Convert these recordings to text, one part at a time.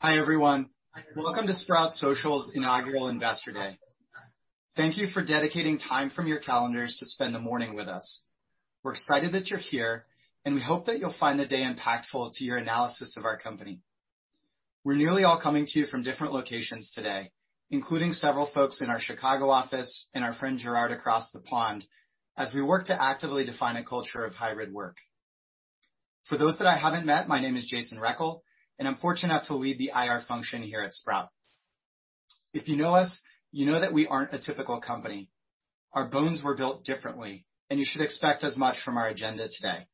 Hi, everyone. Welcome to Sprout Social's Inaugural Investor Day. Thank you for dedicating time from your calendars to spend the morning with us. We're excited that you're here, and we hope that you'll find the day impactful to your analysis of our company. We're nearly all coming to you from different locations today, including several folks in our Chicago office and our friend Gerard across the pond, as we work to actively define a culture of hybrid work. For those that I haven't met, my name is Jason Rechel, and I'm fortunate enough to lead the IR function here at Sprout. If you know us, you know that we aren't a typical company. Our bones were built differently, and you should expect as much from our agenda today.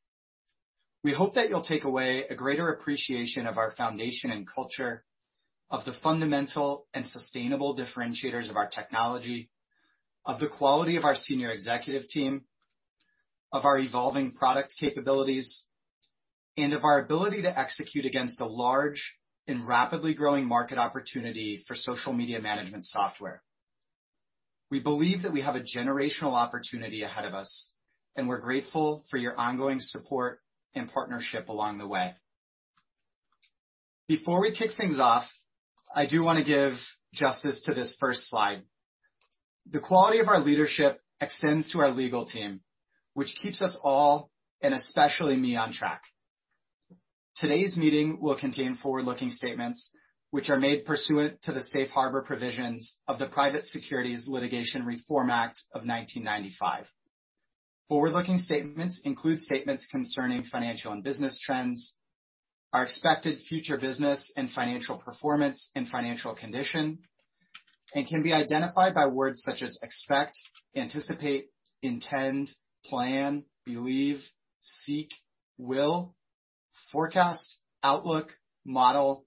We hope that you'll take away a greater appreciation of our foundation and culture, of the fundamental and sustainable differentiators of our technology, of the quality of our senior executive team, of our evolving product capabilities, and of our ability to execute against a large and rapidly growing market opportunity for social media management software. We believe that we have a generational opportunity ahead of us, and we're grateful for your ongoing support and partnership along the way. Before we kick things off, I do want to give justice to this first slide. The quality of our leadership extends to our legal team, which keeps us all, and especially me, on track. Today's meeting will contain forward-looking statements, which are made pursuant to the safe harbor provisions of the Private Securities Litigation Reform Act of 1995. Forward-looking statements include statements concerning financial and business trends, our expected future business and financial performance and financial condition, and can be identified by words such as expect, anticipate, intend, plan, believe, seek, will, forecast, outlook, model,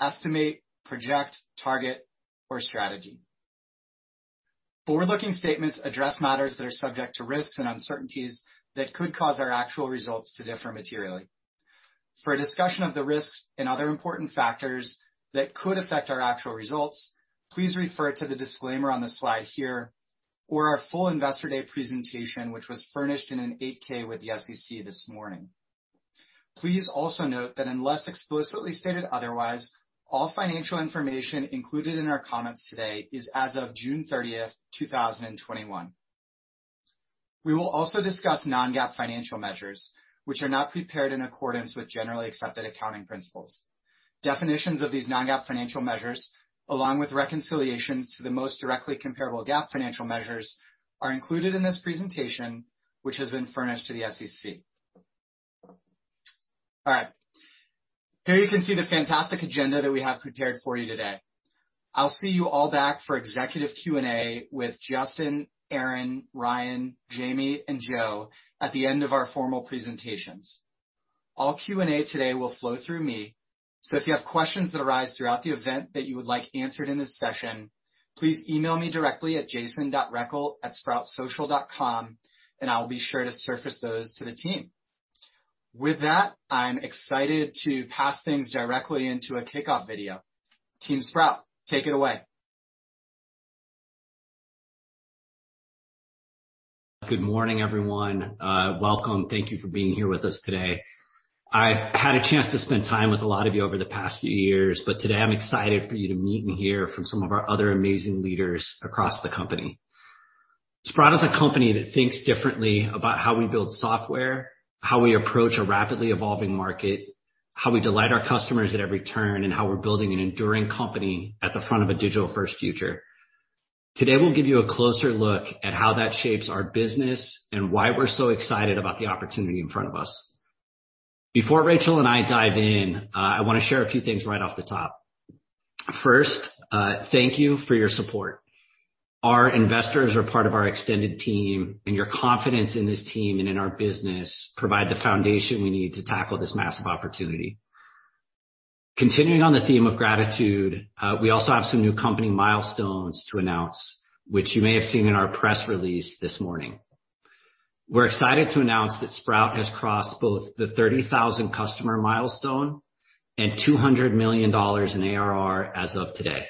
estimate, project, target, or strategy. Forward-looking statements address matters that are subject to risks and uncertainties that could cause our actual results to differ materially. For a discussion of the risks and other important factors that could affect our actual results, please refer to the disclaimer on the slide here, or our full Investor Day presentation, which was furnished in an 8-K with the SEC this morning. Please also note that unless explicitly stated otherwise, all financial information included in our comments today is as of June 30th, 2021. We will also discuss non-GAAP financial measures, which are not prepared in accordance with generally accepted accounting principles. Definitions of these non-GAAP financial measures, along with reconciliations to the most directly comparable GAAP financial measures, are included in this presentation, which has been furnished to the SEC. All right. Here you can see the fantastic agenda that we have prepared for you today. I'll see you all back for executive Q&A with Justyn, Aaron, Ryan, Jamie, and Joe at the end of our formal presentations. All Q&A today will flow through me, so if you have questions that arise throughout the event that you would like answered in this session, please email me directly at jason.rechel@sproutsocial.com and I will be sure to surface those to the team. With that, I'm excited to pass things directly into a kickoff video. Team Sprout, take it away. Good morning, everyone. Welcome. Thank you for being here with us today. I've had a chance to spend time with a lot of you over the past few years. Today, I'm excited for you to meet and hear from some of our other amazing leaders across the company. Sprout is a company that thinks differently about how we build software, how we approach a rapidly evolving market, how we delight our customers at every turn, and how we're building an enduring company at the front of a digital-first future. Today, we'll give you a closer look at how that shapes our business and why we're so excited about the opportunity in front of us. Before Rachael and I dive in, I want to share a few things right off the top. First, thank you for your support. Our investors are part of our extended team. Your confidence in this team and in our business provide the foundation we need to tackle this massive opportunity. Continuing on the theme of gratitude, we also have some new company milestones to announce, which you may have seen in our press release this morning. We're excited to announce that Sprout has crossed both the 30,000 customer milestone and $200 million in ARR as of today.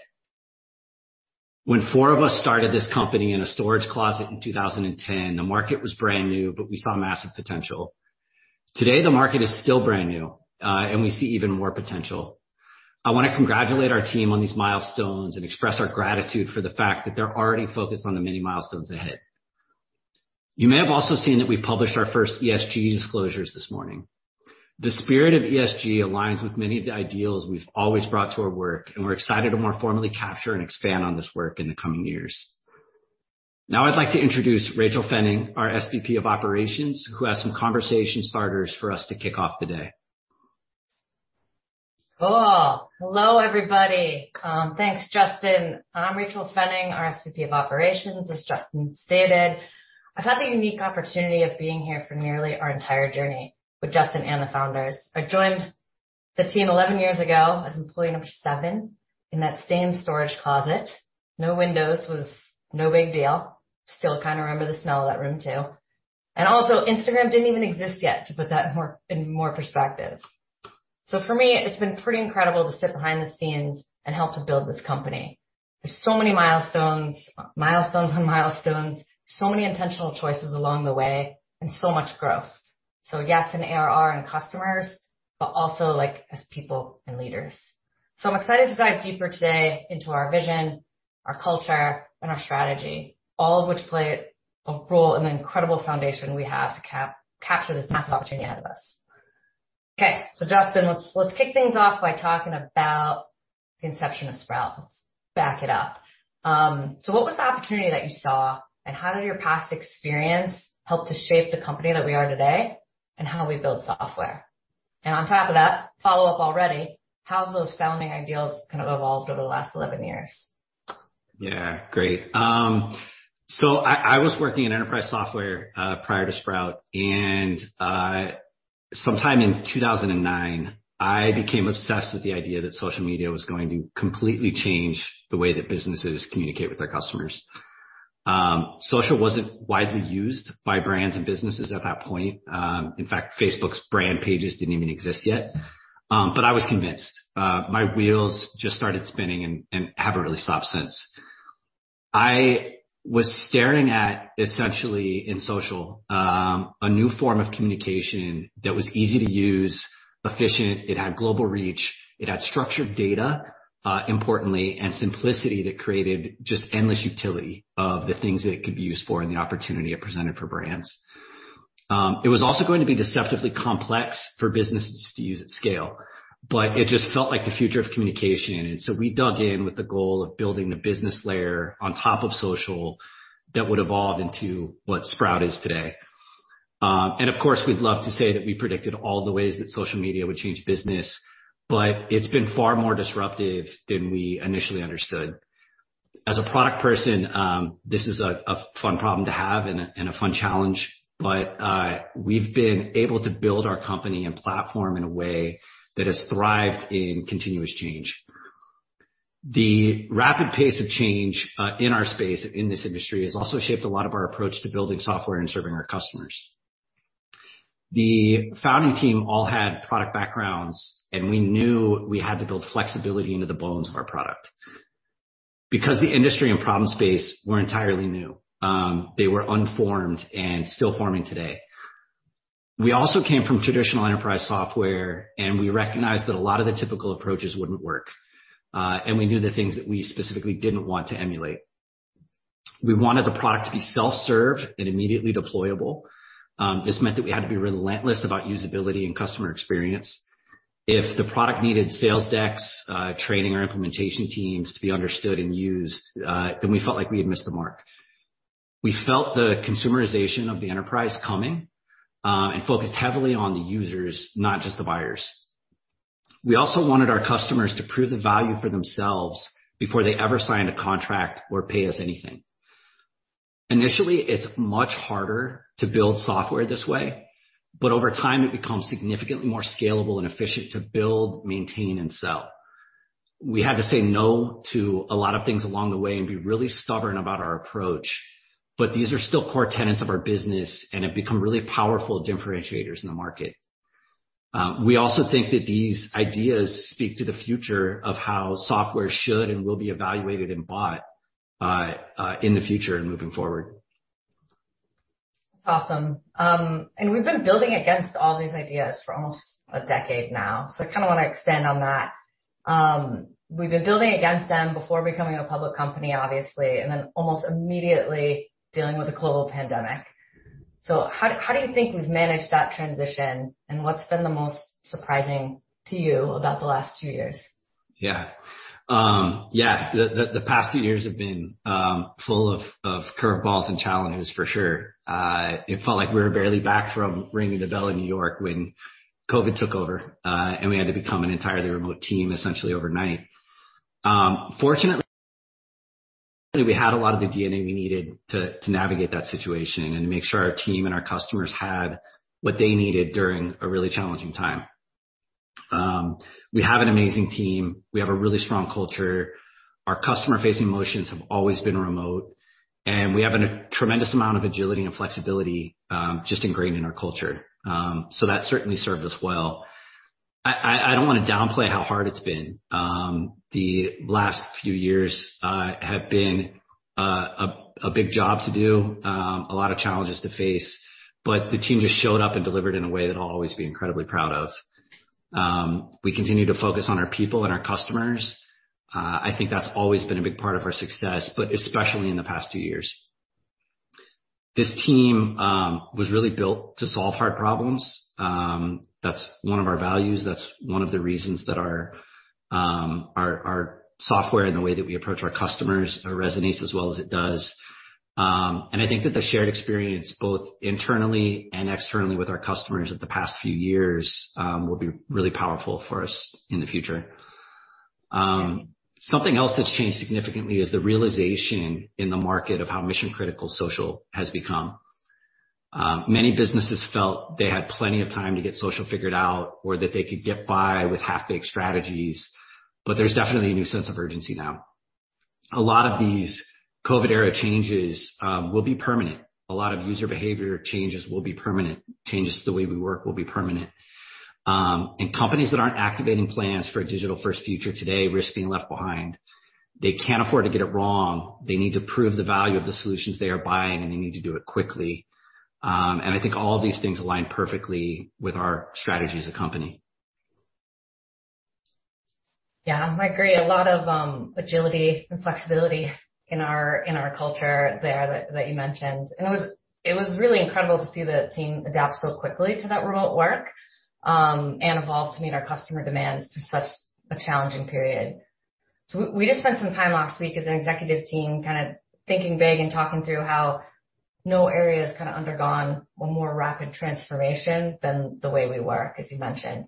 When four of us started this company in a storage closet in 2010, the market was brand new, but we saw massive potential. Today, the market is still brand new, and we see even more potential. I want to congratulate our team on these milestones and express our gratitude for the fact that they're already focused on the many milestones ahead. You may have also seen that we published our first ESG disclosures this morning. The spirit of ESG aligns with many of the ideals we've always brought to our work. We're excited to more formally capture and expand on this work in the coming years. Now I'd like to introduce Rachael Pfenning, our SVP of Operations, who has some conversation starters for us to kick off the day. Cool. Hello, everybody. Thanks, Justyn. I'm Rachael Pfenning, SVP of Operations, as Justyn stated. I've had the unique opportunity of being here for nearly our entire journey with Justyn and the founders. I joined the team 11 years ago as employee number seven in that same storage closet. No windows, was no big deal. Still kind of remember the smell of that room, too. Also, Instagram didn't even exist yet, to put that in more perspective. For me, it's been pretty incredible to sit behind the scenes and help to build this company. There's so many milestones on milestones, so many intentional choices along the way, and so much growth. Yes, in ARR and customers, but also as people and leaders. I'm excited to dive deeper today into our vision, our culture, and our strategy, all of which play a role in the incredible foundation we have to capture this massive opportunity ahead of us. Okay. Justyn, let's kick things off by talking about the inception of Sprout. Let's back it up. What was the opportunity that you saw, and how did your past experience help to shape the company that we are today and how we build software? On top of that, follow up already, how have those founding ideals kind of evolved over the last 11 years? Yeah. Great. I was working in enterprise software prior to Sprout, and sometime in 2009, I became obsessed with the idea that social media was going to completely change the way that businesses communicate with their customers. Social wasn't widely used by brands and businesses at that point. In fact, Facebook's brand pages didn't even exist yet. I was convinced. My wheels just started spinning and haven't really stopped since. I was staring at, essentially, in social, a new form of communication that was easy-to-use, efficient, it had global reach, it had structured data, importantly, and simplicity that created just endless utility of the things that it could be used for and the opportunity it presented for brands. It was also going to be deceptively complex for businesses to use at scale, it just felt like the future of communication. We dug in with the goal of building the business layer on top of social that would evolve into what Sprout is today. Of course, we'd love to say that we predicted all the ways that social media would change business, but it's been far more disruptive than we initially understood. As a product person, this is a fun problem to have and a fun challenge. We've been able to build our company and platform in a way that has thrived in continuous change. The rapid pace of change in our space, in this industry, has also shaped a lot of our approach to building software and serving our customers. The founding team all had product backgrounds, and we knew we had to build flexibility into the bones of our product because the industry and problem space were entirely new. They were unformed and still forming today. We also came from traditional enterprise software, and we recognized that a lot of the typical approaches wouldn't work. We knew the things that we specifically didn't want to emulate. We wanted the product to be self-serve and immediately deployable. This meant that we had to be relentless about usability and customer experience. If the product needed sales decks, training, or implementation teams to be understood and used, then we felt like we had missed the mark. We felt the consumerization of the enterprise coming, and focused heavily on the users, not just the buyers. We also wanted our customers to prove the value for themselves before they ever signed a contract or pay us anything. Initially, it's much harder to build software this way, but over time, it becomes significantly more scalable and efficient to build, maintain, and sell. We had to say no to a lot of things along the way and be really stubborn about our approach, but these are still core tenets of our business and have become really powerful differentiators in the market. We also think that these ideas speak to the future of how software should and will be evaluated and bought in the future and moving forward. Awesome. We've been building against all these ideas for almost a decade now. I kind of want to extend on that. We've been building against them before becoming a public company, obviously, and then almost immediately dealing with a global pandemic. How do you think we've managed that transition, and what's been the most surprising to you about the last two years? Yeah. The past two years have been full of curveballs and challenges, for sure. It felt like we were barely back from ringing the bell in New York when COVID took over, and we had to become an entirely remote team essentially overnight. Fortunately, we had a lot of the DNA we needed to navigate that situation and to make sure our team and our customers had what they needed during a really challenging time. We have an amazing team. We have a really strong culture. Our customer-facing motions have always been remote, and we have a tremendous amount of agility and flexibility, just ingrained in our culture. That certainly served us well. I don't want to downplay how hard it's been. The last few years have been a big job to do, a lot of challenges to face, but the team just showed up and delivered in a way that I'll always be incredibly proud of. We continue to focus on our people and our customers. I think that's always been a big part of our success, but especially in the past two years. This team was really built to solve hard problems. That's one of our values. That's one of the reasons that our software and the way that we approach our customers resonates as well as it does. I think that the shared experience, both internally and externally with our customers of the past few years, will be really powerful for us in the future. Something else that's changed significantly is the realization in the market of how mission-critical social has become. Many businesses felt they had plenty of time to get social figured out or that they could get by with half-baked strategies, but there's definitely a new sense of urgency now. A lot of these COVID-era changes will be permanent. A lot of user behavior changes will be permanent. Changes to the way we work will be permanent. Companies that aren't activating plans for a digital-first future today risk being left behind. They can't afford to get it wrong. They need to prove the value of the solutions they are buying, and they need to do it quickly. I think all of these things align perfectly with our strategy as a company. Yeah, I agree. A lot of agility and flexibility in our culture there that you mentioned. It was really incredible to see the team adapt so quickly to that remote work, and evolve to meet our customer demands through such a challenging period. We just spent some time last week as an executive team kind of thinking big and talking through how no area's kind of undergone a more rapid transformation than the way we work, as you mentioned.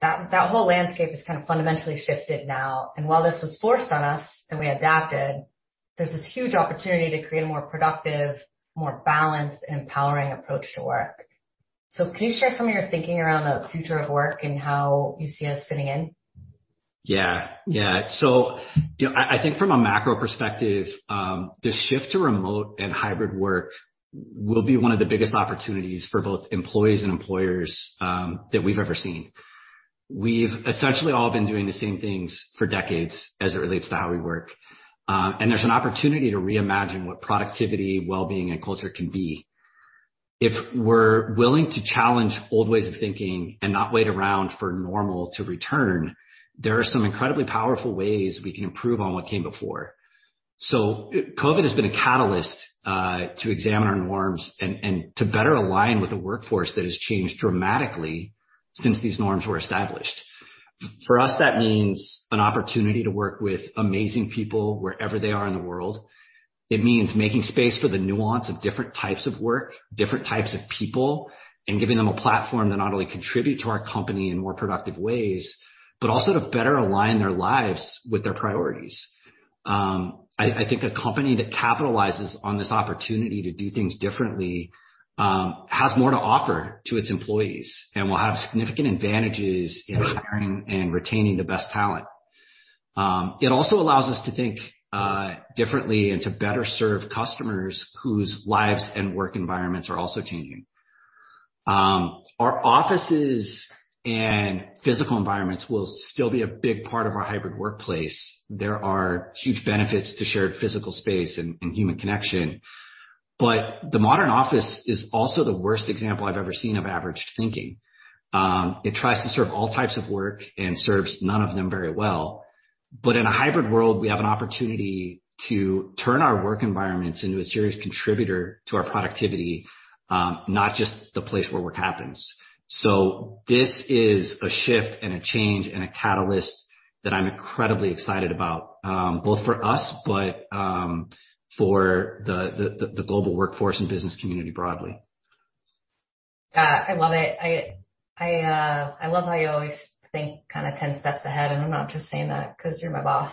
That whole landscape has kind of fundamentally shifted now. While this was forced on us, and we adapted, there's this huge opportunity to create a more productive, more balanced and empowering approach to work. Can you share some of your thinking around the future of work and how you see us fitting in? I think from a macro perspective, the shift to remote and hybrid work will be one of the biggest opportunities for both employees and employers that we've ever seen. We've essentially all been doing the same things for decades as it relates to how we work. There's an opportunity to reimagine what productivity, well-being, and culture can be. If we're willing to challenge old ways of thinking and not wait around for normal to return, there are some incredibly powerful ways we can improve on what came before. COVID has been a catalyst to examine our norms and to better align with a workforce that has changed dramatically since these norms were established. For us, that means an opportunity to work with amazing people wherever they are in the world. It means making space for the nuance of different types of work, different types of people, and giving them a platform to not only contribute to our company in more productive ways, but also to better align their lives with their priorities. I think a company that capitalizes on this opportunity to do things differently has more to offer to its employees and will have significant advantages in hiring and retaining the best talent. It also allows us to think differently and to better serve customers whose lives and work environments are also changing. Our offices and physical environments will still be a big part of our hybrid workplace. There are huge benefits to shared physical space and human connection. The modern office is also the worst example I've ever seen of averaged thinking. It tries to serve all types of work and serves none of them very well. In a hybrid world, we have an opportunity to turn our work environments into a serious contributor to our productivity, not just the place where work happens. This is a shift and a change and a catalyst that I'm incredibly excited about, both for us, but for the global workforce and business community broadly. Yeah, I love it. I love how you always think kind of 10 steps ahead. I'm not just saying that because you're my boss.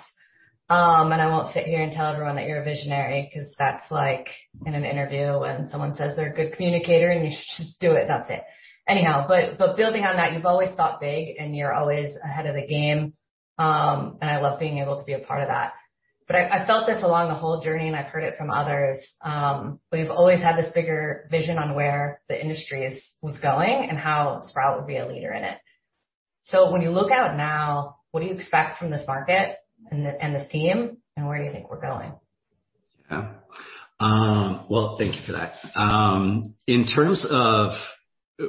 I won't sit here and tell everyone that you're a visionary because that's like in an interview when someone says they're a good communicator, you should just do it, and that's it. Anyhow, building on that, you've always thought big and you're always ahead of the game. I love being able to be a part of that. I felt this along the whole journey, and I've heard it from others. We've always had this bigger vision on where the industry was going and how Sprout would be a leader in it. When you look out now, what do you expect from this market and this team, and where do you think we're going? Yeah. Well, thank you for that. In terms of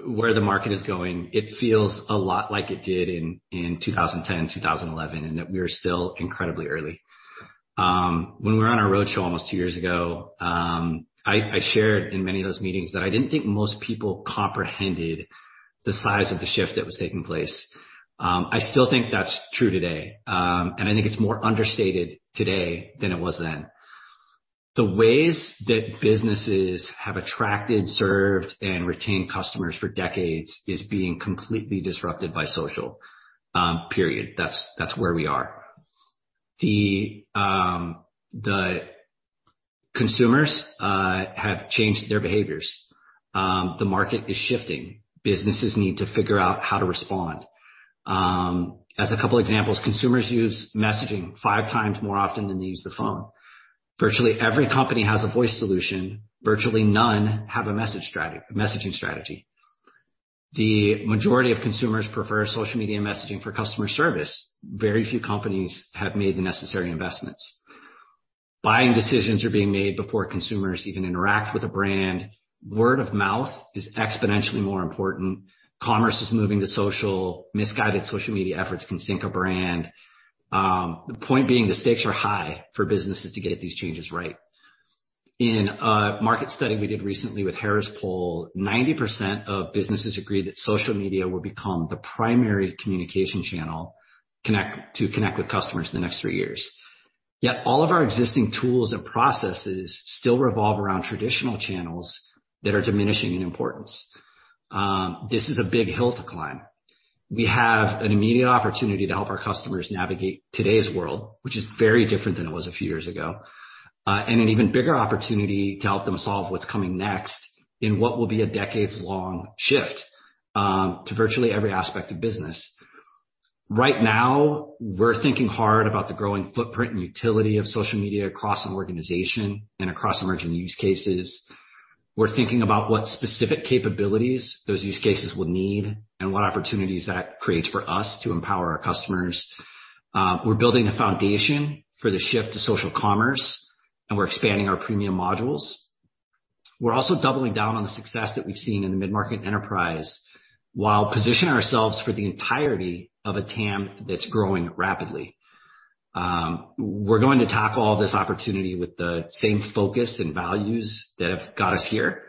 where the market is going, it feels a lot like it did in 2010, 2011, in that we are still incredibly early. When we were on our roadshow almost two years ago, I shared in many of those meetings that I didn't think most people comprehended the size of the shift that was taking place. I still think that's true today. I think it's more understated today than it was then. The ways that businesses have attracted, served, and retained customers for decades is being completely disrupted by social. Period. That's where we are. The consumers have changed their behaviors. The market is shifting. Businesses need to figure out how to respond. As a couple examples, consumers use messaging 5x more often than they use the phone. Virtually every company has a voice solution. Virtually none have a messaging strategy. The majority of consumers prefer social media messaging for customer service. Very few companies have made the necessary investments. Buying decisions are being made before consumers even interact with a brand. Word of mouth is exponentially more important. Commerce is moving to social. Misguided social media efforts can sink a brand. The point being, the stakes are high for businesses to get these changes right. In a market study we did recently with Harris Poll, 90% of businesses agreed that social media will become the primary communication channel to connect with customers in the next three years. Yet all of our existing tools and processes still revolve around traditional channels that are diminishing in importance. This is a big hill to climb. We have an immediate opportunity to help our customers navigate today's world, which is very different than it was a few years ago, and an even bigger opportunity to help them solve what's coming next in what will be a decades-long shift to virtually every aspect of business. Right now, we're thinking hard about the growing footprint and utility of social media across an organization and across emerging use cases. We're thinking about what specific capabilities those use cases would need, and what opportunities that creates for us to empower our customers. We're building a foundation for the shift to social commerce, and we're expanding our premium modules. We're also doubling down on the success that we've seen in the mid-market enterprise, while positioning ourselves for the entirety of a TAM that's growing rapidly. We're going to tackle all this opportunity with the same focus and values that have got us here.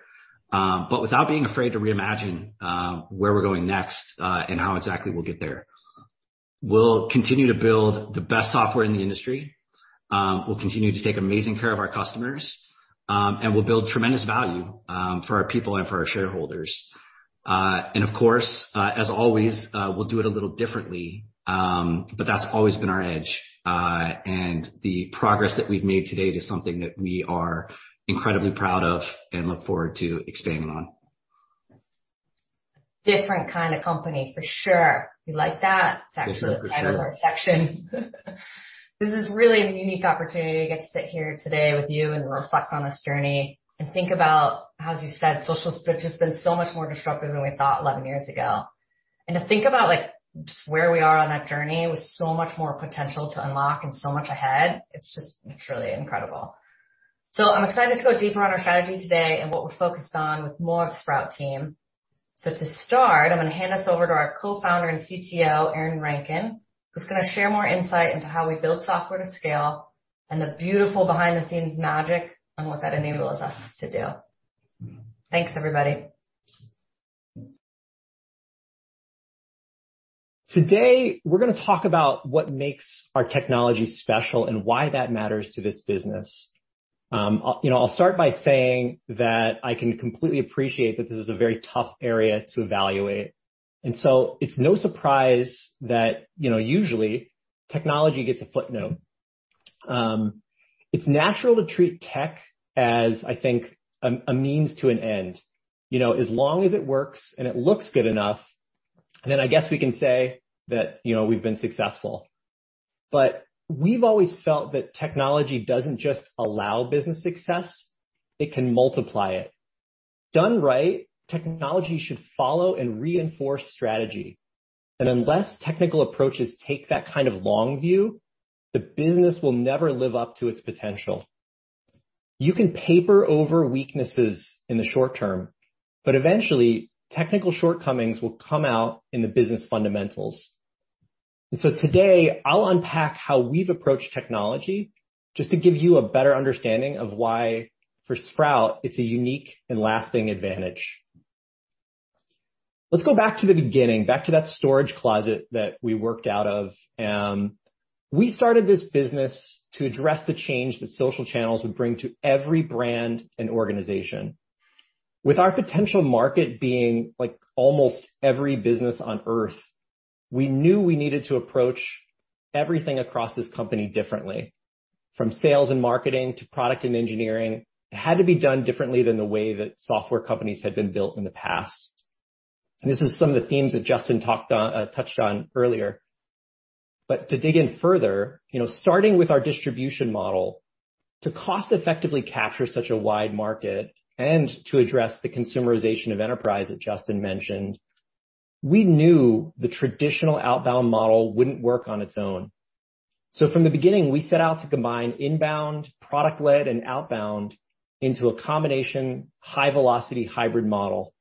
Without being afraid to reimagine where we're going next, and how exactly we'll get there. We'll continue to build the best software in the industry. We'll continue to take amazing care of our customers. We'll build tremendous value for our people and for our shareholders. Of course, as always, we'll do it a little differently. That's always been our edge. The progress that we've made to date is something that we are incredibly proud of and look forward to expanding on. Different kind of company, for sure. You like that? For sure. It's actually the end of our section. This is really a unique opportunity to get to sit here today with you and reflect on this journey. Think about how, as you said, social has just been so much more disruptive than we thought 11 years ago. To think about just where we are on that journey with so much more potential to unlock and so much ahead, it's just truly incredible. I'm excited to go deeper on our strategy today and what we're focused on with more of the Sprout team. To start, I'm going to hand us over to our Co-Founder and CTO, Aaron Rankin, who's going to share more insight into how we build software to scale and the beautiful behind-the-scenes magic and what that enables us to do. Thanks, everybody. Today, we're going to talk about what makes our technology special and why that matters to this business. I'll start by saying that I can completely appreciate that this is a very tough area to evaluate. It's no surprise that usually technology gets a footnote. It's natural to treat tech as, I think, a means to an end. As long as it works and it looks good enough, I guess we can say that we've been successful. We've always felt that technology doesn't just allow business success, it can multiply it. Done right, technology should follow and reinforce strategy. Unless technical approaches take that kind of long view, the business will never live up to its potential. You can paper over weaknesses in the short term, but eventually technical shortcomings will come out in the business fundamentals. Today I'll unpack how we've approached technology just to give you a better understanding of why for Sprout it's a unique and lasting advantage. Let's go back to the beginning, back to that storage closet that we worked out of. We started this business to address the change that social channels would bring to every brand and organization. With our potential market being almost every business on earth, we knew we needed to approach everything across this company differently, from sales and marketing to product and engineering. It had to be done differently than the way that software companies had been built in the past. This is some of the themes that Justyn touched on earlier. To dig in further, starting with our distribution model, to cost effectively capture such a wide market and to address the consumerization of enterprise that Justyn mentioned, we knew the traditional outbound model wouldn't work on its own. From the beginning, we set out to combine inbound, product-led, and outbound into a combination high-velocity hybrid model.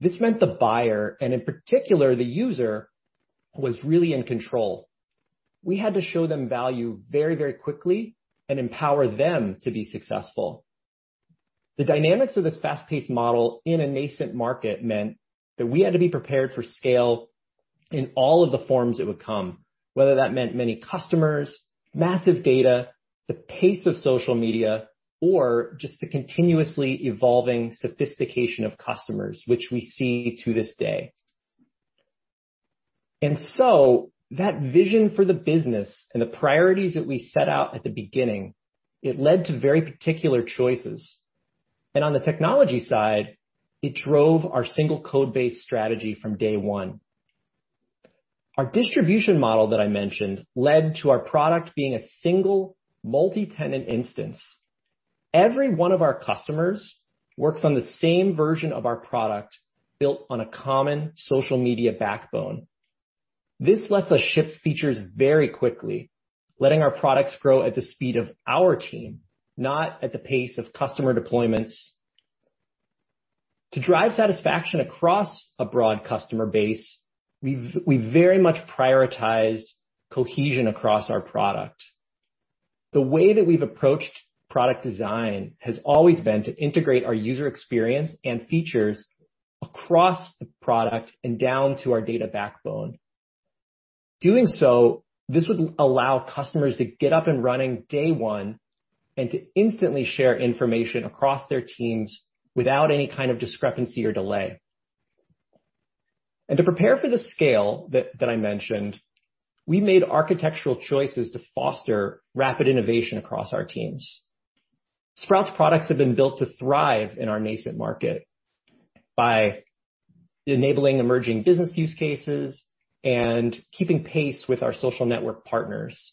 This meant the buyer, and in particular the user, was really in control. We had to show them value very quickly and empower them to be successful. The dynamics of this fast-paced model in a nascent market meant that we had to be prepared for scale in all of the forms it would come, whether that meant many customers, massive data, the pace of social media, or just the continuously evolving sophistication of customers, which we see to this day. That vision for the business and the priorities that we set out at the beginning, it led to very particular choices. On the technology side, it drove our single codebase strategy from day one. Our distribution model that I mentioned led to our product being a single multi-tenant instance. Every one of our customers works on the same version of our product built on a common social media backbone. This lets us ship features very quickly, letting our products grow at the speed of our team, not at the pace of customer deployments. To drive satisfaction across a broad customer base, we very much prioritize cohesion across our product. The way that we've approached product design has always been to integrate our user experience and features across the product and down to our data backbone. Doing so, this would allow customers to get up and running day one and to instantly share information across their teams without any kind of discrepancy or delay. To prepare for the scale that I mentioned, we made architectural choices to foster rapid innovation across our teams. Sprout's products have been built to thrive in our nascent market by enabling emerging business use cases and keeping pace with our social network partners.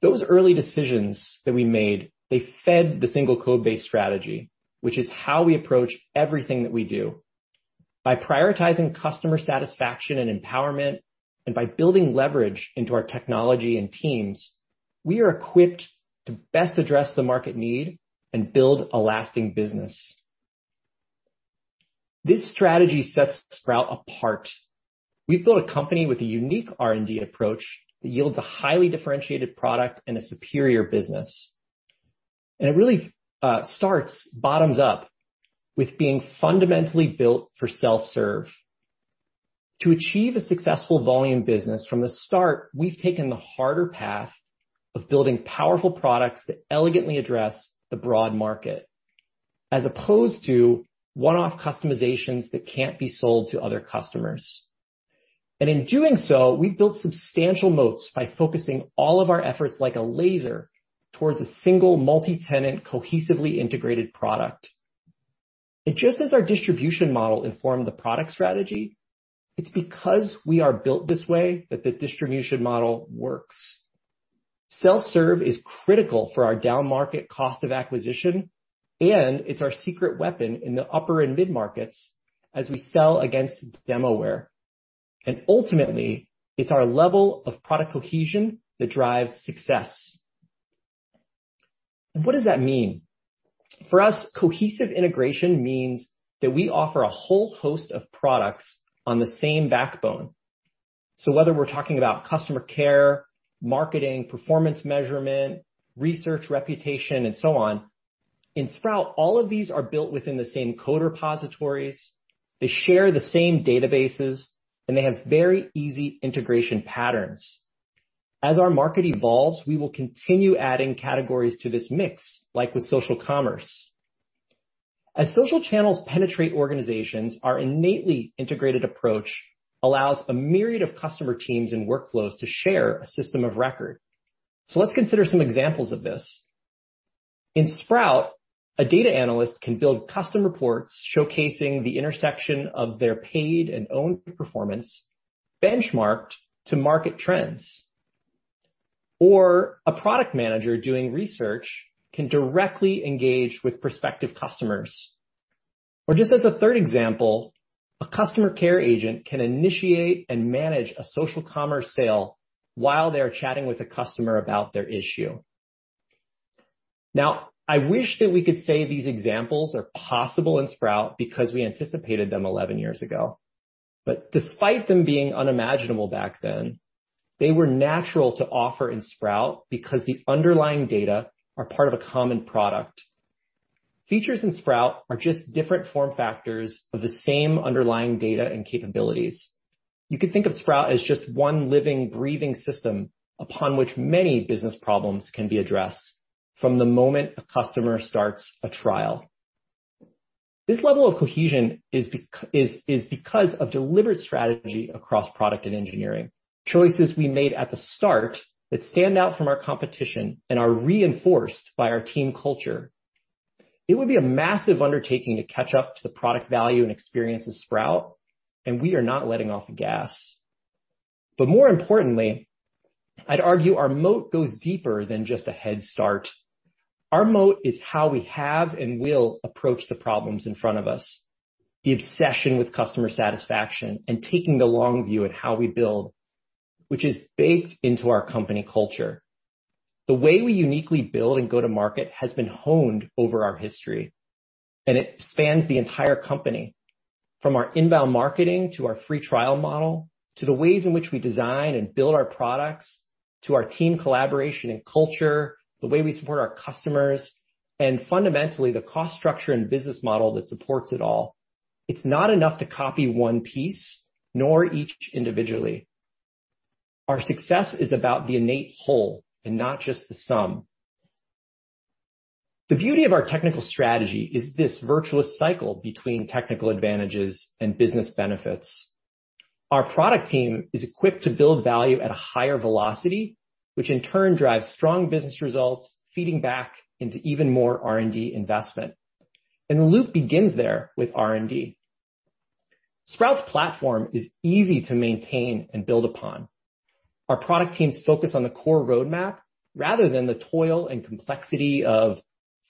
Those early decisions that we made, they fed the single codebase strategy, which is how we approach everything that we do. By prioritizing customer satisfaction and empowerment, and by building leverage into our technology and teams, we are equipped to best address the market need and build a lasting business. This strategy sets Sprout apart. We've built a company with a unique R&D approach that yields a highly differentiated product and a superior business. It really starts bottoms up with being fundamentally built for self-serve. To achieve a successful volume business from the start, we've taken the harder path of building powerful products that elegantly address the broad market, as opposed to one-off customizations that can't be sold to other customers. In doing so, we've built substantial moats by focusing all of our efforts like a laser towards a single multi-tenant, cohesively integrated product. Just as our distribution model informed the product strategy, it's because we are built this way that the distribution model works. Self-serve is critical for our down-market cost of acquisition, and it's our secret weapon in the upper and mid-markets as we sell against demo-ware. Ultimately, it's our level of product cohesion that drives success. What does that mean? For us, cohesive integration means that we offer a whole host of products on the same backbone. Whether we're talking about customer care, marketing, performance measurement, research, reputation, and so on, in Sprout, all of these are built within the same code repositories. They share the same databases, and they have very easy integration patterns. As our market evolves, we will continue adding categories to this mix, like with social commerce. As social channels penetrate organizations, our innately integrated approach allows a myriad of customer teams and workflows to share a system of record. Let's consider some examples of this. In Sprout, a data analyst can build custom reports showcasing the intersection of their paid and owned performance benchmarked to market trends. A product manager doing research can directly engage with prospective customers. Just as a third example, a customer care agent can initiate and manage a social commerce sale while they are chatting with a customer about their issue. I wish that we could say these examples are possible in Sprout because we anticipated them 11 years ago. Despite them being unimaginable back then, they were natural to offer in Sprout because the underlying data are part of a common product. Features in Sprout are just different form factors of the same underlying data and capabilities. You could think of Sprout as just one living, breathing system upon which many business problems can be addressed from the moment a customer starts a trial. This level of cohesion is because of deliberate strategy across product and engineering, choices we made at the start that stand out from our competition and are reinforced by our team culture. It would be a massive undertaking to catch up to the product value and experience of Sprout, and we are not letting off the gas. More importantly, I'd argue our moat goes deeper than just a head start. Our moat is how we have and will approach the problems in front of us, the obsession with customer satisfaction and taking the long view at how we build, which is baked into our company culture. The way we uniquely build and go-to-market has been honed over our history, and it spans the entire company, from our inbound marketing to our free trial model, to the ways in which we design and build our products, to our team collaboration and culture, the way we support our customers, and fundamentally, the cost structure and business model that supports it all. It's not enough to copy one piece, nor each individually. Our success is about the innate whole and not just the sum. The beauty of our technical strategy is this virtuous cycle between technical advantages and business benefits. Our product team is equipped to build value at a higher velocity, which in turn drives strong business results, feeding back into even more R&D investment. The loop begins there with R&D. Sprout's platform is easy to maintain and build upon. Our product teams focus on the core roadmap rather than the toil and complexity of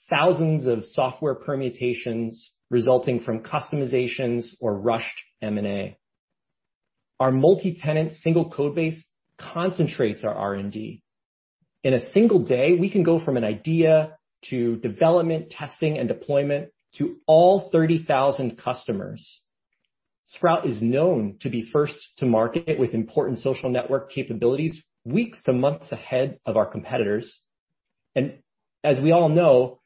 thousands of software permutations resulting from customizations or rushed M&A. Our multi-tenant single code base concentrates our R&D. In a single day, we can go from an idea to development, testing, and deployment to all 30,000 customers. Sprout is known to be first to market with important social network capabilities, weeks to months ahead of our competitors. As we all know,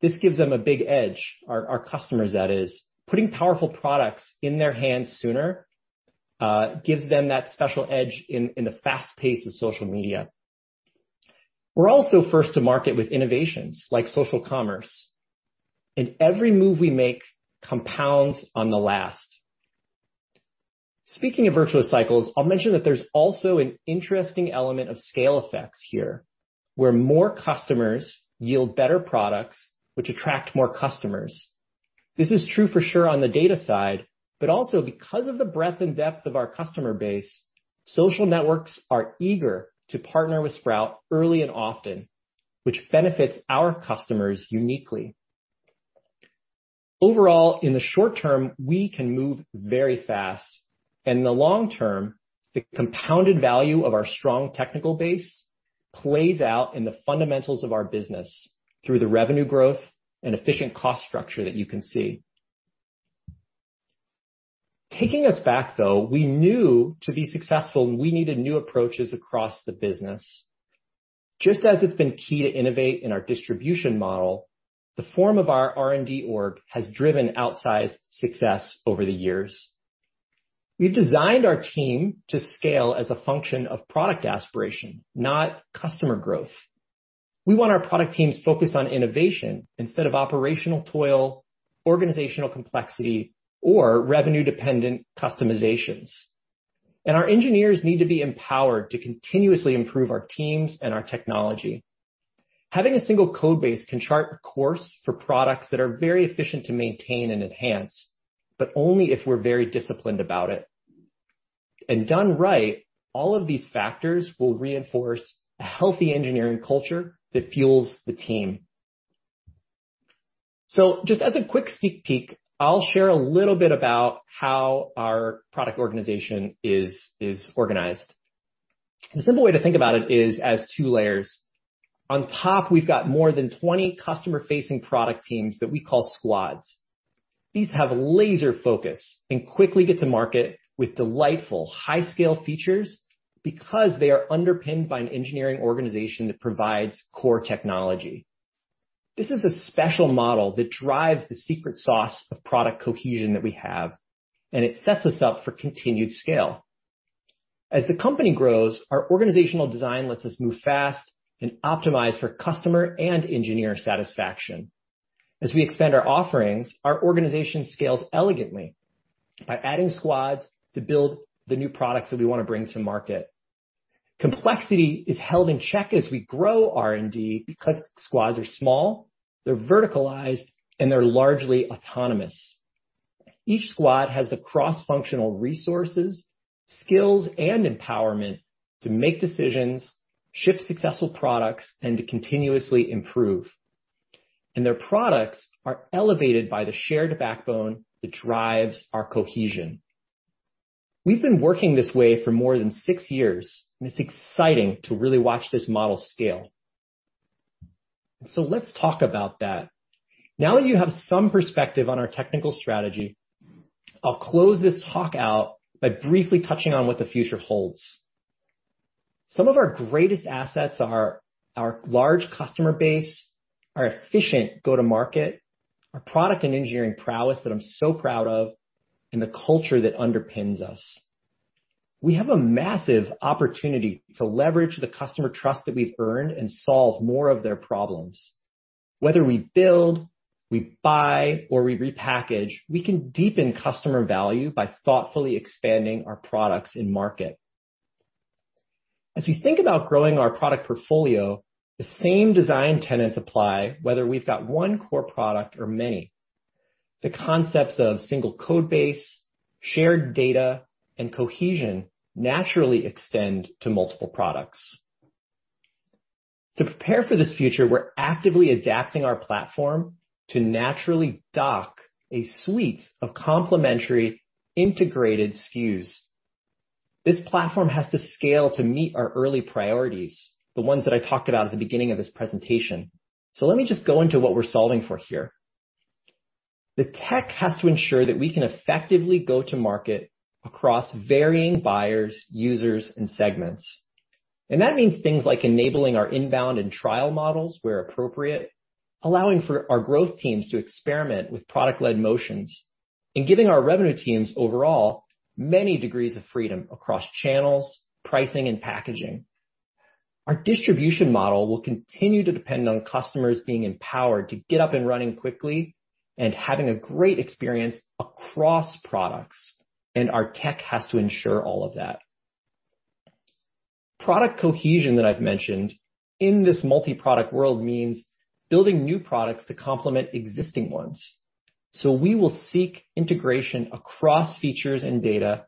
this gives them a big edge. Our customers that is. Putting powerful products in their hands sooner, gives them that special edge in the fast pace of social media. We're also first to market with innovations like social commerce, and every move we make compounds on the last. Speaking of virtuous cycles, I'll mention that there's also an interesting element of scale effects here, where more customers yield better products, which attract more customers. This is true for sure on the data side, but also because of the breadth and depth of our customer base, social networks are eager to partner with Sprout early and often, which benefits our customers uniquely. Overall, in the short term, we can move very fast, and in the long term, the compounded value of our strong technical base plays out in the fundamentals of our business through the revenue growth and efficient cost structure that you can see. Taking us back, though, we knew to be successful, we needed new approaches across the business. Just as it's been key to innovate in our distribution model, the form of our R&D org has driven outsized success over the years. We've designed our team to scale as a function of product aspiration, not customer growth. We want our product teams focused on innovation instead of operational toil, organizational complexity, or revenue-dependent customizations. Our engineers need to be empowered to continuously improve our teams and our technology. Having a single code base can chart a course for products that are very efficient to maintain and enhance, but only if we're very disciplined about it. Done right, all of these factors will reinforce a healthy engineering culture that fuels the team. Just as a quick sneak peek, I'll share a little bit about how our product organization is organized. The simple way to think about it is as two layers. On top, we've got more than 20 customer-facing product teams that we call squads. These have laser focus and quickly get to market with delightful high-scale features because they are underpinned by an engineering organization that provides core technology. This is a special model that drives the secret sauce of product cohesion that we have, and it sets us up for continued scale. As the company grows, our organizational design lets us move fast and optimize for customer and engineer satisfaction. As we expand our offerings, our organization scales elegantly by adding squads to build the new products that we want to bring to market. Complexity is held in check as we grow R&D because squads are small, they're verticalized, and they're largely autonomous. Each squad has the cross-functional resources, skills, and empowerment to make decisions, ship successful products, and to continuously improve. Their products are elevated by the shared backbone that drives our cohesion. We've been working this way for more than six years, and it's exciting to really watch this model scale. Let's talk about that. Now that you have some perspective on our technical strategy, I'll close this talk out by briefly touching on what the future holds. Some of our greatest assets are our large customer base, our efficient go-to-market, our product and engineering prowess that I'm so proud of, and the culture that underpins us. We have a massive opportunity to leverage the customer trust that we've earned and solve more of their problems. Whether we build, we buy, or we repackage, we can deepen customer value by thoughtfully expanding our products in market. As we think about growing our product portfolio, the same design tenets apply whether we've got one core product or many. The concepts of single code base, shared data, and cohesion naturally extend to multiple products. To prepare for this future, we're actively adapting our platform to naturally dock a suite of complementary integrated SKUs. This platform has to scale to meet our early priorities, the ones that I talked about at the beginning of this presentation. Let me just go into what we're solving for here. The tech has to ensure that we can effectively go to market across varying buyers, users, and segments. That means things like enabling our inbound and trial models where appropriate, allowing for our growth teams to experiment with product-led motions, and giving our revenue teams overall many degrees of freedom across channels, pricing, and packaging. Our distribution model will continue to depend on customers being empowered to get up and running quickly and having a great experience across products, and our tech has to ensure all of that. Product cohesion that I've mentioned in this multi-product world means building new products to complement existing ones. We will seek integration across features and data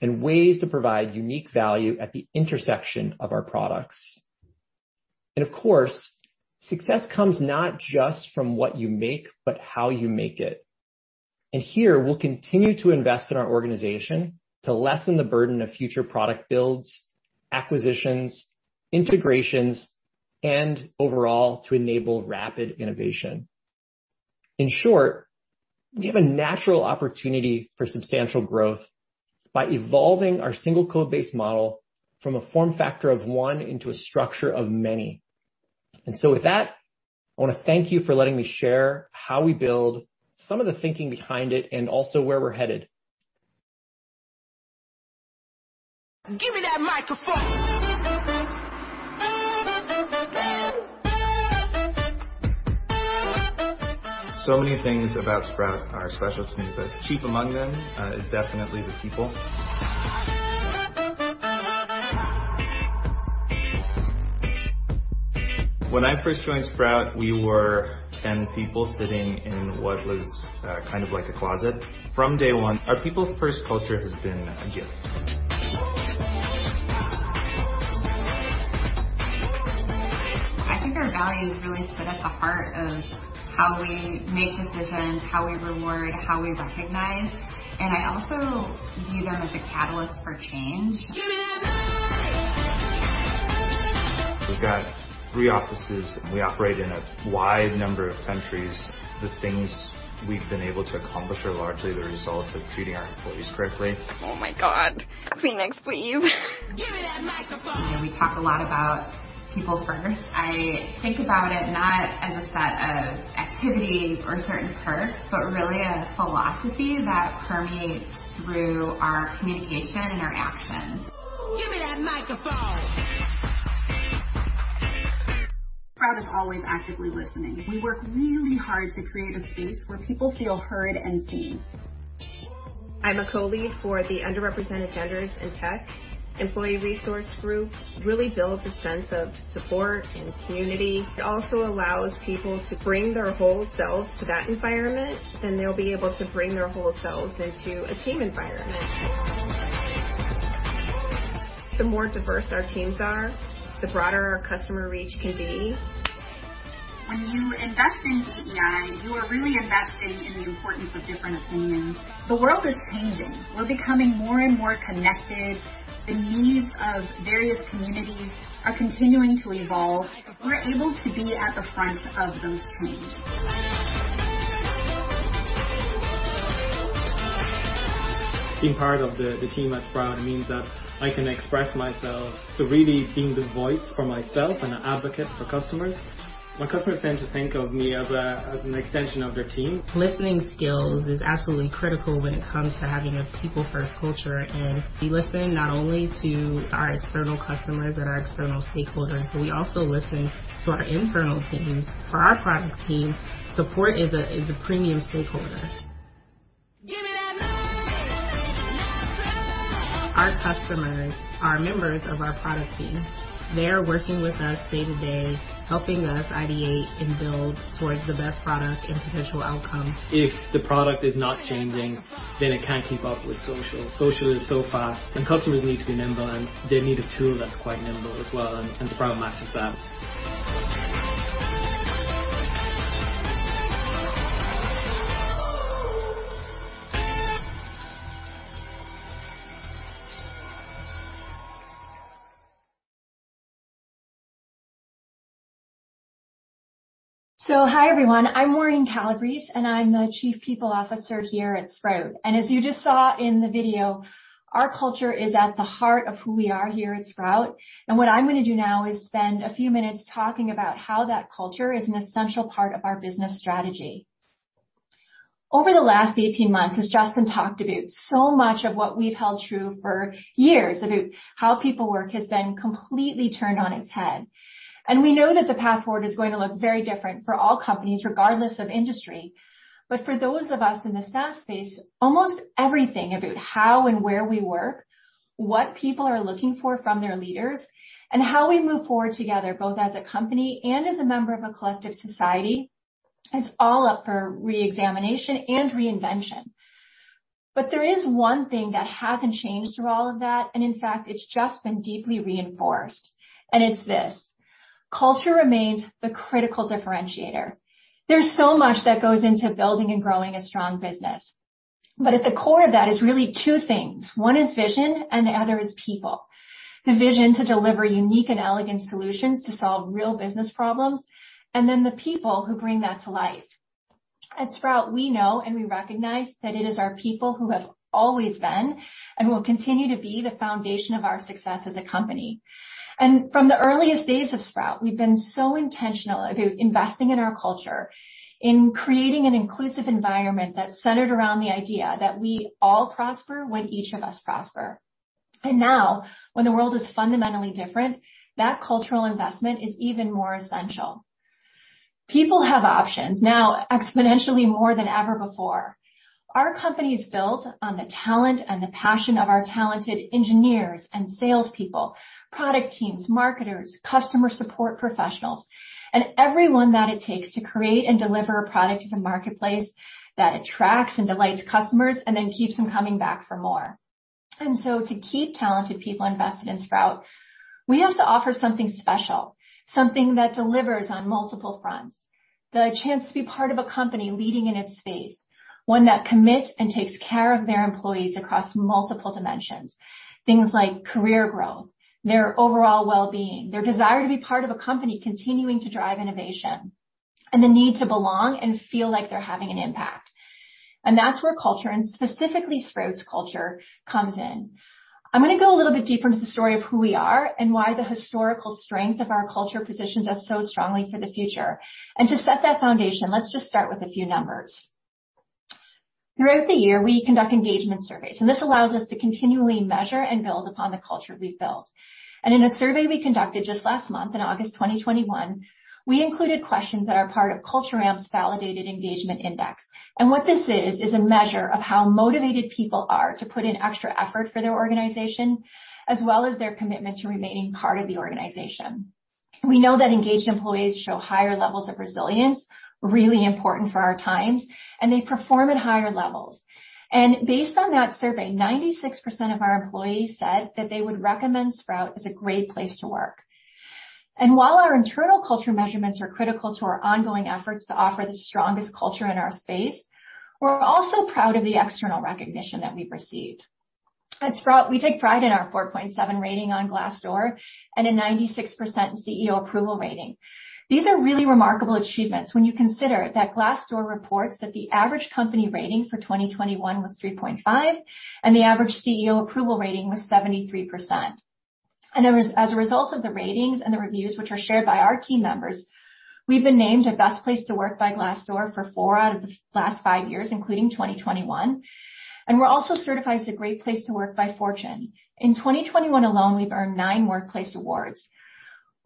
and ways to provide unique value at the intersection of our products. Of course, success comes not just from what you make, but how you make it. Here, we'll continue to invest in our organization to lessen the burden of future product builds, acquisitions, integrations, and overall, to enable rapid innovation. In short, we have a natural opportunity for substantial growth by evolving our single codebase model from a form factor of 1 into a structure of many. With that, I want to thank you for letting me share how we build, some of the thinking behind it, and also where we're headed. Many things about Sprout are special to me, but chief among them is definitely the people. When I first joined Sprout, we were 10 people sitting in what was like a closet. From day one, our people-first culture has been a gift. I think our values really sit at the heart of how we make decisions, how we reward, how we recognize, and I also view them as a catalyst for change. We've got three offices, and we operate in a wide number of countries. The things we've been able to accomplish are largely the result of treating our employees correctly. Oh my God. Can we next please? You know, we talk a lot about people first. I think about it not as a set of activities or certain perks, but really a philosophy that permeates through our communication and our actions. Sprout is always actively listening. We work really hard to create a space where people feel heard and seen. I'm a co-lead for the Underrepresented Genders in Tech employee resource group. Really builds a sense of support and community. It also allows people to bring their whole selves to that environment, then they'll be able to bring their whole selves into a team environment. The more diverse our teams are, the broader our customer reach can be. When you invest in DEI, you are really investing in the importance of different opinions. The world is changing. We're becoming more and more connected. The needs of various communities are continuing to evolve. We're able to be at the front of those changes. Being part of the team at Sprout means that I can express myself to really being the voice for myself and an advocate for customers. My customers tend to think of me as an extension of their team. Listening skills is absolutely critical when it comes to having a people-first culture. We listen not only to our external customers and our external stakeholders, but we also listen to our internal teams. For our product teams, support is a premium stakeholder. Our customers are members of our product team. They're working with us day-to-day, helping us ideate and build towards the best product and potential outcome. If the product is not changing, then it can't keep up with social. Social is so fast, and customers need to be nimble, and they need a tool that's quite nimble as well, and Sprout matches that. Hi, everyone. I'm Maureen Calabrese, and I'm the Chief People Officer here at Sprout. As you just saw in the video, our culture is at the heart of who we are here at Sprout. What I'm going to do now is spend a few minutes talking about how that culture is an essential part of our business strategy. Over the last 18 months, as Justyn talked about, so much of what we've held true for years about how people work has been completely turned on its head. We know that the path forward is going to look very different for all companies, regardless of industry. For those of us in the SaaS space, almost everything about how and where we work, what people are looking for from their leaders, and how we move forward together, both as a company and as a member of a collective society, it's all up for re-examination and reinvention. There is one thing that hasn't changed through all of that, and in fact, it's just been deeply reinforced, and it's this: culture remains the critical differentiator. There's so much that goes into building and growing a strong business. At the core of that is really two things. One is vision, and the other is people. The vision to deliver unique and elegant solutions to solve real business problems, and then the people who bring that to life. At Sprout, we know and we recognize that it is our people who have always been and will continue to be the foundation of our success as a company. From the earliest days of Sprout, we've been so intentional about investing in our culture, in creating an inclusive environment that's centered around the idea that we all prosper when each of us prosper. Now, when the world is fundamentally different, that cultural investment is even more essential. People have options, now exponentially more than ever before. Our company is built on the talent and the passion of our talented engineers and salespeople, product teams, marketers, customer support professionals, and everyone that it takes to create and deliver a product to the marketplace that attracts and delights customers and then keeps them coming back for more. To keep talented people invested in Sprout, we have to offer something special, something that delivers on multiple fronts. The chance to be part of a company leading in its space, one that commits and takes care of their employees across multiple dimensions. Things like career growth, their overall well-being, their desire to be part of a company continuing to drive innovation, and the need to belong and feel like they're having an impact. That's where culture, and specifically Sprout's culture, comes in. I'm going to go a little bit deeper into the story of who we are and why the historical strength of our culture positions us so strongly for the future. To set that foundation, let's just start with a few numbers. Throughout the year, we conduct engagement surveys, and this allows us to continually measure and build upon the culture we've built. In a survey we conducted just last month, in August 2021, we included questions that are part of Culture Amp's validated engagement index. What this is a measure of how motivated people are to put in extra effort for their organization, as well as their commitment to remaining part of the organization. We know that engaged employees show higher levels of resilience, really important for our times, and they perform at higher levels. Based on that survey, 96% of our employees said that they would recommend Sprout as a great place to work. While our internal culture measurements are critical to our ongoing efforts to offer the strongest culture in our space, we're also proud of the external recognition that we've received. At Sprout, we take pride in our 4.7 rating on Glassdoor and a 96% CEO approval rating. These are really remarkable achievements when you consider that Glassdoor reports that the average company rating for 2021 was 3.5, and the average CEO approval rating was 73%. As a result of the ratings and the reviews, which are shared by our team members, we've been named a Best Place to Work by Glassdoor for four out of the last five years, including 2021, and we're also certified as a Great Place to Work by Fortune. In 2021 alone, we've earned 9 workplace awards.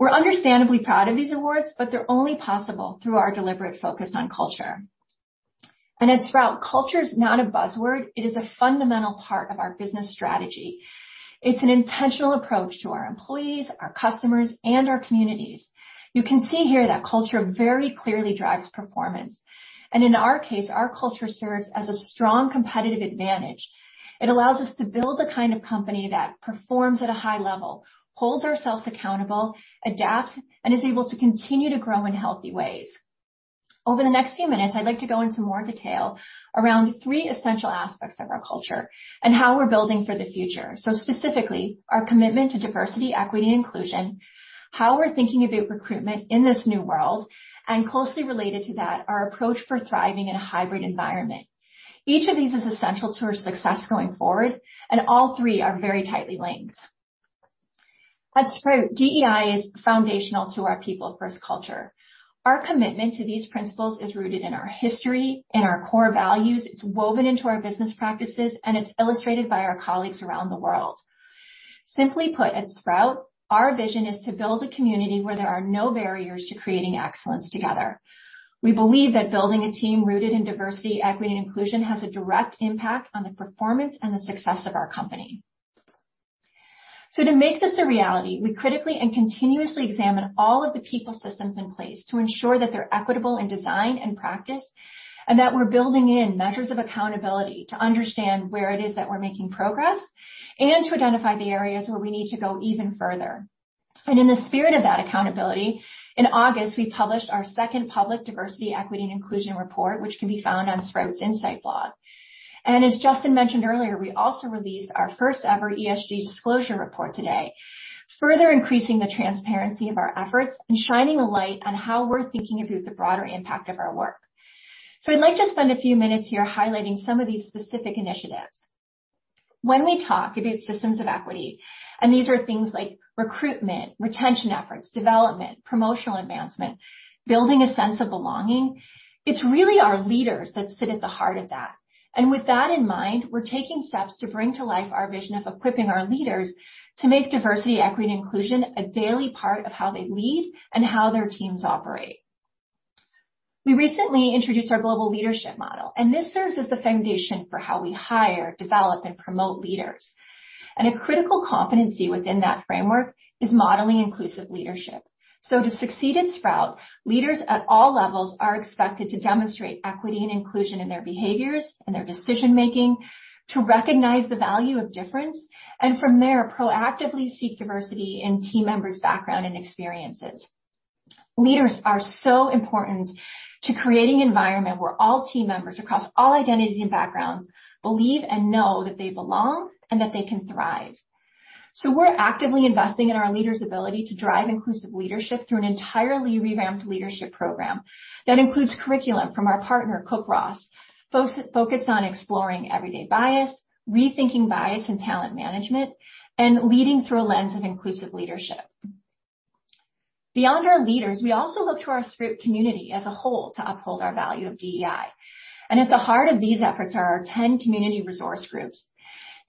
We're understandably proud of these awards, but they're only possible through our deliberate focus on culture. At Sprout, culture is not a buzzword, it is a fundamental part of our business strategy. It's an intentional approach to our employees, our customers, and our communities. You can see here that culture very clearly drives performance. In our case, our culture serves as a strong competitive advantage. It allows us to build the kind of company that performs at a high level, holds ourselves accountable, adapts, and is able to continue to grow in healthy ways. Over the next few minutes, I'd like to go into more detail around three essential aspects of our culture and how we're building for the future. Specifically, our commitment to Diversity, Equity, and Inclusion, how we're thinking about recruitment in this new world, and closely related to that, our approach for thriving in a hybrid environment. Each of these is essential to our success going forward, and all three are very tightly linked. At Sprout Social, DEI is foundational to our people-first culture. Our commitment to these principles is rooted in our history and our core values. It's woven into our business practices, and it's illustrated by our colleagues around the world. Simply put, at Sprout, our vision is to build a community where there are no barriers to creating excellence together. We believe that building a team rooted in Diversity, Equity, and Inclusion has a direct impact on the performance and the success of our company. To make this a reality, we critically and continuously examine all of the people systems in place to ensure that they're equitable in design and practice, and that we're building in measures of accountability to understand where it is that we're making progress and to identify the areas where we need to go even further. In the spirit of that accountability, in August, we published our second public Diversity, Equity, and Inclusion report, which can be found on Sprout's Insights blog. As Justyn mentioned earlier, we also released our first ever ESG disclosure report today, further increasing the transparency of our efforts and shining a light on how we're thinking about the broader impact of our work. I'd like to spend a few minutes here highlighting some of these specific initiatives. When we talk about systems of equity, and these are things like recruitment, retention efforts, development, promotional advancement, building a sense of belonging, it's really our leaders that sit at the heart of that. With that in mind, we're taking steps to bring to life our vision of equipping our leaders to make diversity, equity and inclusion a daily part of how they lead and how their teams operate. We recently introduced our Global Leadership Model, this serves as the foundation for how we hire, develop, and promote leaders. A critical competency within that framework is modeling inclusive leadership. To succeed at Sprout, leaders at all levels are expected to demonstrate equity and inclusion in their behaviors and their decision-making, to recognize the value of difference, and from there, proactively seek diversity in team members' background and experiences. Leaders are so important to creating environment where all team members across all identities and backgrounds believe and know that they belong and that they can thrive. We're actively investing in our leaders' ability to drive inclusive leadership through an entirely revamped leadership program that includes curriculum from our partner, Cook Ross, focused on exploring everyday bias, rethinking bias and talent management, and leading through a lens of inclusive leadership. Beyond our leaders, we also look to our Sprout community as a whole to uphold our value of DEI. At the heart of these efforts are our 10 Community Resource Groups.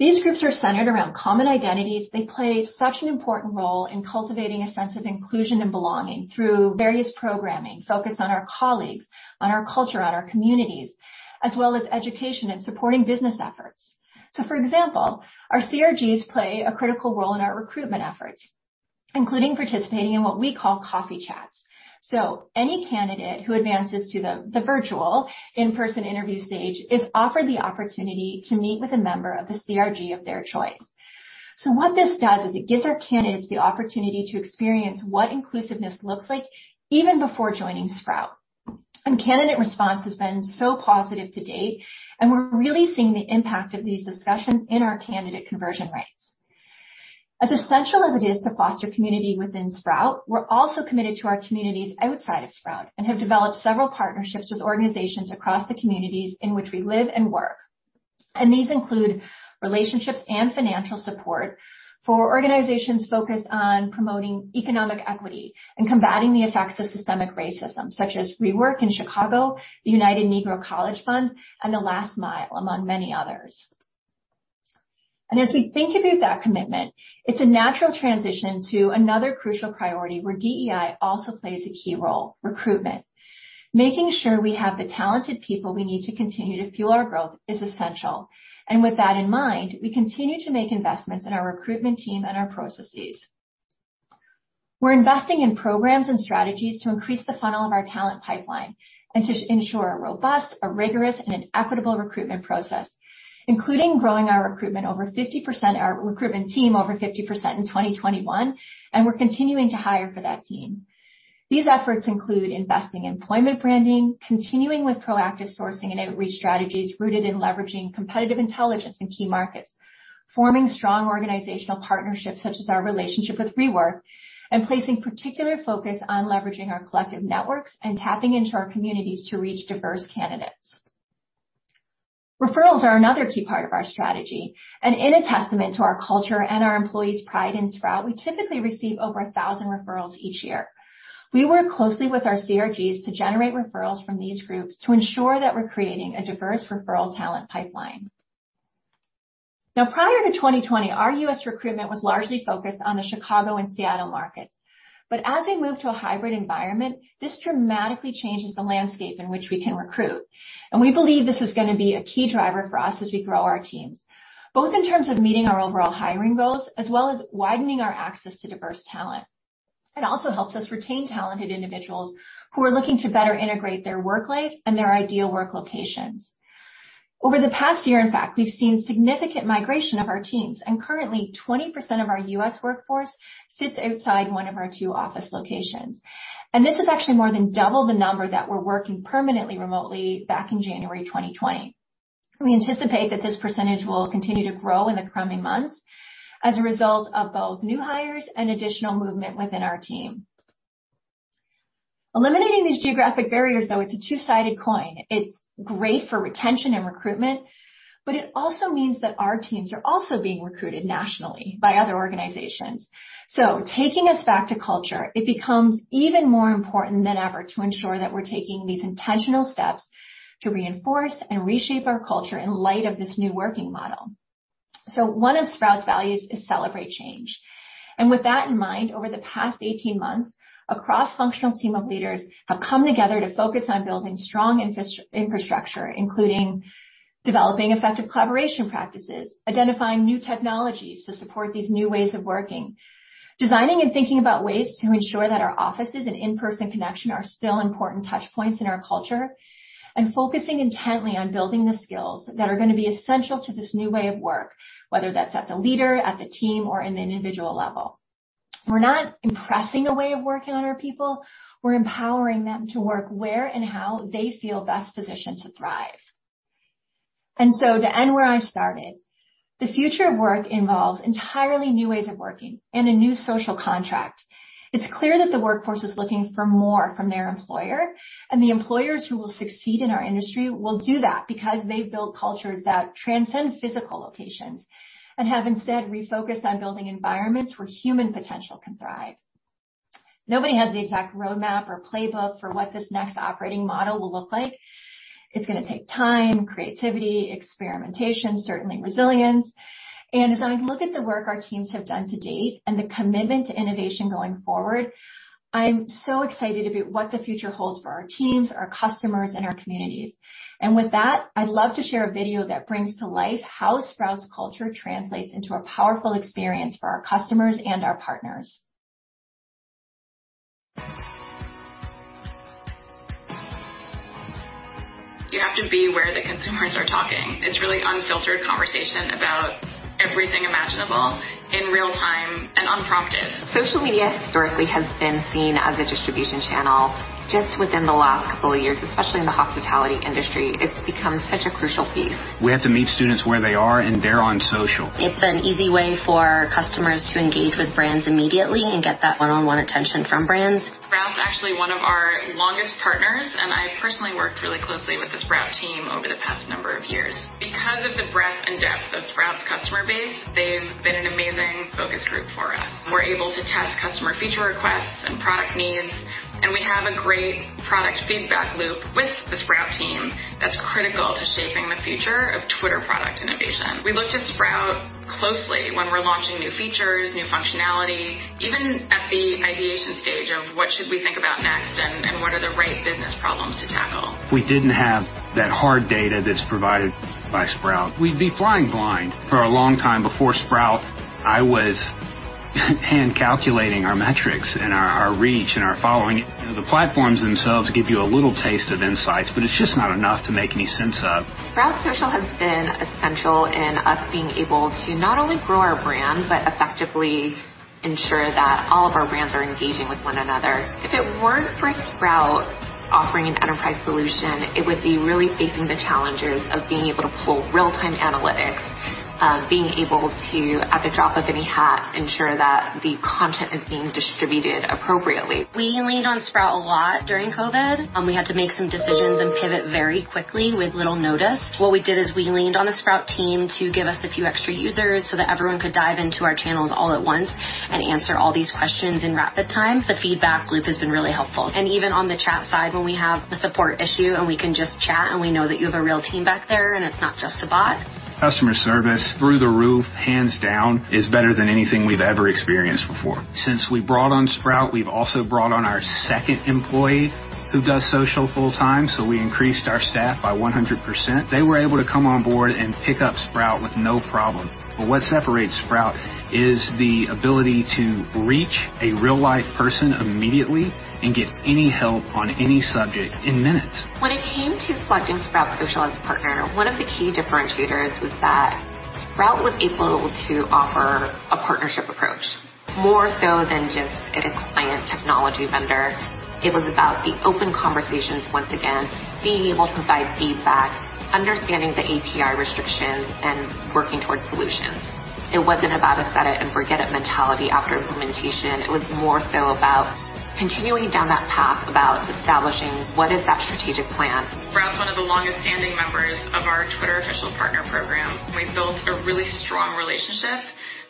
These groups are centered around common identities. They play such an important role in cultivating a sense of inclusion and belonging through various programming focused on our colleagues, on our culture, on our communities, as well as education and supporting business efforts. For example, our CRGs play a critical role in our recruitment efforts, including participating in what we call coffee chats. Any candidate who advances to the virtual in-person interview stage is offered the opportunity to meet with a member of the CRG of their choice. What this does is it gives our candidates the opportunity to experience what inclusiveness looks like even before joining Sprout. Candidate response has been so positive to date, and we're really seeing the impact of these discussions in our candidate conversion rates. As essential as it is to foster community within Sprout, we're also committed to our communities outside of Sprout and have developed several partnerships with organizations across the communities in which we live and work. These include relationships and financial support for organizations focused on promoting economic equity and combating the effects of systemic racism, such as Rework in Chicago, the United Negro College Fund, and The Last Mile, among many others. As we think about that commitment, it's a natural transition to another crucial priority where DEI also plays a key role, recruitment. Making sure we have the talented people we need to continue to fuel our growth is essential. With that in mind, we continue to make investments in our recruitment team and our processes. We're investing in programs and strategies to increase the funnel of our talent pipeline and to ensure a robust, a rigorous, and an equitable recruitment process, including growing our recruitment team over 50% in 2021, and we're continuing to hire for that team. These efforts include investing in employment branding, continuing with proactive sourcing and outreach strategies rooted in leveraging competitive intelligence in key markets, forming strong organizational partnerships such as our relationship with Rework, and placing particular focus on leveraging our collective networks and tapping into our communities to reach diverse candidates. Referrals are another key part of our strategy, and in a testament to our culture and our employees' pride in Sprout Social, we typically receive over 1,000 referrals each year. We work closely with our CRGs to generate referrals from these groups to ensure that we're creating a diverse referral talent pipeline. Now, prior to 2020, our U.S. recruitment was largely focused on the Chicago and Seattle markets. As we move to a hybrid environment, this dramatically changes the landscape in which we can recruit. We believe this is going to be a key driver for us as we grow our teams, both in terms of meeting our overall hiring goals, as well as widening our access to diverse talent. It also helps us retain talented individuals who are looking to better integrate their work life and their ideal work locations. Over the past year, in fact, we've seen significant migration of our teams, and currently, 20% of our U.S. workforce sits outside one of our two office locations. This is actually more than double the number that were working permanently remotely back in January 2020. We anticipate that this percentage will continue to grow in the coming months as a result of both new hires and additional movement within our team. Eliminating these geographic barriers, though, it's a two-sided coin. It's great for retention and recruitment, but it also means that our teams are also being recruited nationally by other organizations. Taking us back to culture, it becomes even more important than ever to ensure that we're taking these intentional steps to reinforce and reshape our culture in light of this new working model. One of Sprout's values is celebrate change. With that in mind, over the past 18 months, a cross-functional team of leaders have come together to focus on building strong infrastructure, including developing effective collaboration practices, identifying new technologies to support these new ways of working, designing and thinking about ways to ensure that our offices and in-person connection are still important touchpoints in our culture, and focusing intently on building the skills that are going to be essential to this new way of work, whether that's at the leader, at the team, or in the individual level. We're not impressing a way of working on our people. We're empowering them to work where and how they feel best positioned to thrive. To end where I started, the future of work involves entirely new ways of working and a new social contract. It's clear that the workforce is looking for more from their employer, and the employers who will succeed in our industry will do that because they build cultures that transcend physical locations and have instead refocused on building environments where human potential can thrive. Nobody has the exact roadmap or playbook for what this next operating model will look like. It's going to take time, creativity, experimentation, certainly resilience. As I look at the work our teams have done to date and the commitment to innovation going forward, I'm so excited about what the future holds for our teams, our customers, and our communities. With that, I'd love to share a video that brings to life how Sprout's culture translates into a powerful experience for our customers and our partners. You have to be where the consumers are talking. It's really unfiltered conversation about everything imaginable in real-time and unprompted. Social media historically has been seen as a distribution channel. Just within the last couple of years, especially in the hospitality industry, it's become such a crucial piece. We have to meet students where they are, and they're on social. It's an easy way for customers to engage with brands immediately and get that one-on-one attention from brands. Sprout's actually one of our longest partners, and I personally worked really closely with the Sprout team over the past number of years. Because of the breadth and depth of Sprout's customer base, they've been an amazing focus group for us. We're able to test customer feature requests and product needs, and we have a great product feedback loop with the Sprout team that's critical to shaping the future of Twitter product innovation. We look to Sprout closely when we're launching new features, new functionality, even at the ideation stage of what should we think about next and what are the right business problems to tackle. If we didn't have that hard data that's provided by Sprout, we'd be flying blind. For a long time before Sprout, I was hand-calculating our metrics and our reach and our following. The platforms themselves give you a little taste of insights, but it's just not enough to make any sense of. Sprout Social has been essential in us being able to not only grow our brand, but effectively ensure that all of our brands are engaging with one another. If it weren't for Sprout offering an enterprise solution, it would be really facing the challenges of being able to pull real-time analytics. Being able to, at the drop of any hat, ensure that the content is being distributed appropriately. We leaned on Sprout a lot during COVID. We had to make some decisions and pivot very quickly with little notice. What we did is we leaned on the Sprout team to give us a few extra users so that everyone could dive into our channels all at once and answer all these questions in rapid time. The feedback loop has been really helpful. Even on the chat side, when we have a support issue, and we can just chat, and we know that you have a real team back there, and it's not just a bot. Customer service, through the roof, hands down, is better than anything we've ever experienced before. Since we brought on Sprout, we've also brought on our second employee who does social full time, so we increased our staff by 100%. They were able to come on board and pick up Sprout with no problem. What separates Sprout is the ability to reach a real-life person immediately and get any help on any subject in minutes. When it came to selecting Sprout Social as a partner, one of the key differentiators was that Sprout was able to offer a partnership approach, more so than just a client technology vendor. It was about the open conversations once again, being able to provide feedback, understanding the API restrictions, and working towards solutions. It wasn't about a set it and forget it mentality after implementation. It was more so about continuing down that path, about establishing what is that strategic plan. Sprout's one of the longest-standing members of our Twitter Official Partner program. We've built a really strong relationship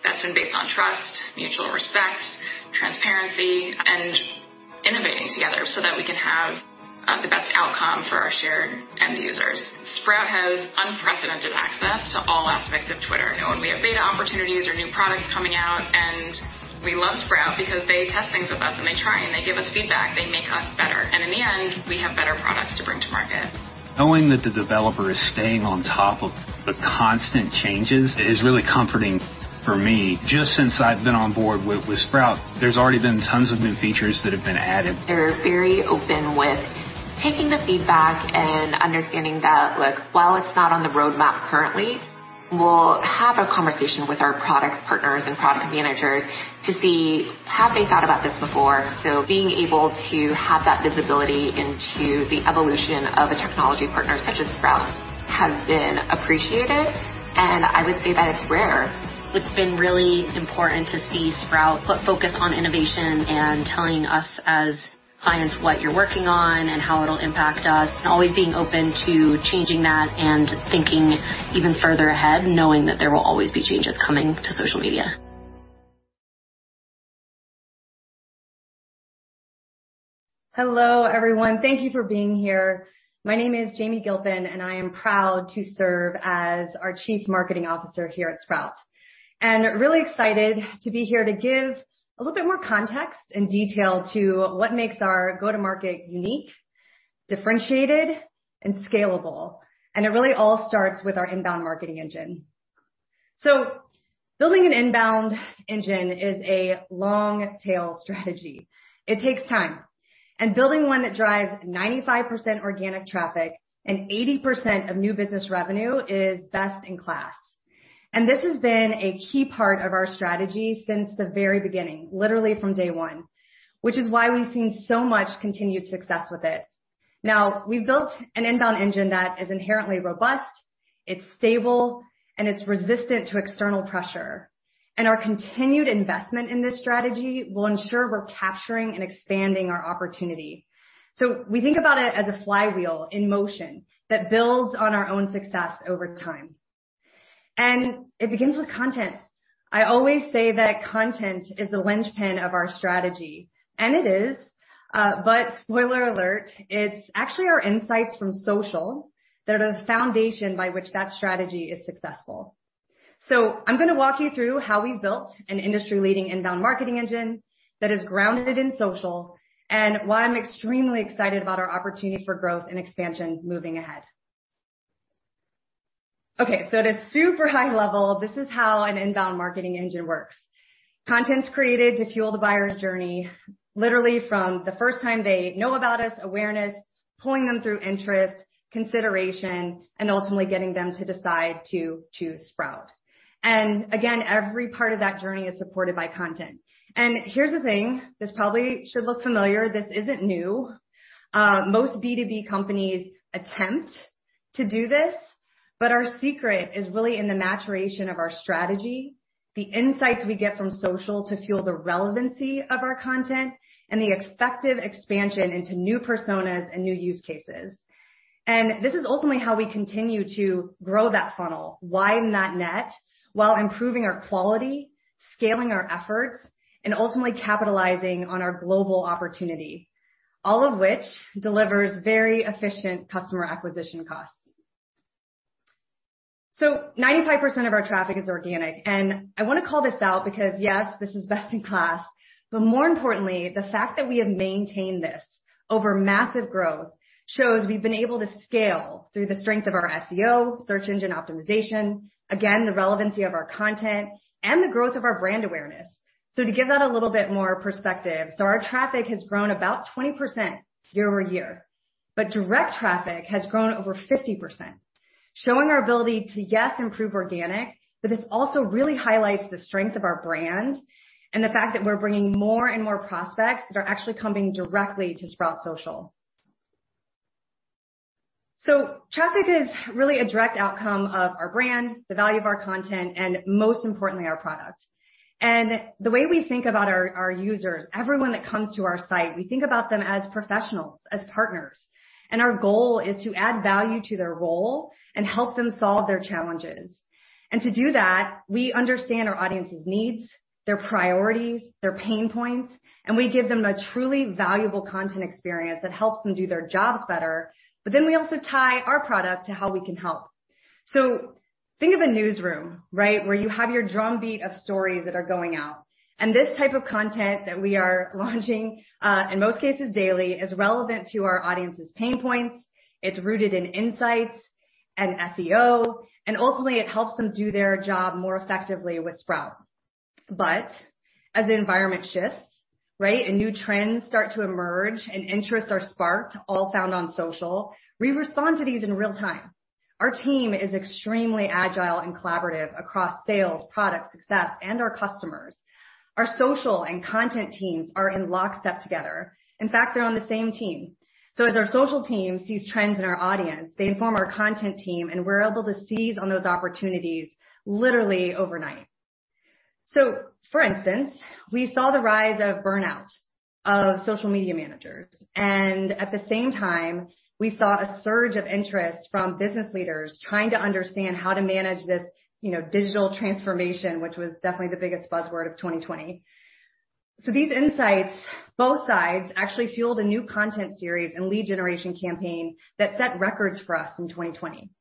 that's been based on trust, mutual respect, transparency, and innovating together so that we can have the best outcome for our shared end users. Sprout has unprecedented access to all aspects of Twitter. When we have beta opportunities or new products coming out, we love Sprout because they test things with us, and they try, and they give us feedback. They make us better. In the end, we have better products to bring to market. Knowing that the developer is staying on top of the constant changes is really comforting for me. Just since I've been on board with Sprout, there's already been tons of new features that have been added. They're very open with taking the feedback and understanding that while it's not on the roadmap currently, we'll have a conversation with our product partners and product managers to see have they thought about this before. Being able to have that visibility into the evolution of a technology partner such as Sprout has been appreciated, and I would say that it's rare. It's been really important to see Sprout put focus on innovation and telling us as clients what you're working on and how it'll impact us, and always being open to changing that and thinking even further ahead, knowing that there will always be changes coming to social media. Hello, everyone. Thank you for being here. My name is Jamie Gilpin, and I am proud to serve as our Chief Marketing Officer here at Sprout. Really excited to be here to give a little bit more context and detail to what makes our go-to-market unique, differentiated, and scalable. It really all starts with our inbound marketing engine. Building an inbound engine is a long-tail strategy. It takes time. Building one that drives 95% organic traffic and 80% of new business revenue is best in class. This has been a key part of our strategy since the very beginning, literally from day one, which is why we've seen so much continued success with it. Now, we've built an inbound engine that is inherently robust, it's stable, and it's resistant to external pressure. Our continued investment in this strategy will ensure we're capturing and expanding our opportunity. We think about it as a flywheel in motion that builds on our own success over time. It begins with content. I always say that content is the linchpin of our strategy, and it is. Spoiler alert, it's actually our insights from social that are the foundation by which that strategy is successful. I'm going to walk you through how we built an industry-leading inbound marketing engine that is grounded in social and why I'm extremely excited about our opportunity for growth and expansion moving ahead. At a super high level, this is how an inbound marketing engine works. Content's created to fuel the buyer's journey, literally from the first time they know about us, awareness, pulling them through interest, consideration, and ultimately getting them to decide to choose Sprout. Again, every part of that journey is supported by content. Here's the thing, this probably should look familiar. This isn't new. Most B2B companies attempt to do this, our secret is really in the maturation of our strategy, the insights we get from social to fuel the relevancy of our content, and the effective expansion into new personas and new use cases. This is ultimately how we continue to grow that funnel, widen that net while improving our quality, scaling our efforts, and ultimately capitalizing on our global opportunity, all of which delivers very efficient customer acquisition costs. 95% of our traffic is organic, and I want to call this out because, yes, this is best in class, but more importantly, the fact that we have maintained this over massive growth shows we've been able to scale through the strength of our SEO, search engine optimization, again, the relevancy of our content, and the growth of our brand awareness. To give that a little bit more perspective, our traffic has grown about 20% year-over-year, but direct traffic has grown over 50%, showing our ability to, yes, improve organic, but this also really highlights the strength of our brand and the fact that we're bringing more and more prospects that are actually coming directly to Sprout Social. Traffic is really a direct outcome of our brand, the value of our content, and most importantly, our product. The way we think about our users, everyone that comes to our site, we think about them as professionals, as partners, and our goal is to add value to their role and help them solve their challenges. To do that, we understand our audience's needs, their priorities, their pain points, and we give them a truly valuable content experience that helps them do their jobs better. We also tie our product to how we can help. Think of a newsroom, where you have your drumbeat of stories that are going out. This type of content that we are launching, in most cases daily, is relevant to our audience's pain points. It's rooted in insights and SEO, and ultimately, it helps them do their job more effectively with Sprout. As the environment shifts, and new trends start to emerge and interests are sparked, all found on social, we respond to these in real time. Our team is extremely agile and collaborative across sales, product success, and our customers. Our social and content teams are in lockstep together. In fact, they're on the same team. As our social team sees trends in our audience, they inform our content team, and we're able to seize on those opportunities literally overnight. For instance, we saw the rise of burnout of social media managers, and at the same time, we saw a surge of interest from business leaders trying to understand how to manage this digital transformation, which was definitely the biggest buzzword of 2020. These insights, both sides, actually fueled a new content series and lead generation campaign that set records for us in 2020.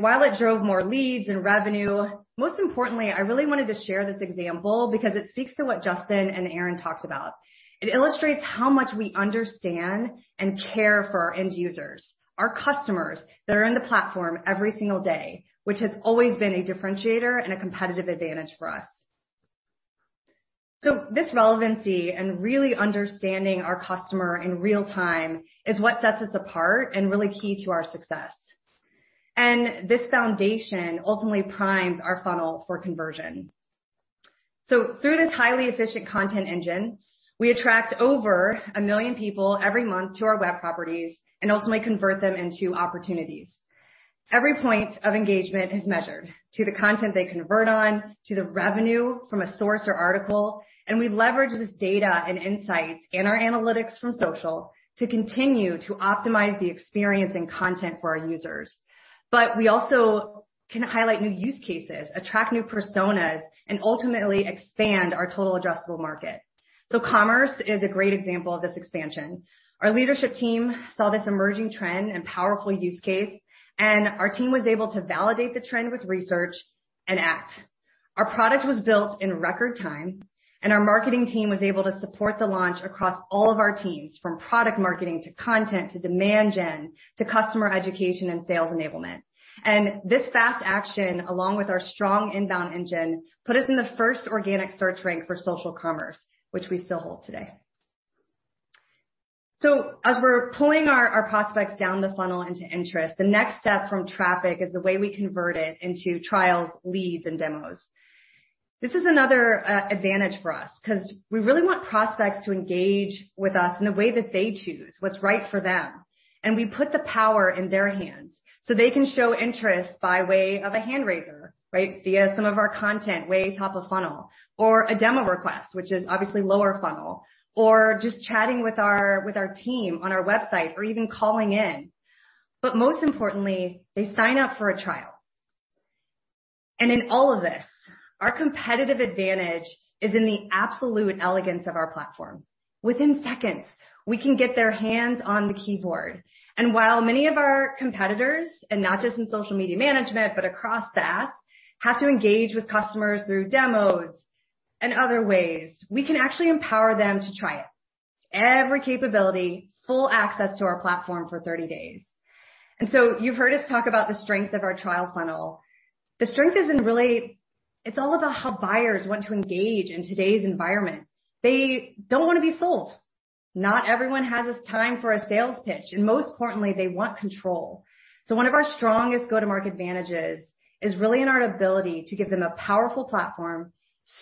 While it drove more leads and revenue, most importantly, I really wanted to share this example because it speaks to what Justyn and Aaron talked about. It illustrates how much we understand and care for our end users, our customers that are in the platform every single day, which has always been a differentiator and a competitive advantage for us. This relevancy and really understanding our customer in real time is what sets us apart and really key to our success. This foundation ultimately primes our funnel for conversion. Through this highly efficient content engine, we attract over 1 million people every month to our web properties and ultimately convert them into opportunities. Every point of engagement is measured to the content they convert on, to the revenue from a source or article, and we leverage this data and insights in our analytics from social to continue to optimize the experience and content for our users. We also can highlight new use cases, attract new personas, and ultimately expand our total addressable market. Commerce is a great example of this expansion. Our leadership team saw this emerging trend and powerful use case, and our team was able to validate the trend with research and act. Our product was built in record time, and our marketing team was able to support the launch across all of our teams, from product marketing, to content, to demand gen, to customer education and sales enablement. This fast action, along with our strong inbound engine, put us in the first organic search rank for social commerce, which we still hold today. As we're pulling our prospects down the funnel into interest, the next step from traffic is the way we convert it into trials, leads, and demos. This is another advantage for us because we really want prospects to engage with us in the way that they choose, what's right for them, and we put the power in their hands so they can show interest by way of a hand raiser via some of our content way top of funnel, or a demo request, which is obviously lower funnel, or just chatting with our team on our website or even calling in. Most importantly, they sign up for a trial. In all of this, our competitive advantage is in the absolute elegance of our platform. Within seconds, we can get their hands on the keyboard. While many of our competitors, not just in social media management, but across SaaS, have to engage with customers through demos and other ways, we can actually empower them to try it. Every capability, full access to our platform for 30 days. You've heard us talk about the strength of our trial funnel. The strength is, it's all about how buyers want to engage in today's environment. They don't want to be sold. Not everyone has time for a sales pitch, and most importantly, they want control. One of our strongest go-to-market advantages is really in our ability to give them a powerful platform,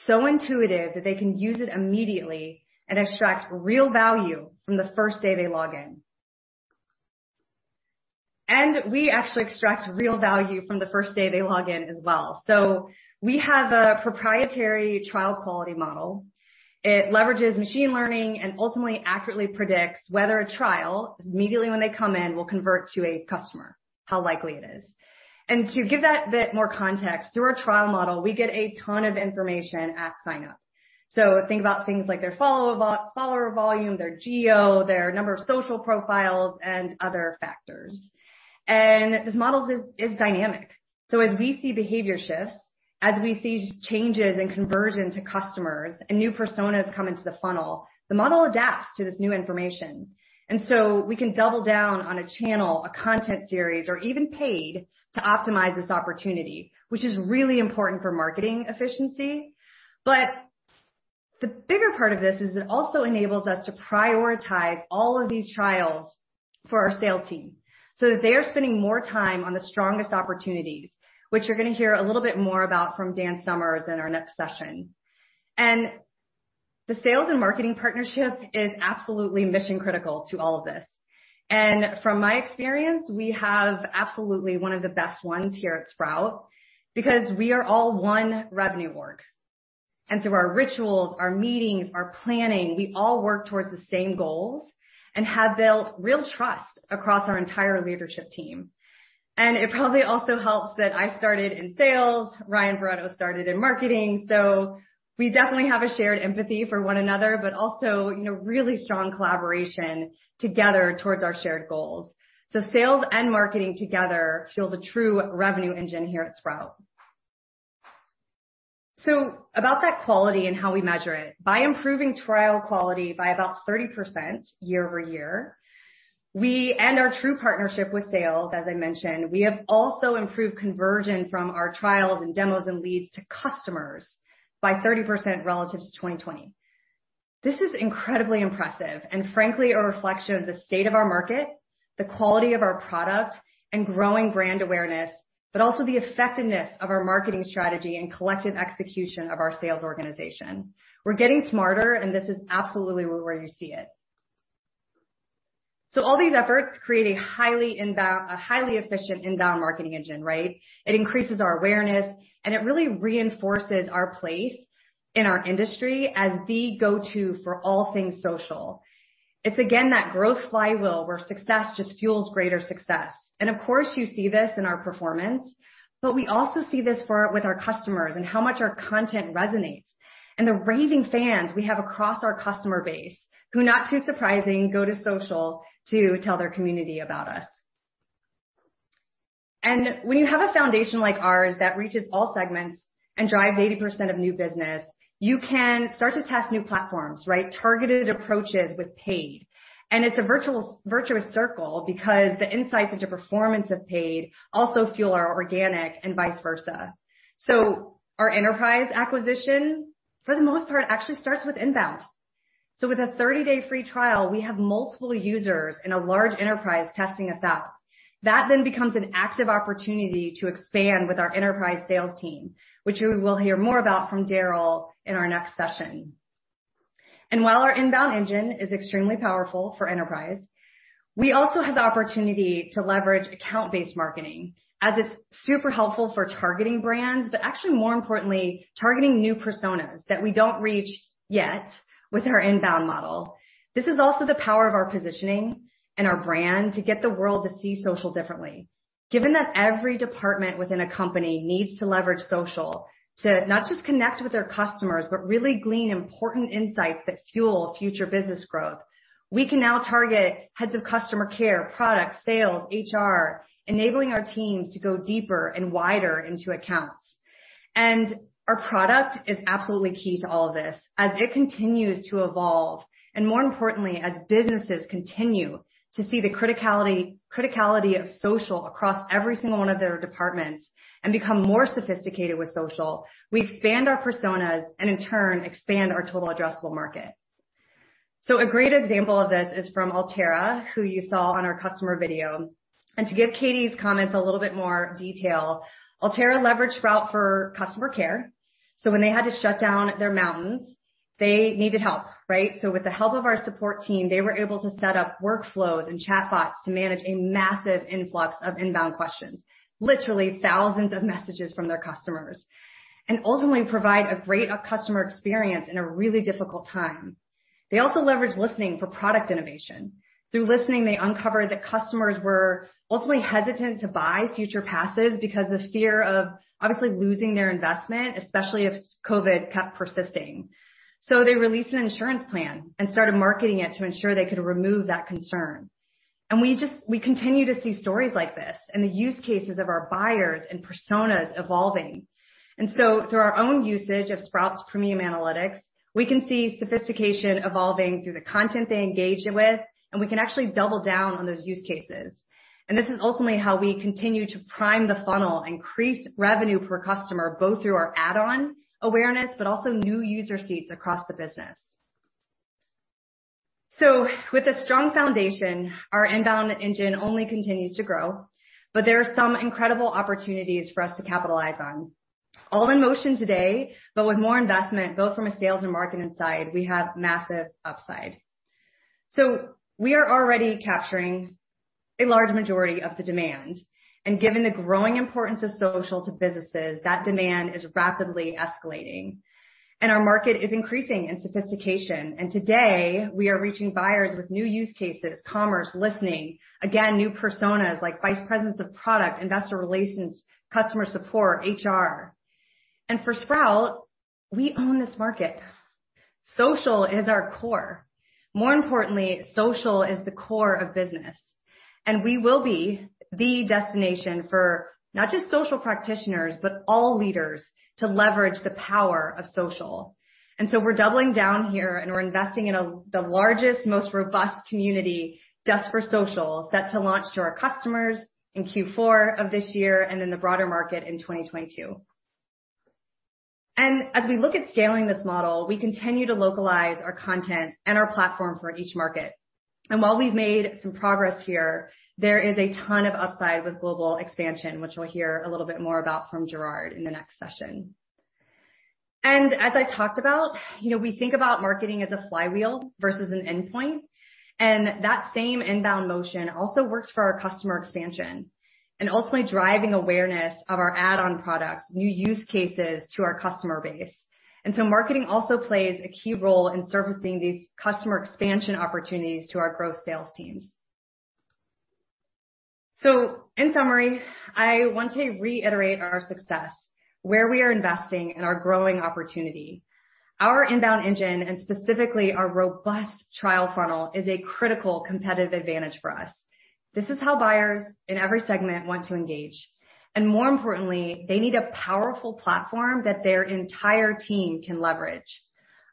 so intuitive that they can use it immediately and extract real value from the first day they log in. We actually extract real value from the first day they log in as well. We have a proprietary trial quality model. It leverages machine learning and ultimately accurately predicts whether a trial, immediately when they come in, will convert to a customer, how likely it is. To give that a bit more context, through our trial model, we get a ton of information at sign up. Think about things like their follower volume, their geo, their number of social profiles, and other factors. This model is dynamic. As we see behavior shifts, as we see changes in conversion to customers and new personas come into the funnel, the model adapts to this new information. We can double down on a channel, a content series, or even paid to optimize this opportunity, which is really important for marketing efficiency. The bigger part of this is it also enables us to prioritize all of these trials for our sales team so that they are spending more time on the strongest opportunities, which you're going to hear a little bit more about from Dan Summers in our next session. The sales and marketing partnership is absolutely mission critical to all of this. From my experience, we have absolutely one of the best ones here at Sprout because we are all one revenue org. Through our rituals, our meetings, our planning, we all work towards the same goals and have built real trust across our entire leadership team. It probably also helps that I started in sales, Ryan Barretto started in marketing. We definitely have a shared empathy for one another, but also really strong collaboration together towards our shared goals. Sales and marketing together fuel the true revenue engine here at Sprout. About that quality and how we measure it. By improving trial quality by about 30% year-over-year, and our true partnership with sales, as I mentioned, we have also improved conversion from our trials and demos and leads to customers by 30% relative to 2020. This is incredibly impressive and frankly, a reflection of the state of our market, the quality of our product, and growing brand awareness, but also the effectiveness of our marketing strategy and collective execution of our sales organization. We're getting smarter, and this is absolutely where you see it. All these efforts create a highly efficient inbound marketing engine, right. It increases our awareness, and it really reinforces our place in our industry as the go-to for all things social. It's again, that growth flywheel where success just fuels greater success. Of course, you see this in our performance, but we also see this with our customers and how much our content resonates, and the raving fans we have across our customer base, who not too surprising, go to social to tell their community about us. When you have a foundation like ours that reaches all segments and drives 80% of new business, you can start to test new platforms, right? Targeted approaches with paid. It's a virtuous circle because the insights into performance of paid also fuel our organic and vice versa. Our enterprise acquisition, for the most part, actually starts with inbound. With a 30-day free trial, we have multiple users in a large enterprise testing us out. That then becomes an active opportunity to expand with our enterprise sales team, which you will hear more about from Daryl in our next session. While our inbound engine is extremely powerful for enterprise, we also have the opportunity to leverage account-based marketing, as it's super helpful for targeting brands, but actually more importantly, targeting new personas that we don't reach yet with our inbound model. This is also the power of our positioning and our brand to get the world to see social differently. Given that every department within a company needs to leverage social to not just connect with their customers, but really glean important insights that fuel future business growth, we can now target heads of customer care, product, sales, HR, enabling our teams to go deeper and wider into accounts. Our product is absolutely key to all of this as it continues to evolve, and more importantly, as businesses continue to see the criticality of social across every single one of their departments and become more sophisticated with social, we expand our personas and in turn, expand our total addressable market. A great example of this is from Alterra, who you saw on our customer video. To give Katie's comments a little bit more detail, Alterra leveraged Sprout for customer care. When they had to shut down their mountains, they needed help, right? With the help of our support team, they were able to set up workflows and chatbots to manage a massive influx of inbound questions, literally thousands of messages from their customers, and ultimately provide a great customer experience in a really difficult time. They also leveraged Listening for product innovation. Through Listening, they uncovered that customers were ultimately hesitant to buy future passes because the fear of obviously losing their investment, especially if COVID kept persisting. They released an insurance plan and started marketing it to ensure they could remove that concern. We continue to see stories like this and the use cases of our buyers and personas evolving. Through our own usage of Sprout's Premium Analytics, we can see sophistication evolving through the content they engage with, and we can actually double down on those use cases. This is ultimately how we continue to prime the funnel, increase revenue per customer, both through our add-on awareness, but also new user seats across the business. With a strong foundation, our inbound engine only continues to grow, but there are some incredible opportunities for us to capitalize on. All in motion today, but with more investment, both from a sales and marketing side, we have massive upside. We are already capturing a large majority of the demand. Given the growing importance of social to businesses, that demand is rapidly escalating. Our market is increasing in sophistication. Today, we are reaching buyers with new use cases, commerce, Listening, again, new personas like Vice Presidents of Product, Investor Relations, customer support, HR. For Sprout, we own this market. Social is our core. More importantly, social is the core of business. We will be the destination for not just social practitioners, but all leaders to leverage the power of social. We're doubling down here, and we're investing in the largest, most robust community just for social, set to launch to our customers in Q4 of this year and in the broader market in 2022. As we look at scaling this model, we continue to localize our content and our platform for each market. While we've made some progress here, there is a ton of upside with global expansion, which we'll hear a little bit more about from Gerard in the next session. As I talked about, we think about marketing as a flywheel versus an endpoint, and that same inbound motion also works for our customer expansion and ultimately driving awareness of our add-on products, new use cases to our customer base. Marketing also plays a key role in servicing these customer expansion opportunities to our growth sales teams. In summary, I want to reiterate our success, where we are investing in our growing opportunity. Our inbound engine, and specifically our robust trial funnel, is a critical competitive advantage for us. This is how buyers in every segment want to engage. More importantly, they need a powerful platform that their entire team can leverage.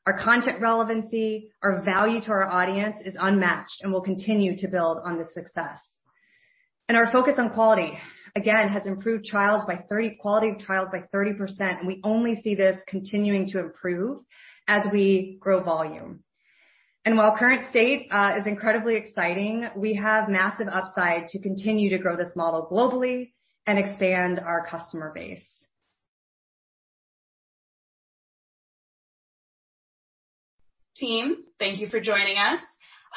Our content relevancy, our value to our audience is unmatched and will continue to build on this success. Our focus on quality, again, has improved quality of trials by 30%, and we only see this continuing to improve as we grow volume. While current state is incredibly exciting, we have massive upside to continue to grow this model globally and expand our customer base. Team, thank you for joining us.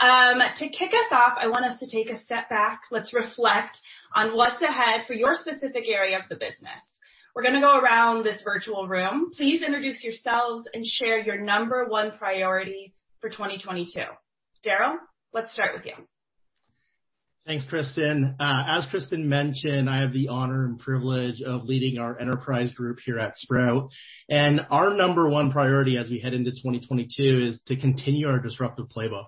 To kick us off, I want us to take a step back. Let's reflect on what's ahead for your specific area of the business. We're going to go around this virtual room. Please introduce yourselves and share your number one priority for 2022. Daryl, let's start with you. Thanks, Kristin. As Kristin mentioned, I have the honor and privilege of leading our enterprise group here at Sprout. Our number one priority as we head into 2022 is to continue our disruptive playbook.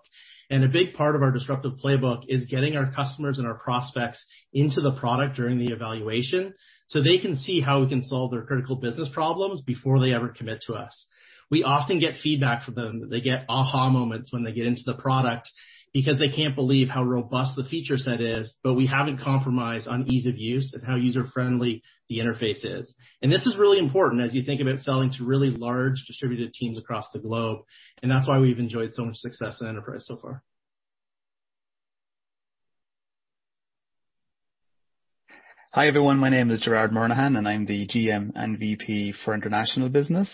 A big part of our disruptive playbook is getting our customers and our prospects into the product during the evaluation, so they can see how we can solve their critical business problems before they ever commit to us. We often get feedback from them that they get aha moments when they get into the product because they can't believe how robust the feature set is, but we haven't compromised on ease of use and how user-friendly the interface is. This is really important as you think about selling to really large distributed teams across the globe, and that's why we've enjoyed so much success in enterprise so far. Hi, everyone. My name is Gerard Murnaghan, and I'm the GM and VP for international business.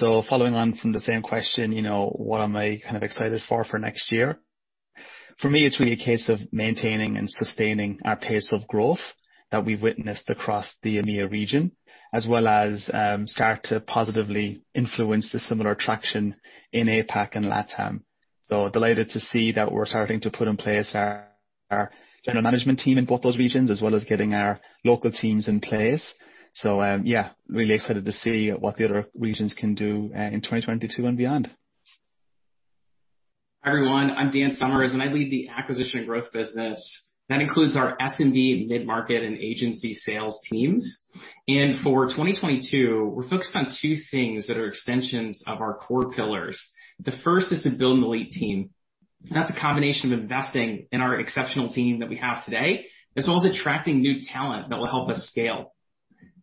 Following on from the same question, what am I kind of excited for next year? For me, it's really a case of maintaining and sustaining our pace of growth that we've witnessed across the EMEA region, as well as start to positively influence the similar traction in APAC and LATAM. Delighted to see that we're starting to put in place our general management team in both those regions, as well as getting our local teams in place. Yeah, really excited to see what the other regions can do in 2022 and beyond. Hi, everyone. I'm Dan Summers, and I lead the acquisition growth business. That includes our SMB, mid-market, and agency sales teams. For 2022, we're focused on two things that are extensions of our core pillars. The first is to build an elite team. That's a combination of investing in our exceptional team that we have today, as well as attracting new talent that will help us scale.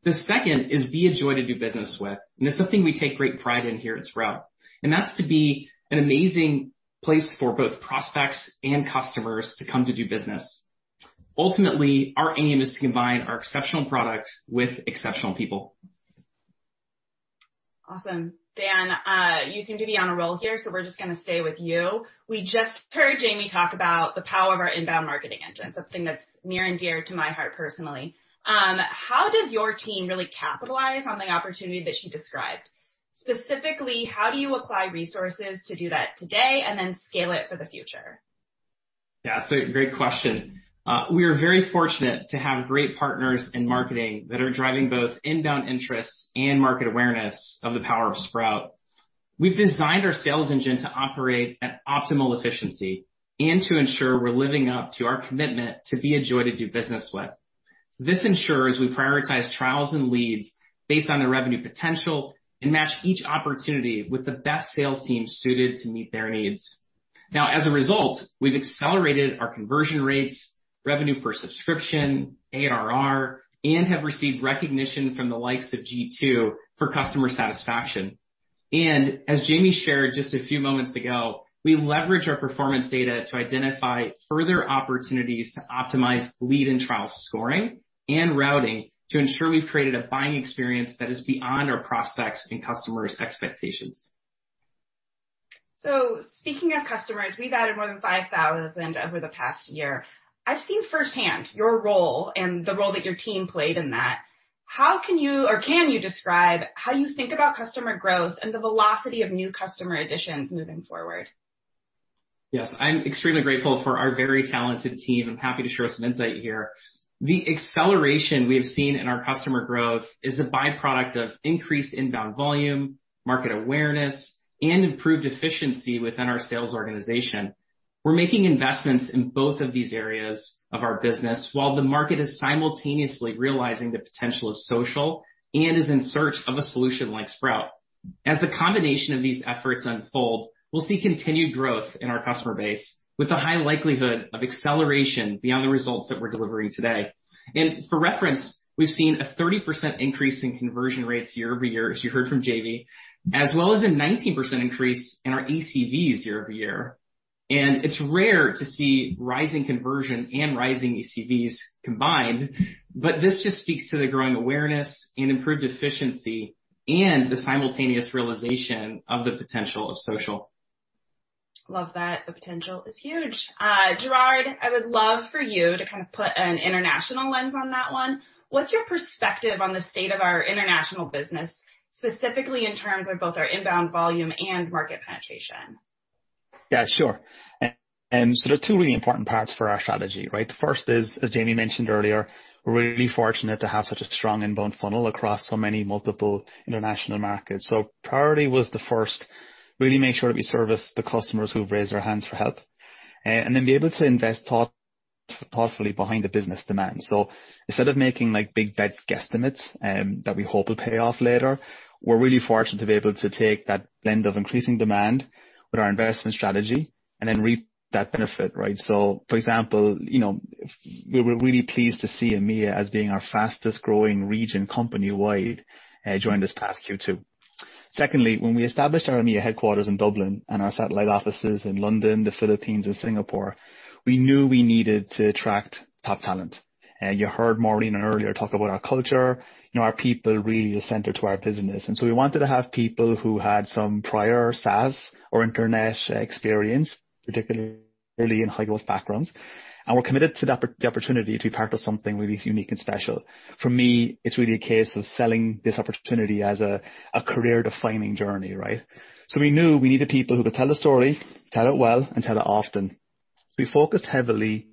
The second is be a joy to do business with, and it's something we take great pride in here at Sprout Social, and that's to be an amazing place for both prospects and customers to come to do business. Ultimately, our aim is to combine our exceptional product with exceptional people. Awesome. Dan, you seem to be on a roll here, so we're just going to stay with you. We just heard Jamie talk about the power of our inbound marketing engine, something that's near and dear to my heart personally. How does your team really capitalize on the opportunity that she described? Specifically, how do you apply resources to do that today and then scale it for the future? Great question. We are very fortunate to have great partners in marketing that are driving both inbound interest and market awareness of the power of Sprout. We've designed our sales engine to operate at optimal efficiency and to ensure we're living up to our commitment to be a joy to do business with. This ensures we prioritize trials and leads based on their revenue potential and match each opportunity with the best sales team suited to meet their needs. Now, as a result, we've accelerated our conversion rates, revenue per subscription, ARR, and have received recognition from the likes of G2 for customer satisfaction. As Jamie shared just a few moments ago, we leverage our performance data to identify further opportunities to optimize lead and trial scoring and routing to ensure we've created a buying experience that is beyond our prospects' and customers' expectations. Speaking of customers, we've added more than 5,000 over the past year. I've seen firsthand your role and the role that your team played in that. How can you, or can you describe how you think about customer growth and the velocity of new customer additions moving forward? Yes. I'm extremely grateful for our very talented team and happy to share some insight here. The acceleration we have seen in our customer growth is a byproduct of increased inbound volume, market awareness, and improved efficiency within our sales organization. We're making investments in both of these areas of our business while the market is simultaneously realizing the potential of social and is in search of a solution like Sprout. As the combination of these efforts unfold, we'll see continued growth in our customer base with the high likelihood of acceleration beyond the results that we're delivering today. For reference, we've seen a 30% increase in conversion rates year-over-year, as you heard from Jamie, as well as a 19% increase in our ACVs year-over-year. It's rare to see rising conversion and rising ACVs combined, but this just speaks to the growing awareness and improved efficiency and the simultaneous realization of the potential of social. Love that. The potential is huge. Gerard, I would love for you to kind of put an international lens on that one. What's your perspective on the state of our international business, specifically in terms of both our inbound volume and market penetration? Yeah, sure. There are two really important parts for our strategy, right? The first is, as Jamie mentioned earlier, we're really fortunate to have such a strong inbound funnel across so many multiple international markets. Priority was the first, really make sure that we service the customers who've raised their hands for help, and then be able to invest thoughtfully behind the business demand. Instead of making big, fat guesstimates that we hope will pay off later, we're really fortunate to be able to take that blend of increasing demand with our investment strategy and then reap that benefit, right? For example, we were really pleased to see EMEA as being our fastest-growing region company-wide during this past Q2. Secondly, when we established our EMEA headquarters in Dublin and our satellite offices in London, the Philippines, and Singapore, we knew we needed to attract top talent. You heard Maureen earlier talk about our culture, our people really the center to our business. We wanted to have people who had some prior SaaS or internet experience, particularly in high-growth backgrounds, and were committed to the opportunity to be part of something really unique and special. For me, it's really a case of selling this opportunity as a career-defining journey, right? We knew we needed people who could tell the story, tell it well, and tell it often. We focused heavily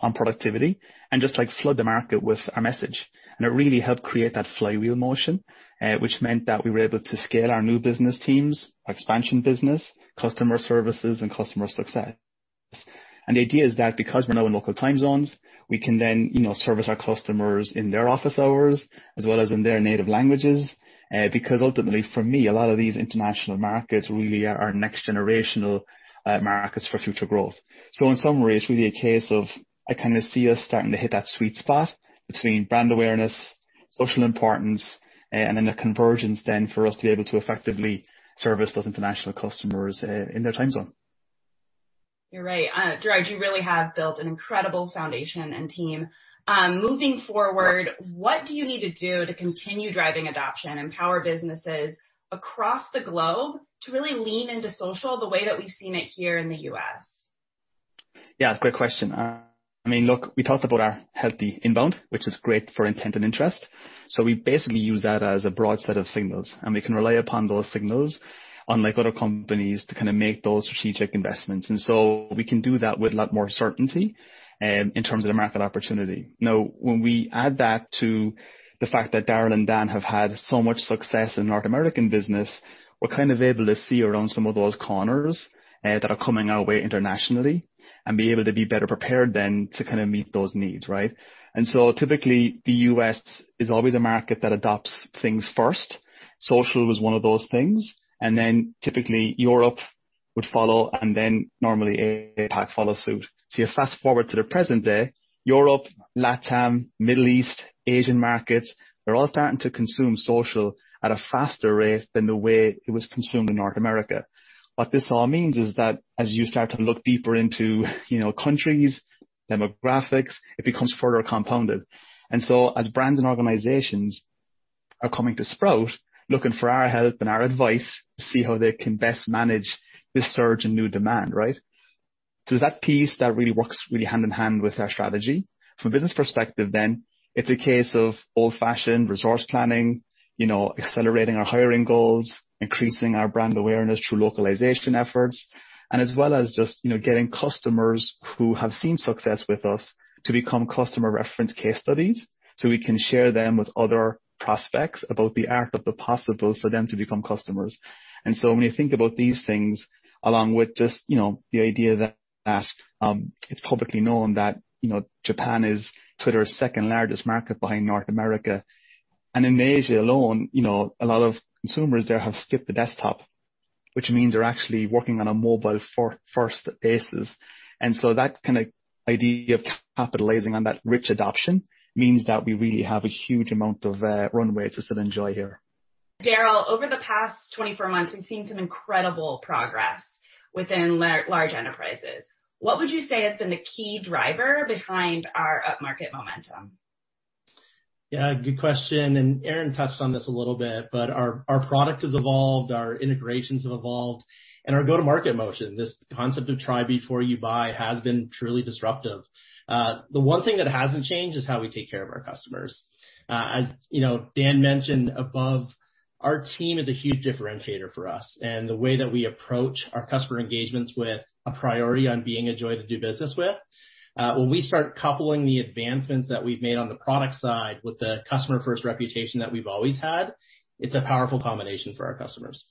on productivity and just flood the market with our message, and it really helped create that flywheel motion, which meant that we were able to scale our new business teams, our expansion business, customer services, and customer success. The idea is that because we're now in local time zones, we can then service our customers in their office hours as well as in their native languages. Ultimately, for me, a lot of these international markets really are next generational markets for future growth. In summary, it's really a case of I kind of see us starting to hit that sweet spot between brand awareness, social importance, and then the convergence then for us to be able to effectively service those international customers in their time zone. You're right. Gerard, you really have built an incredible foundation and team. Moving forward, what do you need to do to continue driving adoption, empower businesses across the globe to really lean into social the way that we've seen it here in the U.S.? Yeah, great question. I mean, look, we talked about our healthy inbound, which is great for intent and interest. We basically use that as a broad set of signals, and we can rely upon those signals, unlike other companies, to kind of make those strategic investments. We can do that with a lot more certainty in terms of the market opportunity. Now, when we add that to the fact that Daryl and Dan have had so much success in North American business, we're kind of able to see around some of those corners that are coming our way internationally and be able to be better prepared then to kind of meet those needs, right? Typically, the U.S. is always a market that adopts things first. Social was one of those things. Typically Europe would follow, and then normally APAC follows suit. You fast-forward to the present day, Europe, LATAM, Middle East, Asian markets, they're all starting to consume social at a faster rate than the way it was consumed in North America. What this all means is that as you start to look deeper into countries, demographics, it becomes further compounded. As brands and organizations are coming to Sprout, looking for our help and our advice to see how they can best manage this surge in new demand, right? It's that piece that really works really hand-in-hand with our strategy. From a business perspective, it's a case of old-fashioned resource planning, accelerating our hiring goals, increasing our brand awareness through localization efforts, and as well as just getting customers who have seen success with us to become customer reference case studies so we can share them with other prospects about the art of the possible for them to become customers. When you think about these things, along with just the idea that it's publicly known that Japan is Twitter's second-largest market behind North America. In Asia alone, a lot of consumers there have skipped the desktop, which means they're actually working on a mobile-first basis. That kind of idea of capitalizing on that rich adoption means that we really have a huge amount of runway to still enjoy here. Daryl, over the past 24 months, we've seen some incredible progress within large enterprises. What would you say has been the key driver behind our upmarket momentum? Good question. Aaron touched on this a little bit, but our product has evolved, our integrations have evolved, and our go-to-market motion, this concept of try before you buy, has been truly disruptive. The one thing that hasn't changed is how we take care of our customers. As Dan mentioned above, our team is a huge differentiator for us and the way that we approach our customer engagements with a priority on being a joy to do business with. When we start coupling the advancements that we've made on the product side with the customer-first reputation that we've always had, it's a powerful combination for our customers.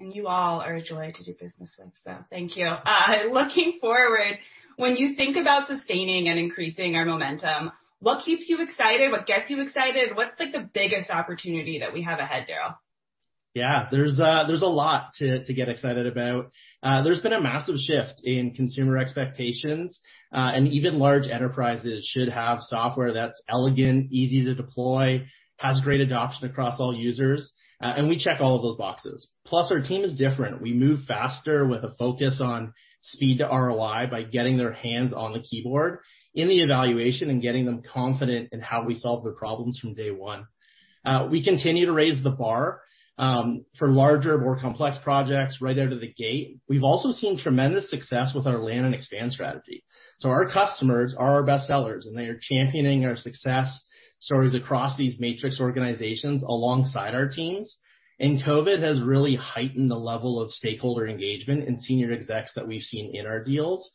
You all are a joy to do business with. Thank you. Looking forward, when you think about sustaining and increasing our momentum, what keeps you excited? What gets you excited? What's like the biggest opportunity that we have ahead, Daryl? Yeah, there's a lot to get excited about. There's been a massive shift in consumer expectations, and even large enterprises should have software that's elegant, easy to deploy, has great adoption across all users, and we check all of those boxes. Our team is different. We move faster with a focus on speed to ROI by getting their hands on the keyboard in the evaluation and getting them confident in how we solve their problems from day one. We continue to raise the bar for larger, more complex projects right out of the gate. We've also seen tremendous success with our land and expand strategy. Our customers are our best sellers, and they are championing our success stories across these matrix organizations alongside our teams. COVID has really heightened the level of stakeholder engagement and senior execs that we've seen in our deals.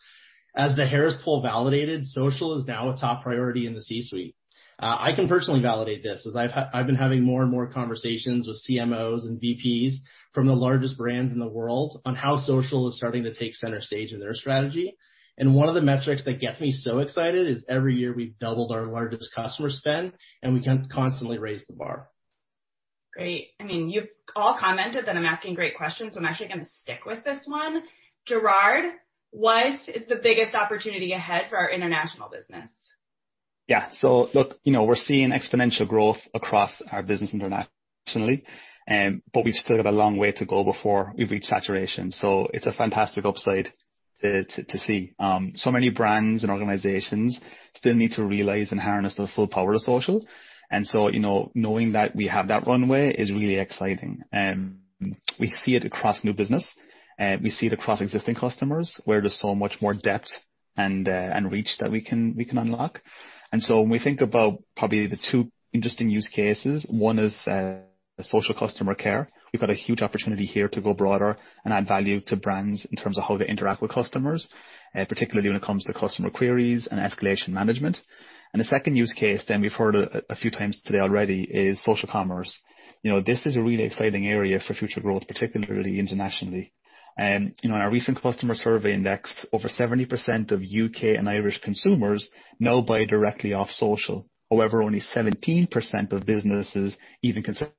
As the Harris Poll validated, social is now a top priority in the C-suite. I can personally validate this as I've been having more and more conversations with CMOs and VPs from the largest brands in the world on how social is starting to take center stage in their strategy. One of the metrics that gets me so excited is every year we've doubled our largest customer spend, and we constantly raise the bar. Great. You've all commented that I'm asking great questions. I'm actually going to stick with this one. Gerard, what is the biggest opportunity ahead for our international business? We're seeing exponential growth across our business internationally. We've still got a long way to go before we reach saturation, so it's a fantastic upside to see. Many brands and organizations still need to realize and harness the full power of social. Knowing that we have that runway is really exciting. We see it across new business. We see it across existing customers, where there's so much more depth and reach that we can unlock. When we think about probably the two interesting use cases, one is social customer care. We've got a huge opportunity here to go broader and add value to brands in terms of how they interact with customers, particularly when it comes to customer queries and escalation management. The second use case, Dan, we've heard a few times today already, is social commerce. This is a really exciting area for future growth, particularly internationally. In our recent customer survey index, over 70% of U.K. and Irish consumers now buy directly off social. However, only 17% of businesses even consider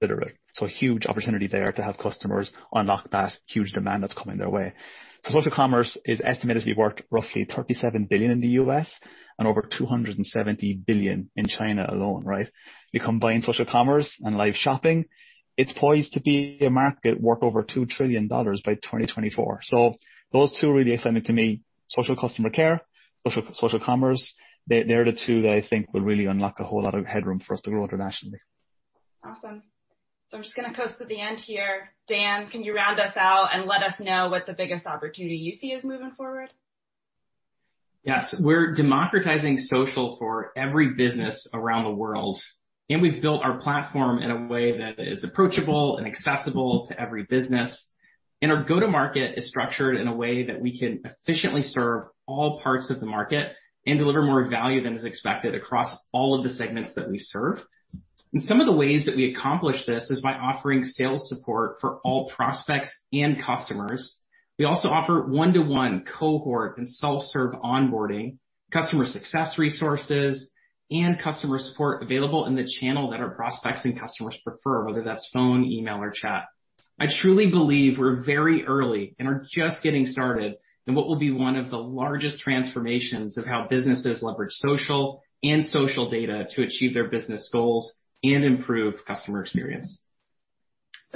it. A huge opportunity there to have customers unlock that huge demand that's coming their way. Social commerce is estimated to be worth roughly $37 billion in the U.S. and over $270 billion in China alone, right? You combine social commerce and live shopping, it's poised to be a market worth over $2 trillion by 2024. Those two are really exciting to me, social customer care, social commerce. They're the two that I think will really unlock a whole lot of headroom for us to grow internationally. Awesome. I'm just going to close to the end here. Dan, can you round us out and let us know what the biggest opportunity you see is moving forward? Yes. We're democratizing social for every business around the world, and we've built our platform in a way that is approachable and accessible to every business. Our go-to-market is structured in a way that we can efficiently serve all parts of the market and deliver more value than is expected across all of the segments that we serve. Some of the ways that we accomplish this is by offering sales support for all prospects and customers. We also offer one-to-one cohort and self-serve onboarding, customer success resources, and customer support available in the channel that our prospects and customers prefer, whether that's phone, email, or chat. I truly believe we're very early and are just getting started in what will be one of the largest transformations of how businesses leverage social and social data to achieve their business goals and improve customer experience.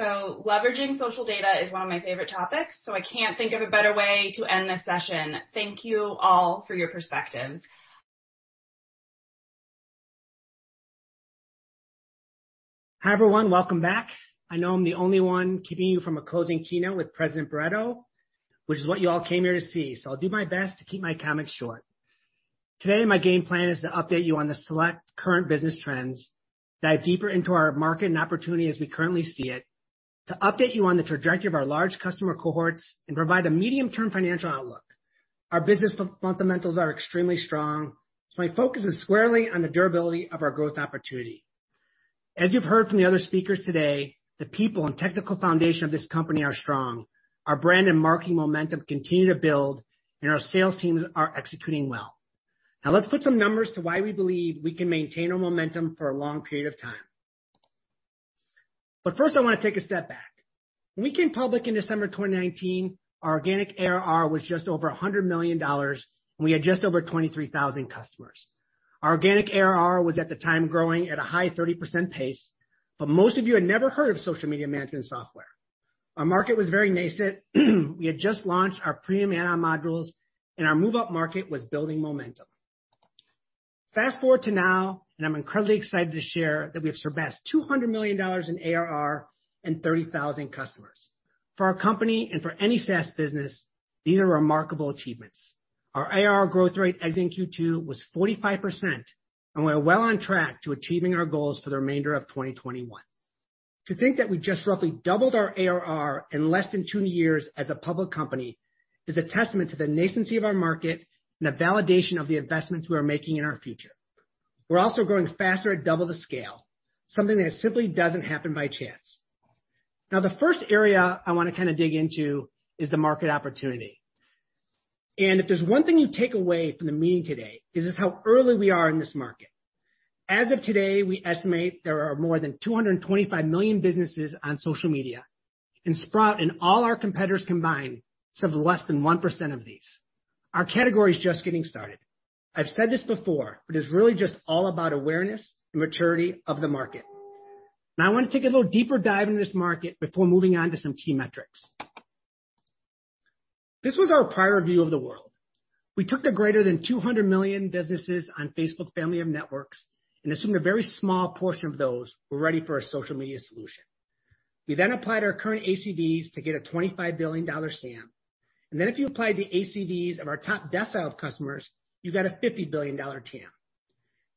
Leveraging social data is one of my favorite topics, so I can't think of a better way to end this session. Thank you all for your perspectives. Hi, everyone. Welcome back. I know I'm the only one keeping you from a closing keynote with President Barretto, which is what you all came here to see, I'll do my best to keep my comments short. Today, my game plan is to update you on the select current business trends, dive deeper into our market and opportunity as we currently see it, to update you on the trajectory of our large customer cohorts, and provide a medium-term financial outlook. Our business fundamentals are extremely strong, My focus is squarely on the durability of our growth opportunity. As you've heard from the other speakers today, the people and technical foundation of this company are strong. Our brand and marketing momentum continue to build, Our sales teams are executing well. Let's put some numbers to why we believe we can maintain our momentum for a long period of time. First, I want to take a step back. When we came public in December 2019, our organic ARR was just over $100 million, and we had just over 23,000 customers. Our organic ARR was, at the time, growing at a high 30% pace, but most of you had never heard of social media management software. Our market was very nascent. We had just launched our premium add-on modules, and our move-up market was building momentum. Fast-forward to now, I'm incredibly excited to share that we have surpassed $200 million in ARR and 30,000 customers. For our company and for any SaaS business, these are remarkable achievements. Our ARR growth rate as in Q2 was 45%, we're well on track to achieving our goals for the remainder of 2021. To think that we just roughly doubled our ARR in less than two years as a public company is a testament to the nascency of our market and a validation of the investments we are making in our future. We're also growing faster at double the scale, something that simply doesn't happen by chance. The first area I want to kind of dig into is the market opportunity. If there's one thing you take away from the meeting today is just how early we are in this market. As of today, we estimate there are more than 225 million businesses on social media, and Sprout and all our competitors combined serve less than 1% of these. Our category is just getting started. I've said this before, it's really just all about awareness and maturity of the market. I want to take a little deeper dive into this market before moving on to some key metrics. This was our prior view of the world. We took the greater than 200 million businesses on Facebook family of apps and assumed a very small portion of those were ready for a social media solution. We applied our current ACVs to get a $25 billion SAM, and then if you applied the ACVs of our top decile of customers, you got a $50 billion TAM.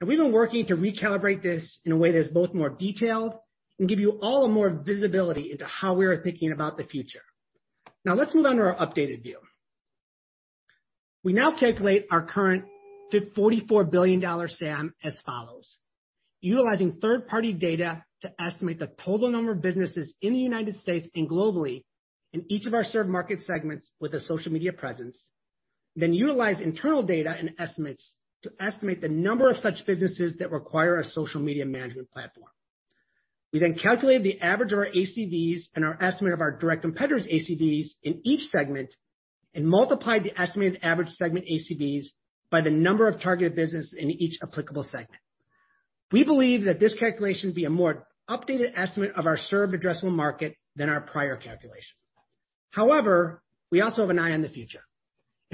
We've been working to recalibrate this in a way that's both more detailed and give you all a more visibility into how we are thinking about the future. Let's move on to our updated view. We now calculate our current $44 billion SAM as follows. Utilizing third-party data to estimate the total number of businesses in the U.S. and globally in each of our served market segments with a social media presence, then utilize internal data and estimates to estimate the number of such businesses that require a social media management platform. We then calculate the average of our ACVs and our estimate of our direct competitors' ACVs in each segment and multiply the estimated average segment ACVs by the number of targeted business in each applicable segment. We believe that this calculation will be a more updated estimate of our served addressable market than our prior calculation. However, we also have an eye on the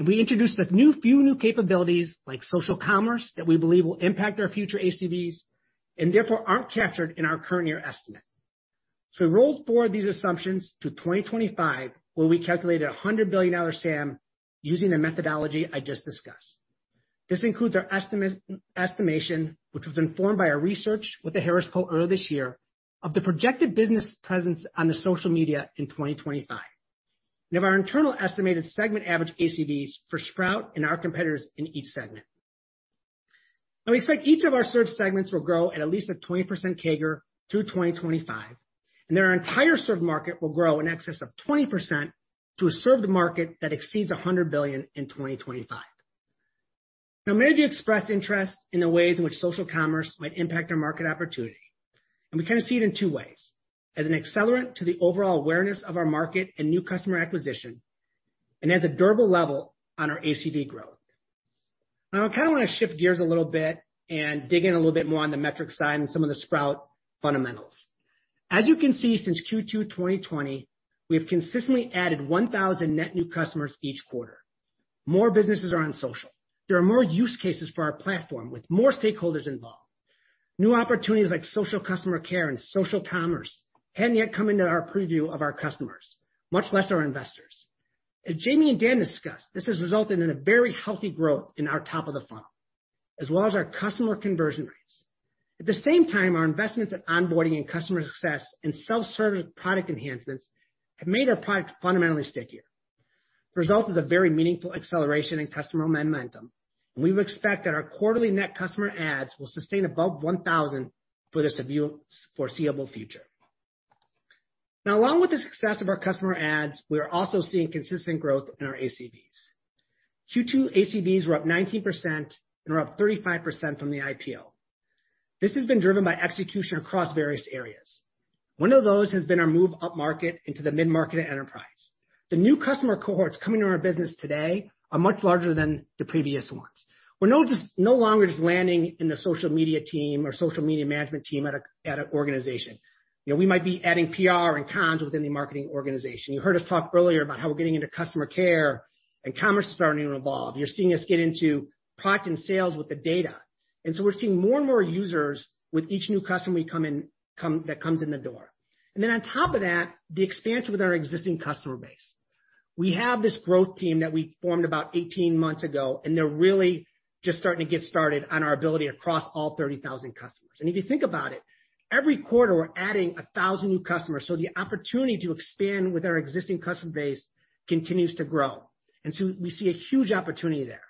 future, and we introduced a few new capabilities like social commerce that we believe will impact our future ACVs and therefore aren't captured in our current year estimate. We rolled forward these assumptions to 2025, where we calculated a $100 billion SAM using the methodology I just discussed. This includes our estimation, which was informed by our research with the Harris Poll earlier this year, of the projected business presence on the social media in 2025, and of our internal estimated segment average ACVs for Sprout and our competitors in each segment. We expect each of our served segments will grow at at least a 20% CAGR through 2025, and that our entire served market will grow in excess of 20% to a served market that exceeds $100 billion in 2025. Many of you expressed interest in the ways in which social commerce might impact our market opportunity, and we kind of see it in two ways. As an accelerant to the overall awareness of our market and new customer acquisition, and as a durable level on our ACV growth. I kind of want to shift gears a little bit and dig in a little bit more on the metric side and some of the Sprout fundamentals. As you can see since Q2 2020, we've consistently added 1,000 net new customers each quarter. More businesses are on social. There are more use cases for our platform with more stakeholders involved. New opportunities like social customer care and social commerce hadn't yet come into our preview of our customers, much less our investors. As Jamie and Dan discussed, this has resulted in a very healthy growth in our top of the funnel, as well as our customer conversion rates. At the same time, our investments in onboarding and customer success and self-service product enhancements have made our product fundamentally stickier. The result is a very meaningful acceleration in customer momentum. We would expect that our quarterly net customer adds will sustain above 1,000 for the foreseeable future. Along with the success of our customer adds, we are also seeing consistent growth in our ACVs. Q2 ACVs were up 19% and are up 35% from the IPO. This has been driven by execution across various areas. One of those has been our move upmarket into the mid-market enterprise. The new customer cohorts coming into our business today are much larger than the previous ones. We're no longer just landing in the social media team or social media management team at an organization. We might be adding PR and comms within the marketing organization. You heard us talk earlier about how we're getting into customer care and commerce is starting to evolve. You're seeing us get into product and sales with the data. We're seeing more and more users with each new customer that comes in the door. On top of that, the expansion with our existing customer base. We have this growth team that we formed about 18 months ago, and they're really just starting to get started on our ability across all 30,000 customers. If you think about it, every quarter, we're adding 1,000 new customers. The opportunity to expand with our existing customer base continues to grow. We see a huge opportunity there.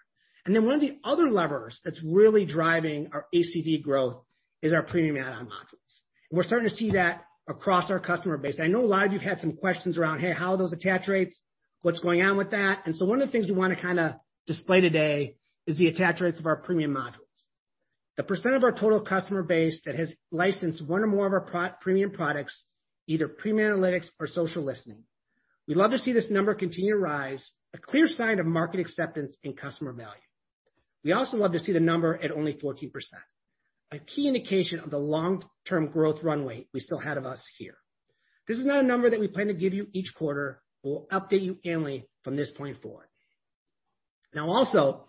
One of the other levers that's really driving our ACV growth is our premium add-on modules. We're starting to see that across our customer base. I know a lot of you have had some questions around, "Hey, how are those attach rates? What's going on with that?" One of the things we want to kind of display today is the attach rates of our premium modules. The percent of our total customer base that has licensed one or more of our premium products, either Premium Analytics or Social Listening. We'd love to see this number continue to rise, a clear sign of market acceptance and customer value. We also love to see the number at only 14%, a key indication of the long-term growth runway we still have of us here. This is not a number that we plan to give you each quarter. We'll update you annually from this point forward. Also,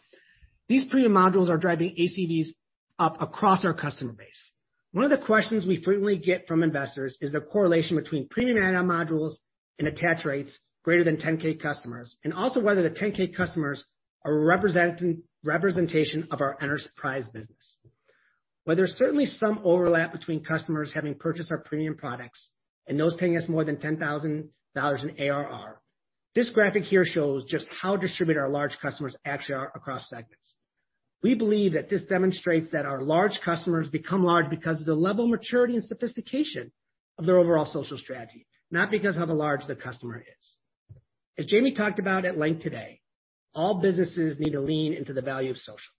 these premium modules are driving ACVs up across our customer base. One of the questions we frequently get from investors is the correlation between premium add-on modules and attach rates greater than $10,000 customers, and also whether the $10,000 customers are a representation of our enterprise business. While there's certainly some overlap between customers having purchased our premium products and those paying us more than $10,000 in ARR, this graphic here shows just how distributed our large customers actually are across segments. We believe that this demonstrates that our large customers become large because of the level of maturity and sophistication of their overall social strategy, not because how large the customer is. As Jamie talked about at length today, all businesses need to lean into the value of social.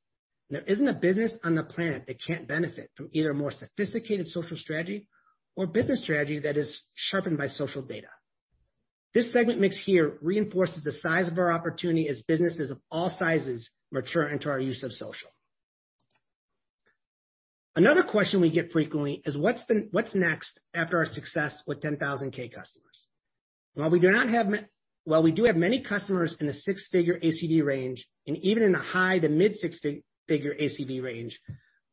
There isn't a business on the planet that can't benefit from either a more sophisticated social strategy or business strategy that is sharpened by social data. This segment mix here reinforces the size of our opportunity as businesses of all sizes mature into our use of social. Another question we get frequently is what's next after our success with $10,000 customers. While we do have many customers in the six-figure ACV range, and even in the high to mid six-figure ACV range,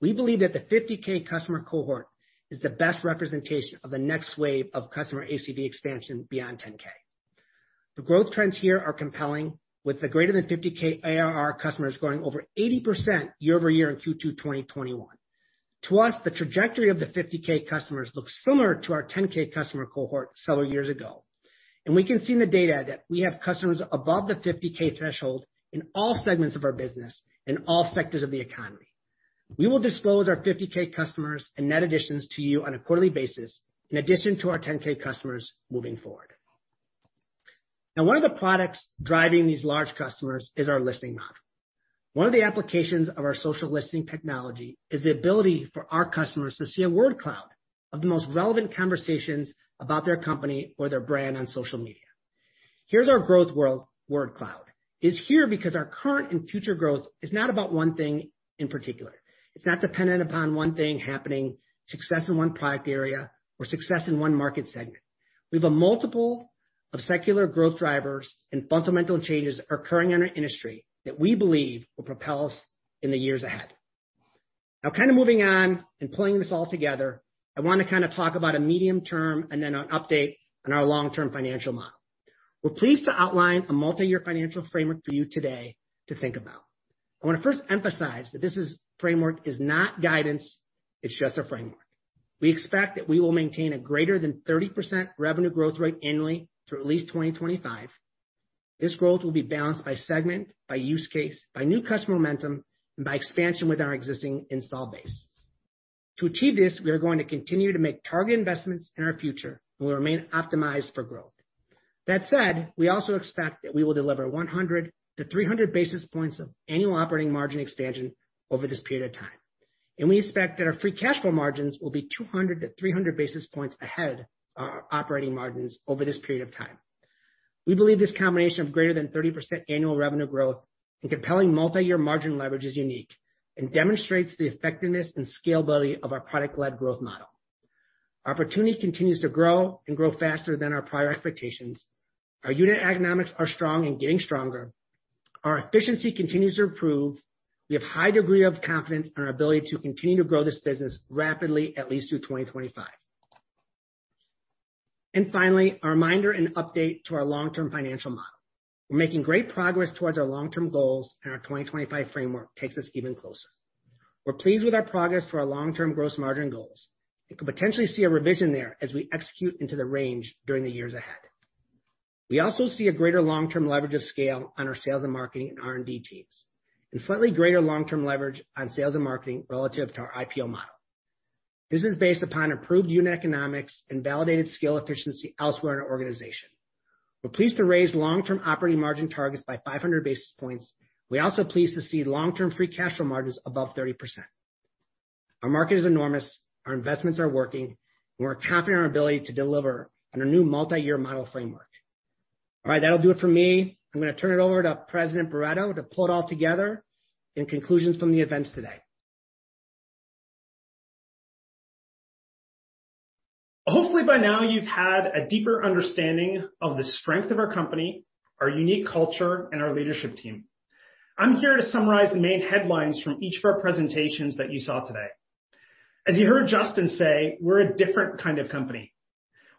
we believe that the $50,000 customer cohort is the best representation of the next wave of customer ACV expansion beyond $10,000. The growth trends here are compelling with the greater than $50,000 ARR customers growing over 80% year-over-year in Q2 2021. To us, the trajectory of the $50,000 customers looks similar to our $10,000 customer cohort several years ago, and we can see in the data that we have customers above the $50,000 threshold in all segments of our business in all sectors of the economy. We will disclose our $50,000 customers and net additions to you on a quarterly basis in addition to our $10,000 customers moving forward. One of the products driving these large customers is our listening module. One of the applications of our social listening technology is the ability for our customers to see a word cloud of the most relevant conversations about their company or their brand on social media. Here's our growth word cloud. It's here because our current and future growth is not about one thing in particular. It's not dependent upon one thing happening, success in one product area, or success in one market segment. We have a multiple of secular growth drivers and fundamental changes occurring in our industry that we believe will propel us in the years ahead. Kind of moving on and pulling this all together, I want to talk about a medium term and then an update on our long-term financial model. We're pleased to outline a multi-year financial framework for you today to think about. I want to first emphasize that this framework is not guidance. It's just a framework. We expect that we will maintain a greater than 30% revenue growth rate annually through at least 2025. This growth will be balanced by segment, by use case, by new customer momentum, and by expansion with our existing install base. To achieve this, we are going to continue to make targeted investments in our future, and we'll remain optimized for growth. That said, we also expect that we will deliver 100-300 basis points of annual operating margin expansion over this period of time, and we expect that our free cash flow margins will be 200-300 basis points ahead of our operating margins over this period of time. We believe this combination of greater than 30% annual revenue growth and compelling multi-year margin leverage is unique and demonstrates the effectiveness and scalability of our product-led growth model. Opportunity continues to grow and grow faster than our prior expectations. Our unit economics are strong and getting stronger. Our efficiency continues to improve. We have high degree of confidence in our ability to continue to grow this business rapidly at least through 2025. Finally, a reminder and update to our long-term financial model. We're making great progress towards our long-term goals, and our 2025 framework takes us even closer. We're pleased with our progress for our long-term gross margin goals and could potentially see a revision there as we execute into the range during the years ahead. We also see a greater long-term leverage of scale on our sales and marketing and R&D teams, and slightly greater long-term leverage on sales and marketing relative to our IPO model. This is based upon improved unit economics and validated scale efficiency elsewhere in our organization. We're pleased to raise long-term operating margin targets by 500 basis points. We're also pleased to see long-term free cash flow margins above 30%. Our market is enormous, our investments are working, and we're confident in our ability to deliver on our new multi-year model framework. All right, that'll do it for me. I'm going to turn it over to President Barretto to pull it all together and conclusions from the events today. Hopefully by now you've had a deeper understanding of the strength of our company, our unique culture, and our leadership team. I'm here to summarize the main headlines from each of our presentations that you saw today. As you heard Justyn say, we're a different kind of company.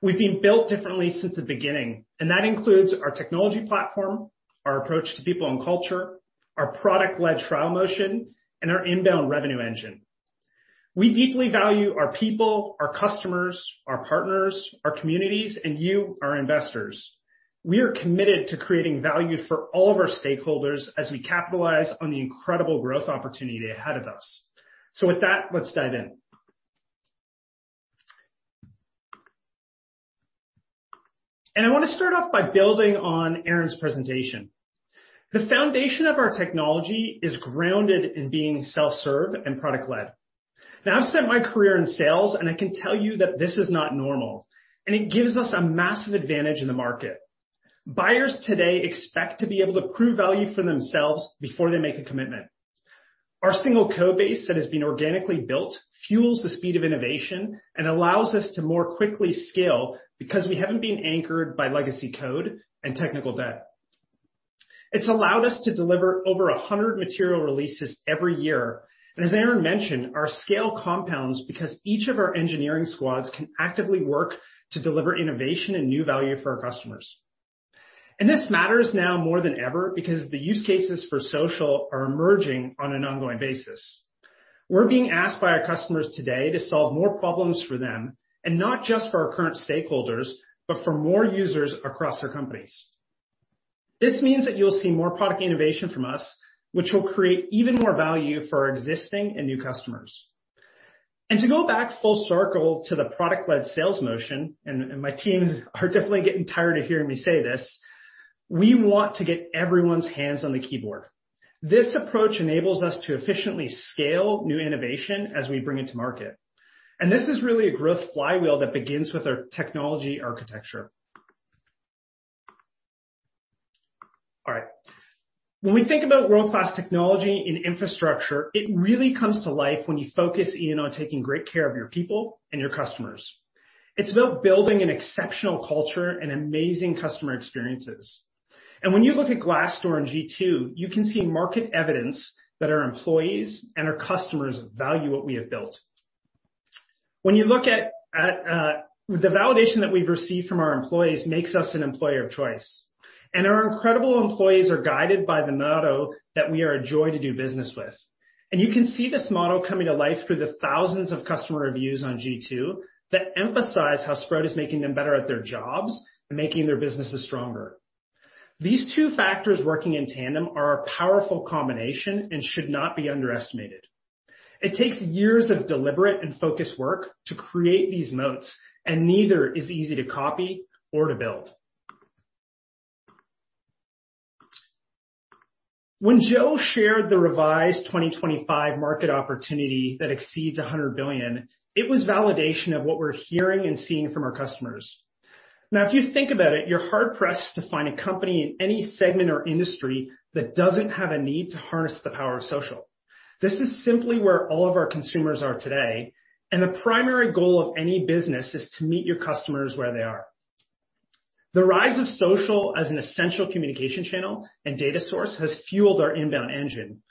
We've been built differently since the beginning. That includes our technology platform, our approach to people and culture, our product-led trial motion, and our inbound revenue engine. We deeply value our people, our customers, our partners, our communities, and you, our investors. We are committed to creating value for all of our stakeholders as we capitalize on the incredible growth opportunity ahead of us. With that, let's dive in. I want to start off by building on Aaron's presentation. The foundation of our technology is grounded in being self-serve and product-led. I've spent my career in sales, and I can tell you that this is not normal, and it gives us a massive advantage in the market. Buyers today expect to be able to prove value for themselves before they make a commitment. Our single code base that has been organically built fuels the speed of innovation and allows us to more quickly scale because we haven't been anchored by legacy code and technical debt. It's allowed us to deliver over 100 material releases every year. As Aaron mentioned, our scale compounds because each of our engineering squads can actively work to deliver innovation and new value for our customers. This matters now more than ever because the use cases for social are emerging on an ongoing basis. We're being asked by our customers today to solve more problems for them, and not just for our current stakeholders, but for more users across their companies. This means that you'll see more product innovation from us, which will create even more value for our existing and new customers. To go back full circle to the product-led sales motion, and my teams are definitely getting tired of hearing me say this, we want to get everyone's hands on the keyboard. This approach enables us to efficiently scale new innovation as we bring it to market. This is really a growth flywheel that begins with our technology architecture. All right. When we think about world-class technology and infrastructure, it really comes to life when you focus in on taking great care of your people and your customers. It's about building an exceptional culture and amazing customer experiences. When you look at Glassdoor and G2, you can see market evidence that our employees and our customers value what we have built. The validation that we've received from our employees makes us an employer of choice, and our incredible employees are guided by the motto that we are a joy to do business with. You can see this motto coming to life through the thousands of customer reviews on G2 that emphasize how Sprout is making them better at their jobs and making their businesses stronger. These two factors working in tandem are a powerful combination and should not be underestimated. It takes years of deliberate and focused work to create these moats, and neither is easy to copy or to build. When Joe shared the revised 2025 market opportunity that exceeds $100 billion, it was validation of what we're hearing and seeing from our customers. If you think about it, you're hard-pressed to find a company in any segment or industry that doesn't have a need to harness the power of social. This is simply where all of our consumers are today, and the primary goal of any business is to meet your customers where they are. The rise of social as an essential communication channel and data source has fueled our inbound engine.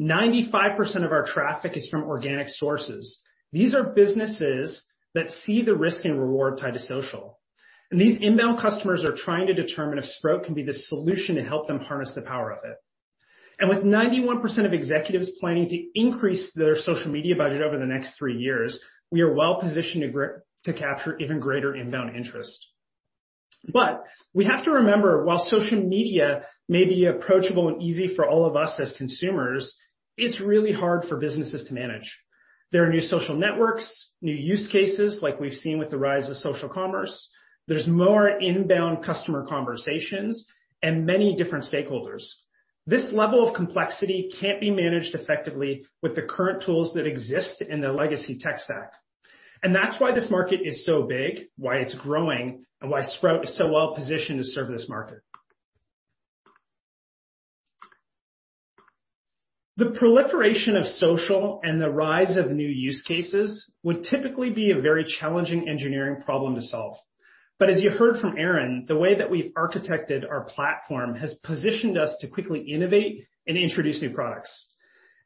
95% of our traffic is from organic sources. These are businesses that see the risk and reward tied to social. These inbound customers are trying to determine if Sprout can be the solution to help them harness the power of it. With 91% of executives planning to increase their social media budget over the next three years, we are well positioned to capture even greater inbound interest. We have to remember, while social media may be approachable and easy for all of us as consumers, it's really hard for businesses to manage. There are new social networks, new use cases like we've seen with the rise of social commerce. There's more inbound customer conversations and many different stakeholders. This level of complexity can't be managed effectively with the current tools that exist in the legacy tech stack. That's why this market is so big, why it's growing, and why Sprout is so well positioned to serve this market. The proliferation of social and the rise of new use cases would typically be a very challenging engineering problem to solve. As you heard from Aaron, the way that we've architected our platform has positioned us to quickly innovate and introduce new products.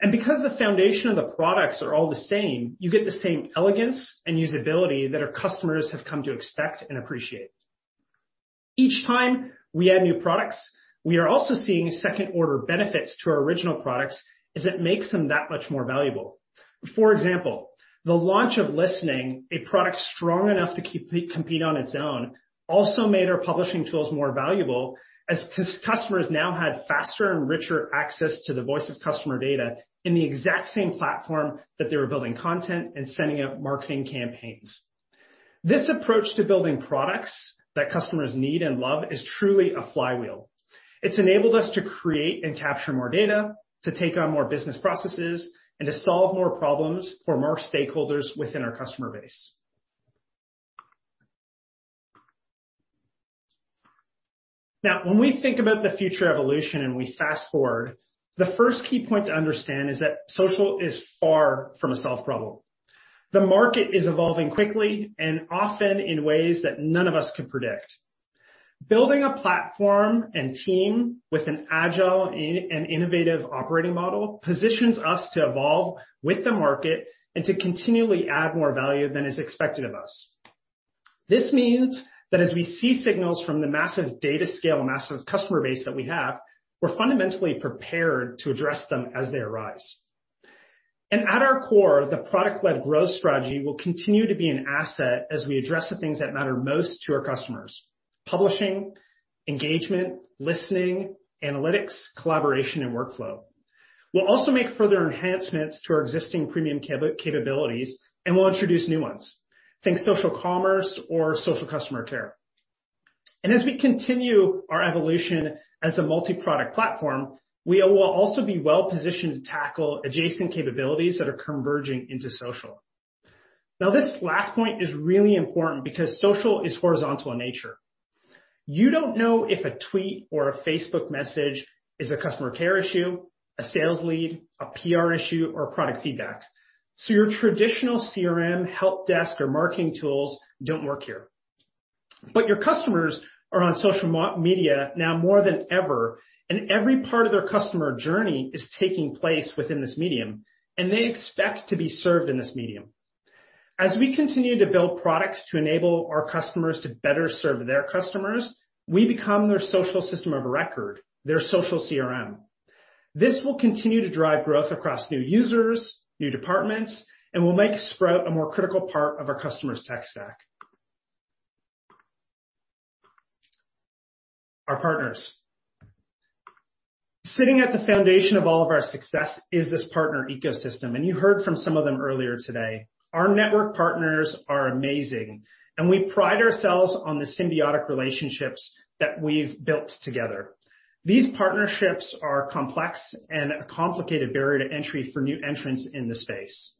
Because the foundation of the products are all the same, you get the same elegance and usability that our customers have come to expect and appreciate. Each time we add new products, we are also seeing second-order benefits to our original products as it makes them that much more valuable. For example, the launch of Listening, a product strong enough to compete on its own, also made our publishing tools more valuable as customers now had faster and richer access to the voice of customer data in the exact same platform that they were building content and sending out marketing campaigns. This approach to building products that customers need and love is truly a flywheel. It's enabled us to create and capture more data, to take on more business processes, and to solve more problems for more stakeholders within our customer base. When we think about the future evolution and we fast-forward, the first key point to understand is that social is far from a solved problem. The market is evolving quickly and often in ways that none of us can predict. Building a platform and team with an agile and innovative operating model positions us to evolve with the market and to continually add more value than is expected of us. This means that as we see signals from the massive data scale and massive customer base that we have, we're fundamentally prepared to address them as they arise. At our core, the product-led growth strategy will continue to be an asset as we address the things that matter most to our customers, publishing, engagement, Listening, analytics, collaboration, and workflow. We'll also make further enhancements to our existing premium capabilities, and we'll introduce new ones. Think social commerce or social customer care. As we continue our evolution as a multi-product platform, we will also be well-positioned to tackle adjacent capabilities that are converging into social. This last point is really important because social is horizontal in nature. You don't know if a tweet or a Facebook message is a customer care issue, a sales lead, a PR issue, or product feedback. Your traditional CRM, help desk, or marketing tools don't work here. Your customers are on social media now more than ever, and every part of their customer journey is taking place within this medium, and they expect to be served in this medium. As we continue to build products to enable our customers to better serve their customers, we become their social system of record, their social CRM. This will continue to drive growth across new users, new departments, and will make Sprout a more critical part of our customers' tech stack. Our partners, sitting at the foundation of all of our success is this partner ecosystem, and you heard from some of them earlier today. Our network partners are amazing, and we pride ourselves on the symbiotic relationships that we've built together. These partnerships are complex and a complicated barrier to entry for new entrants in the space.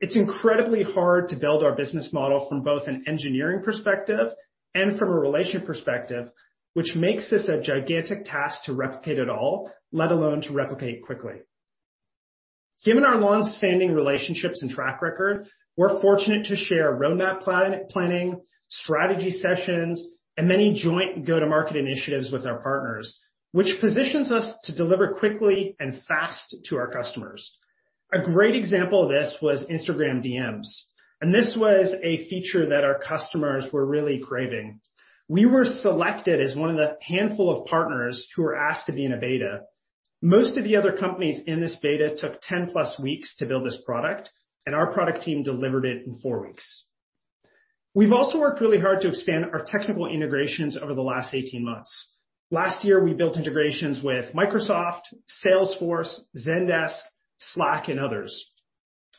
It's incredibly hard to build our business model from both an engineering perspective and from a relation perspective, which makes this a gigantic task to replicate at all, let alone to replicate quickly. Given our longstanding relationships and track record, we're fortunate to share roadmap planning, strategy sessions, and many joint go-to-market initiatives with our partners, which positions us to deliver quickly and fast to our customers. A great example of this was Instagram DMs, and this was a feature that our customers were really craving. We were selected as one of the handful of partners who were asked to be in a beta. Most of the other companies in this beta took 10+ weeks to build this product, and our product team delivered it in four weeks. We've also worked really hard to expand our technical integrations over the last 18 months. Last year, we built integrations with Microsoft, Salesforce, Zendesk, Slack, and others.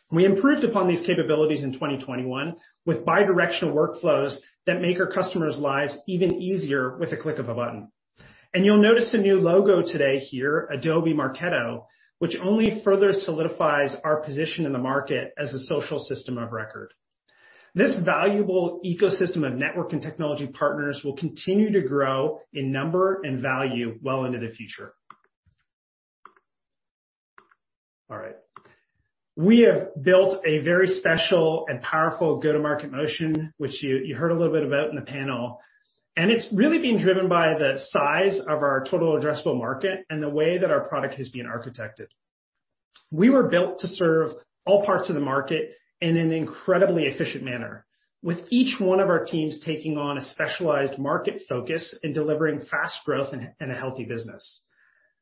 We improved upon these capabilities in 2021 with bi-directional workflows that make our customers' lives even easier with a click of a button. You'll notice a new logo today here, Adobe Marketo, which only further solidifies our position in the market as a social system of record. This valuable ecosystem of network and technology partners will continue to grow in number and value well into the future. All right. We have built a very special and powerful go-to-market motion, which you heard a little bit about in the panel, and it's really being driven by the size of our total addressable market and the way that our product has been architected. We were built to serve all parts of the market in an incredibly efficient manner, with each one of our teams taking on a specialized market focus and delivering fast growth and a healthy business.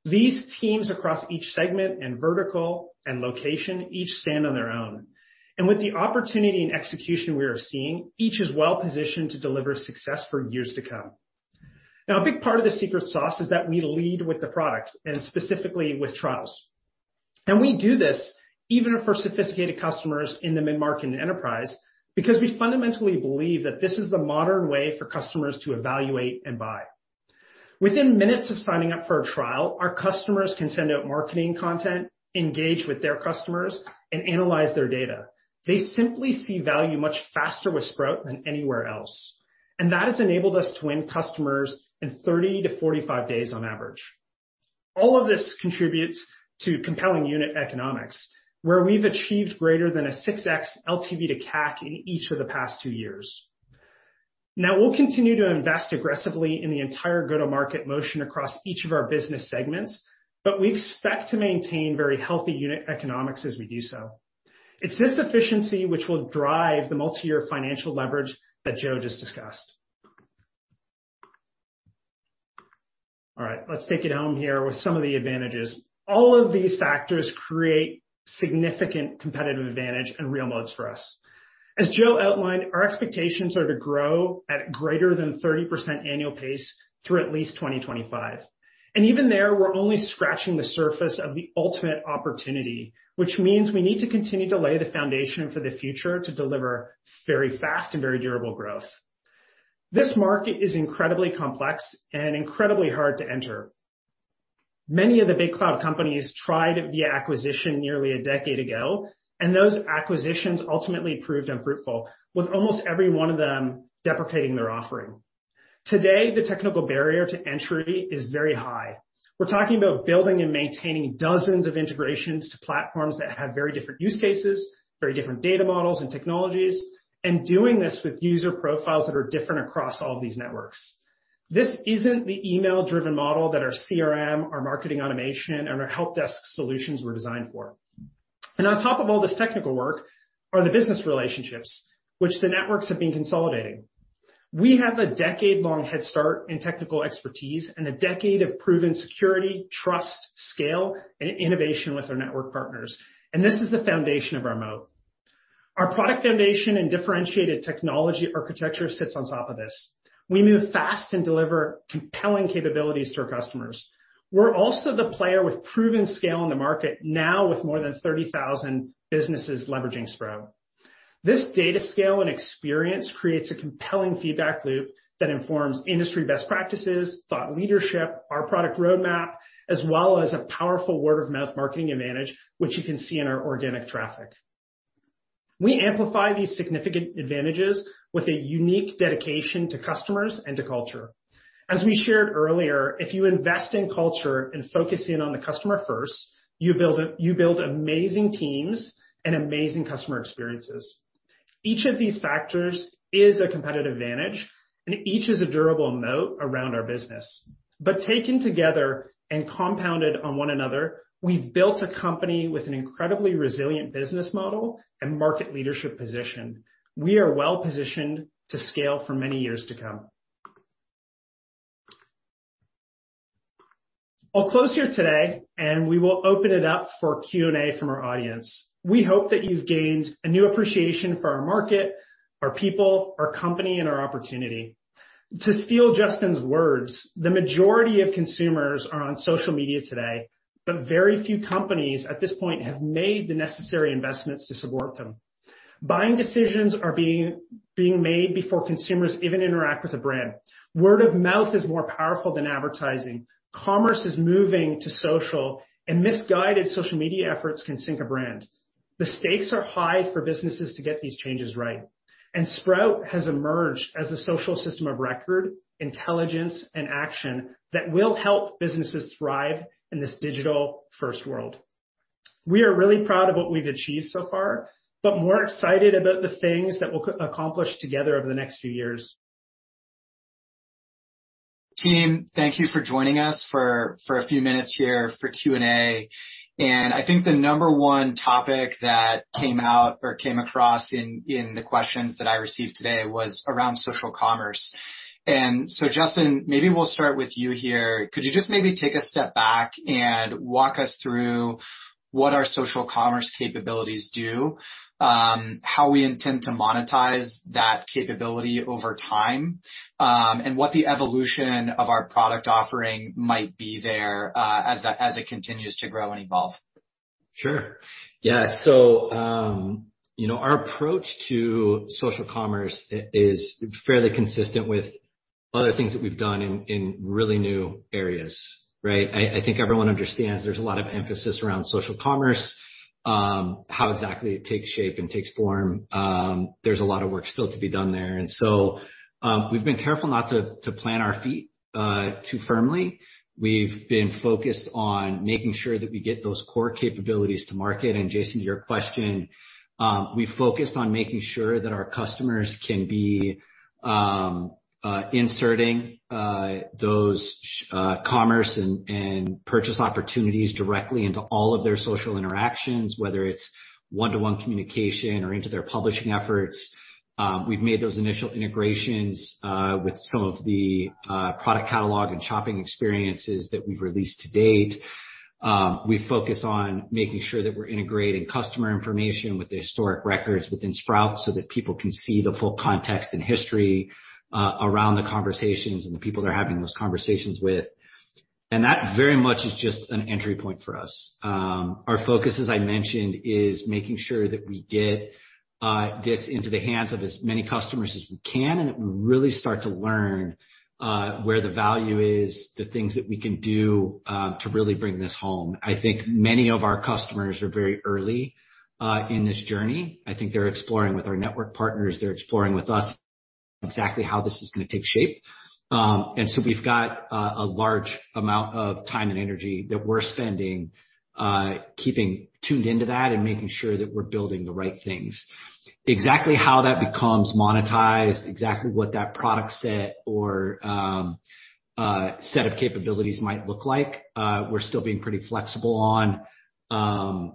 These teams across each segment and vertical and location each stand on their own. With the opportunity and execution we are seeing, each is well-positioned to deliver success for years to come. A big part of the secret sauce is that we lead with the product, and specifically with trials. We do this even for sophisticated customers in the mid-market and enterprise because we fundamentally believe that this is the modern way for customers to evaluate and buy. Within minutes of signing up for a trial, our customers can send out marketing content, engage with their customers, and analyze their data. They simply see value much faster with Sprout than anywhere else, and that has enabled us to win customers in 30-45 days on average. All of this contributes to compelling unit economics, where we've achieved greater than a 6x LTV:CAC in each of the past two years. Now, we'll continue to invest aggressively in the entire go-to-market motion across each of our business segments, but we expect to maintain very healthy unit economics as we do so. It's this efficiency which will drive the multi-year financial leverage that Joe just discussed. All right, let's take it home here with some of the advantages. All of these factors create significant competitive advantage and real modes for us. As Joe outlined, our expectations are to grow at greater than 30% annual pace through at least 2025. Even there, we're only scratching the surface of the ultimate opportunity, which means we need to continue to lay the foundation for the future to deliver very fast and very durable growth. This market is incredibly complex and incredibly hard to enter. Many of the big cloud companies tried the acquisition nearly a decade ago, and those acquisitions ultimately proved unfruitful, with almost every one of them deprecating their offering. Today, the technical barrier to entry is very high. We're talking about building and maintaining dozens of integrations to platforms that have very different use cases, very different data models and technologies, and doing this with user profiles that are different across all of these networks. This isn't the email-driven model that our CRM, our marketing automation, and our help desk solutions were designed for. On top of all this technical work are the business relationships which the networks have been consolidating. We have a decade-long head start in technical expertise and a decade of proven security, trust, scale, and innovation with our network partners. This is the foundation of our moat. Our product foundation and differentiated technology architecture sits on top of this. We move fast and deliver compelling capabilities to our customers. We're also the player with proven scale in the market, now with more than 30,000 businesses leveraging Sprout. This data scale and experience creates a compelling feedback loop that informs industry best practices, thought leadership, our product roadmap, as well as a powerful word-of-mouth marketing advantage, which you can see in our organic traffic. We amplify these significant advantages with a unique dedication to customers and to culture. As we shared earlier, if you invest in culture and focus in on the customer first, you build amazing teams and amazing customer experiences. Each of these factors is a competitive advantage, and each is a durable moat around our business. Taken together and compounded on one another, we've built a company with an incredibly resilient business model and market leadership position. We are well-positioned to scale for many years to come. I'll close here today, and we will open it up for Q&A from our audience. We hope that you've gained a new appreciation for our market, our people, our company, and our opportunity. To steal Justyn's words, the majority of consumers are on social media today, but very few companies at this point have made the necessary investments to support them. Buying decisions are being made before consumers even interact with a brand. Word of mouth is more powerful than advertising. Commerce is moving to social, and misguided social media efforts can sink a brand. The stakes are high for businesses to get these changes right, and Sprout has emerged as a social system of record, intelligence, and action that will help businesses thrive in this digital-first world. We are really proud of what we've achieved so far, but more excited about the things that we'll accomplish together over the next few years. Team, thank you for joining us for a few minutes here for Q&A. I think the number one topic that came out or came across in the questions that I received today was around social commerce. Justyn, maybe we'll start with you here. Could you just maybe take a step back and walk us through what our social commerce capabilities do, how we intend to monetize that capability over time, and what the evolution of our product offering might be there as it continues to grow and evolve? Sure. Yeah. Our approach to social commerce is fairly consistent with other things that we've done in really new areas, right? I think everyone understands there's a lot of emphasis around social commerce, how exactly it takes shape and takes form. There's a lot of work still to be done there. We've been careful not to plant our feet too firmly. We've been focused on making sure that we get those core capabilities to market. Jason, to your question, we focused on making sure that our customers can be inserting those commerce and purchase opportunities directly into all of their social interactions, whether it's one-to-one communication or into their publishing efforts. We've made those initial integrations with some of the product catalog and shopping experiences that we've released to date. We focus on making sure that we're integrating customer information with the historic records within Sprout Social so that people can see the full context and history around the conversations and the people they're having those conversations with. That very much is just an entry point for us. Our focus, as I mentioned, is making sure that we get this into the hands of as many customers as we can and really start to learn where the value is, the things that we can do to really bring this home. I think many of our customers are very early in this journey. I think they're exploring with our network partners, they're exploring with us exactly how this is going to take shape. We've got a large amount of time and energy that we're spending keeping tuned into that and making sure that we're building the right things. Exactly how that becomes monetized, exactly what that product set or set of capabilities might look like, we're still being pretty flexible on.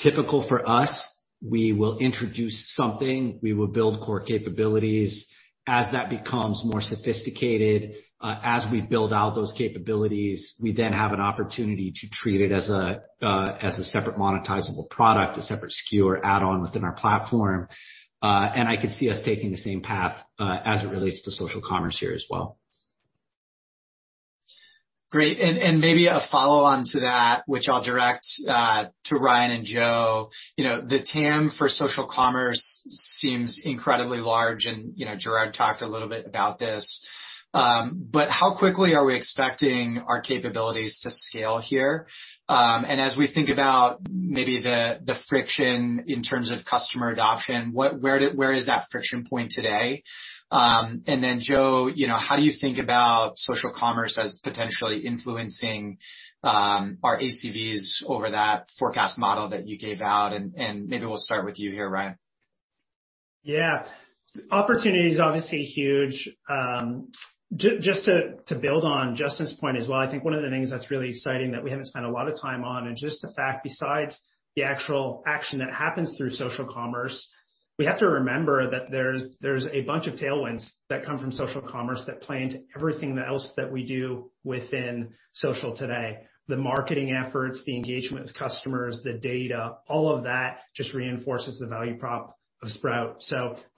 Typical for us, we will introduce something, we will build core capabilities. As that becomes more sophisticated, as we build out those capabilities, we then have an opportunity to treat it as a separate monetizable product, a separate SKU or add-on within our platform. I could see us taking the same path as it relates to social commerce here as well. Great. Maybe a follow-on to that, which I'll direct to Ryan and Joe. The TAM for social commerce seems incredibly large, and Gerard talked a little bit about this. How quickly are we expecting our capabilities to scale here? As we think about maybe the friction in terms of customer adoption, where is that friction point today? Then Joe, how do you think about social commerce as potentially influencing our ACVs over that forecast model that you gave out? Maybe we'll start with you here, Ryan. Yeah. Opportunity is obviously huge. Just to build on Justyn's point as well, I think one of the things that's really exciting that we haven't spent a lot of time on is just the fact, besides the actual action that happens through social commerce, we have to remember that there's a bunch of tailwinds that come from social commerce that play into everything else that we do within social today. The marketing efforts, the engagement with customers, the data, all of that just reinforces the value prop of Sprout.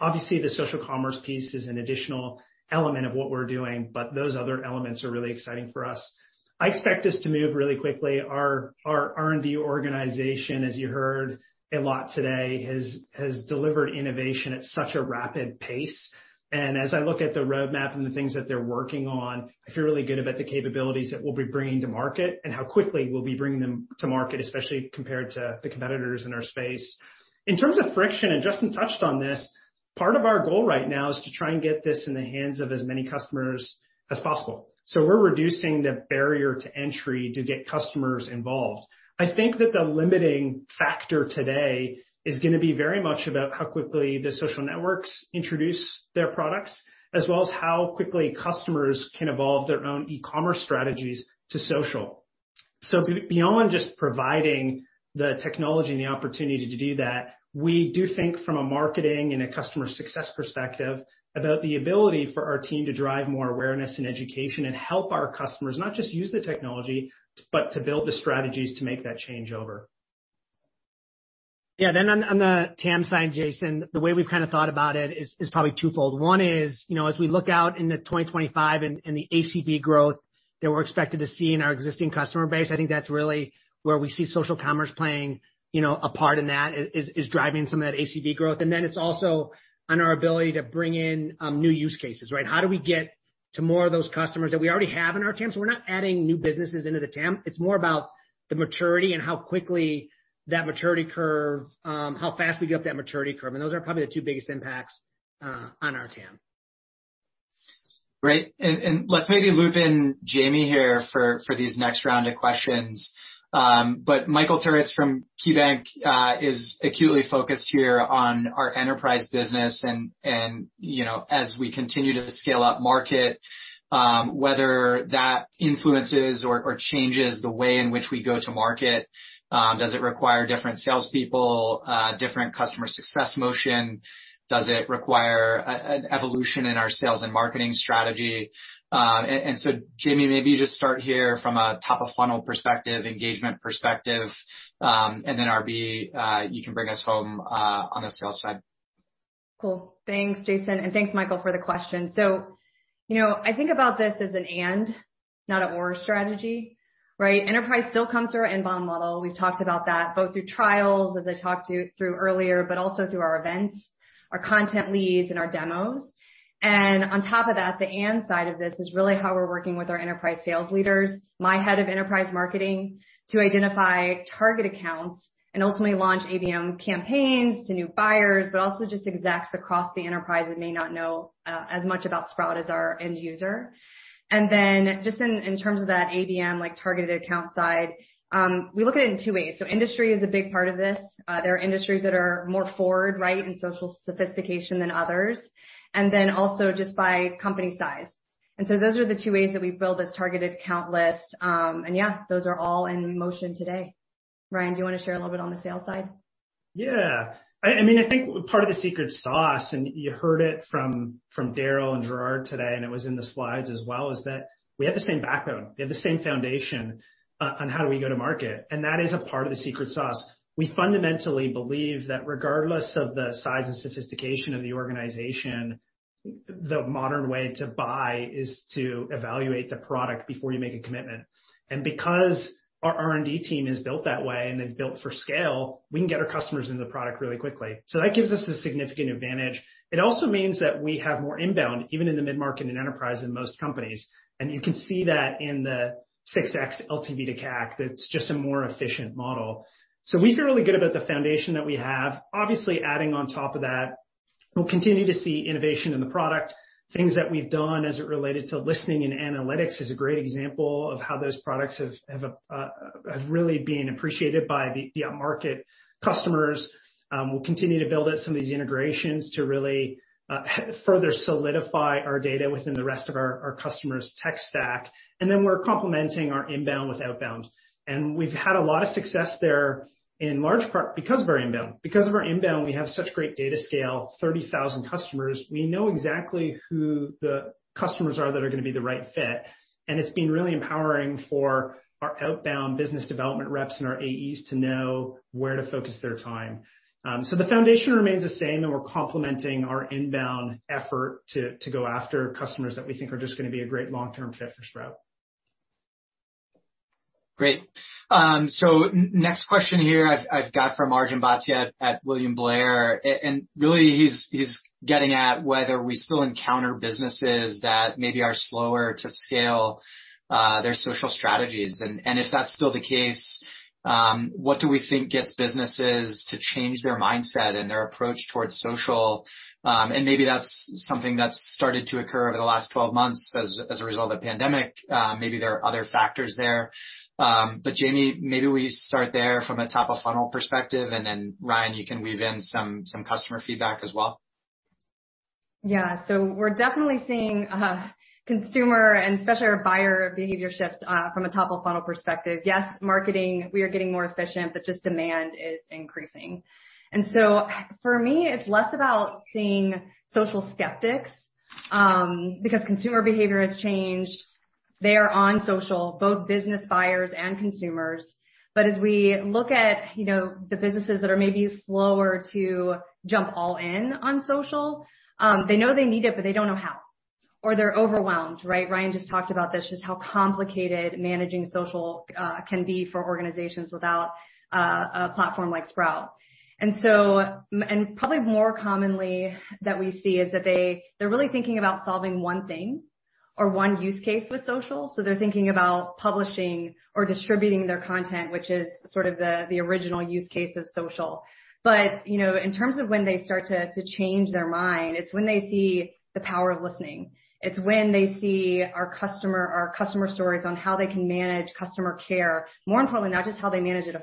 Obviously, the social commerce piece is an additional element of what we're doing, but those other elements are really exciting for us. I expect us to move really quickly. Our R&D organization, as you heard a lot today, has delivered innovation at such a rapid pace. As I look at the roadmap and the things that they're working on, I feel really good about the capabilities that we'll be bringing to market and how quickly we'll be bringing them to market, especially compared to the competitors in our space. In terms of friction, Justyn touched on this, part of our goal right now is to try and get this in the hands of as many customers as possible. We're reducing the barrier to entry to get customers involved. I think that the limiting factor today is going to be very much about how quickly the social networks introduce their products, as well as how quickly customers can evolve their own e-commerce strategies to social. Beyond just providing the technology and the opportunity to do that, we do think from a marketing and a customer success perspective about the ability for our team to drive more awareness and education and help our customers not just use the technology, but to build the strategies to make that changeover. Yeah. On the TAM side, Jason, the way we've kind of thought about it is probably twofold. One is, as we look out into 2025 and the ACV growth that we're expected to see in our existing customer base, I think that's really where we see social commerce playing a part in that, is driving some of that ACV growth. It's also on our ability to bring in new use cases, right? How do we get to more of those customers that we already have in our TAM? We're not adding new businesses into the TAM. It's more about the maturity and how fast we go up that maturity curve. Those are probably the two biggest impacts on our TAM. Great. Let's maybe loop in Jamie here for these next round of questions. Michael Turits from KeyBanc Capital Markets is acutely focused here on our enterprise business and as we continue to scale up market, whether that influences or changes the way in which we go to market. Does it require different salespeople, different customer success motion? Does it require an evolution in our sales and marketing strategy? Jamie, maybe just start here from a top-of-funnel perspective, engagement perspective, and then RB, you can bring us home on the sales side. Cool. Thanks, Jason, and thanks Michael for the question. I think about this as an and not a or strategy, right? Enterprise still comes through our inbound model. We've talked about that both through trials, as I talked through earlier, but also through our events, our content leads, and our demos. On top of that, the and side of this is really how we're working with our enterprise sales leaders, my head of enterprise marketing, to identify target accounts and ultimately launch ABM campaigns to new buyers, but also just execs across the enterprise that may not know as much about Sprout as our end user. Just in terms of that ABM targeted account side, we look at it in two ways. Industry is a big part of this. There are industries that are more forward, right, in social sophistication than others. Then also just by company size. So those are the two ways that we build this targeted account list. Yeah, those are all in motion today. Ryan, do you want to share a little bit on the sales side? I think part of the secret sauce, you heard it from Daryl and Gerard today, it was in the slides as well, is that we have the same backbone. We have the same foundation on how we go to market, that is a part of the secret sauce. We fundamentally believe that regardless of the size and sophistication of the organization, the modern way to buy is to evaluate the product before you make a commitment. Because our R&D team is built that way, and is built for scale, we can get our customers into the product really quickly. That gives us a significant advantage. It also means that we have more inbound, even in the mid-market and enterprise than most companies. You can see that in the 6x LTV:CAC, that it's just a more efficient model. We feel really good about the foundation that we have. Obviously, adding on top of that, we'll continue to see innovation in the product. Things that we've done as it related to Listening and analytics is a great example of how those products have really been appreciated by the market customers. We'll continue to build out some of these integrations to really further solidify our data within the rest of our customer's tech stack. We're complementing our inbound with outbound. We've had a lot of success there, in large part because of our inbound. Because of our inbound, we have such great data scale, 30,000 customers. We know exactly who the customers are that are going to be the right fit, and it's been really empowering for our outbound business development reps and our AEs to know where to focus their time. The foundation remains the same, and we're complementing our inbound effort to go after customers that we think are just going to be a great long-term fit for Sprout. Great. Next question here I've got from Arjun Bhatia at William Blair, Really, he's getting at whether we still encounter businesses that maybe are slower to scale their social strategies. If that's still the case, what do we think gets businesses to change their mindset and their approach towards social? Maybe that's something that's started to occur over the last 12 months as a result of the pandemic. Maybe there are other factors there. Jamie, maybe we start there from a top-of-funnel perspective, and then Ryan, you can weave in some customer feedback as well. We're definitely seeing consumer and especially our buyer behavior shift from a top-of-funnel perspective. Yes, marketing, we are getting more efficient, but just demand is increasing. For me, it's less about seeing social skeptics, because consumer behavior has changed. They are on social, both business buyers and consumers. As we look at the businesses that are maybe slower to jump all in on social, they know they need it, but they don't know how, or they're overwhelmed, right? Ryan just talked about this, just how complicated managing social can be for organizations without a platform like Sprout. Probably more commonly that we see is that they're really thinking about solving one thing or one use case with social. They're thinking about publishing or distributing their content, which is sort of the original use case of social. In terms of when they start to change their mind, it's when they see the power of Listening. It's when they see our customer stories on how they can manage customer care. More importantly, not just how they manage it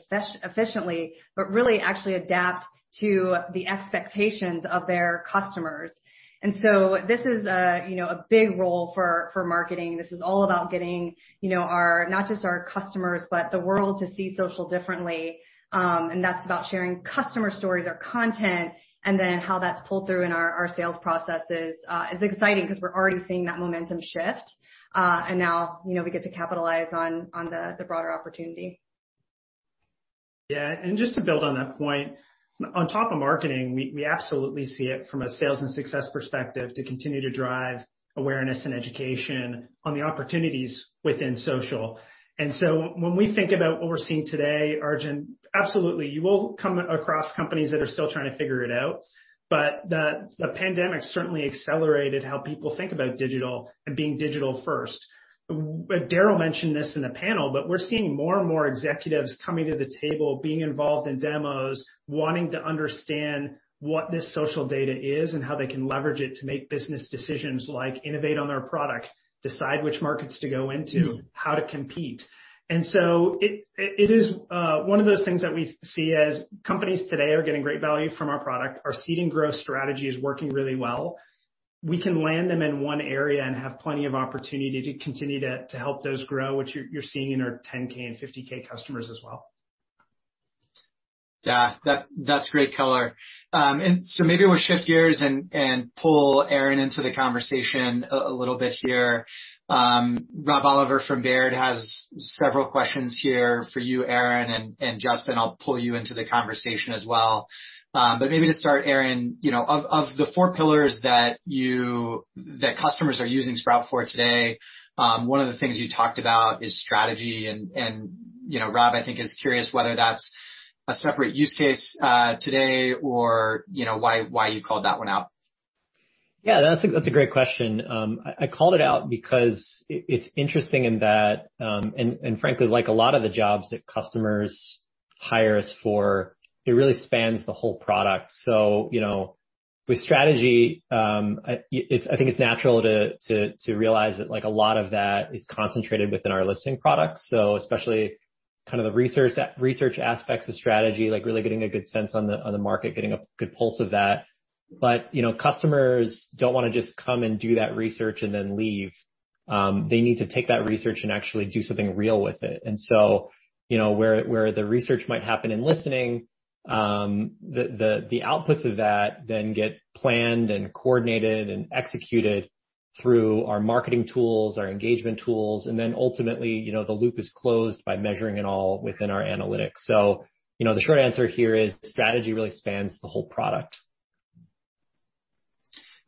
efficiently, but really actually adapt to the expectations of their customers. This is a big role for marketing. This is all about getting not just our customers, but the world to see social differently. That's about sharing customer stories or content, and then how that's pulled through in our sales processes. It's exciting because we're already seeing that momentum shift. Now we get to capitalize on the broader opportunity. Yeah. Just to build on that point, on top of marketing, we absolutely see it from a sales and success perspective to continue to drive awareness and education on the opportunities within social. When we think about what we're seeing today, Arjun, absolutely, you will come across companies that are still trying to figure it out. The pandemic certainly accelerated how people think about digital and being digital first. Daryl mentioned this in the panel, but we're seeing more and more executives coming to the table, being involved in demos, wanting to understand what this social data is and how they can leverage it to make business decisions like innovate on their product, decide which markets to go into. how to compete. It is one of those things that we see as companies today are getting great value from our product. Our seed and growth strategy is working really well. We can land them in one area and have plenty of opportunity to continue to help those grow, which you're seeing in our $10,000 and $50,000 customers as well. Yeah. That's great color. Maybe we'll shift gears and pull Aaron into the conversation a little bit here. Rob Oliver from Baird has several questions here for you, Aaron, and Justyn, I'll pull you into the conversation as well. Maybe to start, Aaron, of the four pillars that customers are using Sprout for today, one of the things you talked about is strategy, and Rob, I think, is curious whether that's a separate use case today or why you called that one out. Yeah. That's a great question. I called it out because it's interesting in that, frankly, like a lot of the jobs that customers hire us for, it really spans the whole product. With strategy, I think it's natural to realize that a lot of that is concentrated within our Listening products. Especially kind of the research aspects of strategy, like really getting a good sense on the market, getting a good pulse of that. Customers don't want to just come and do that research and then leave. They need to take that research and actually do something real with it. Where the research might happen in Listening, the outputs of that then get planned and coordinated and executed through our marketing tools, our engagement tools, and then ultimately, the loop is closed by measuring it all within our analytics. The short answer here is strategy really spans the whole product.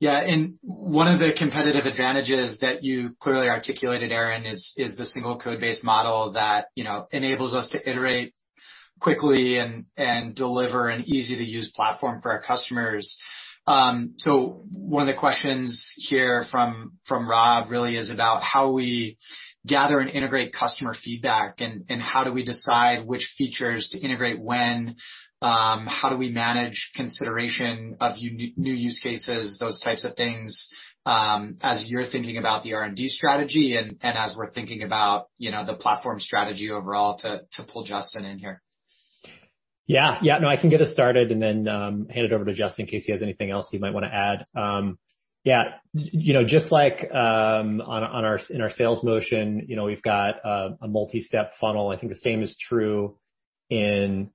Yeah. One of the competitive advantages that you clearly articulated, Aaron, is the single code-based model that enables us to iterate quickly and deliver an easy-to-use platform for our customers. One of the questions here from Rob really is about how we gather and integrate customer feedback, and how do we decide which features to integrate when? How do we manage consideration of new use cases, those types of things, as you're thinking about the R&D strategy and as we're thinking about the platform strategy overall to pull Justyn in here. No, I can get us started and then hand it over to Justyn in case he has anything else he might want to add. Just like in our sales motion, we've got a multi-step funnel. I think the same is true in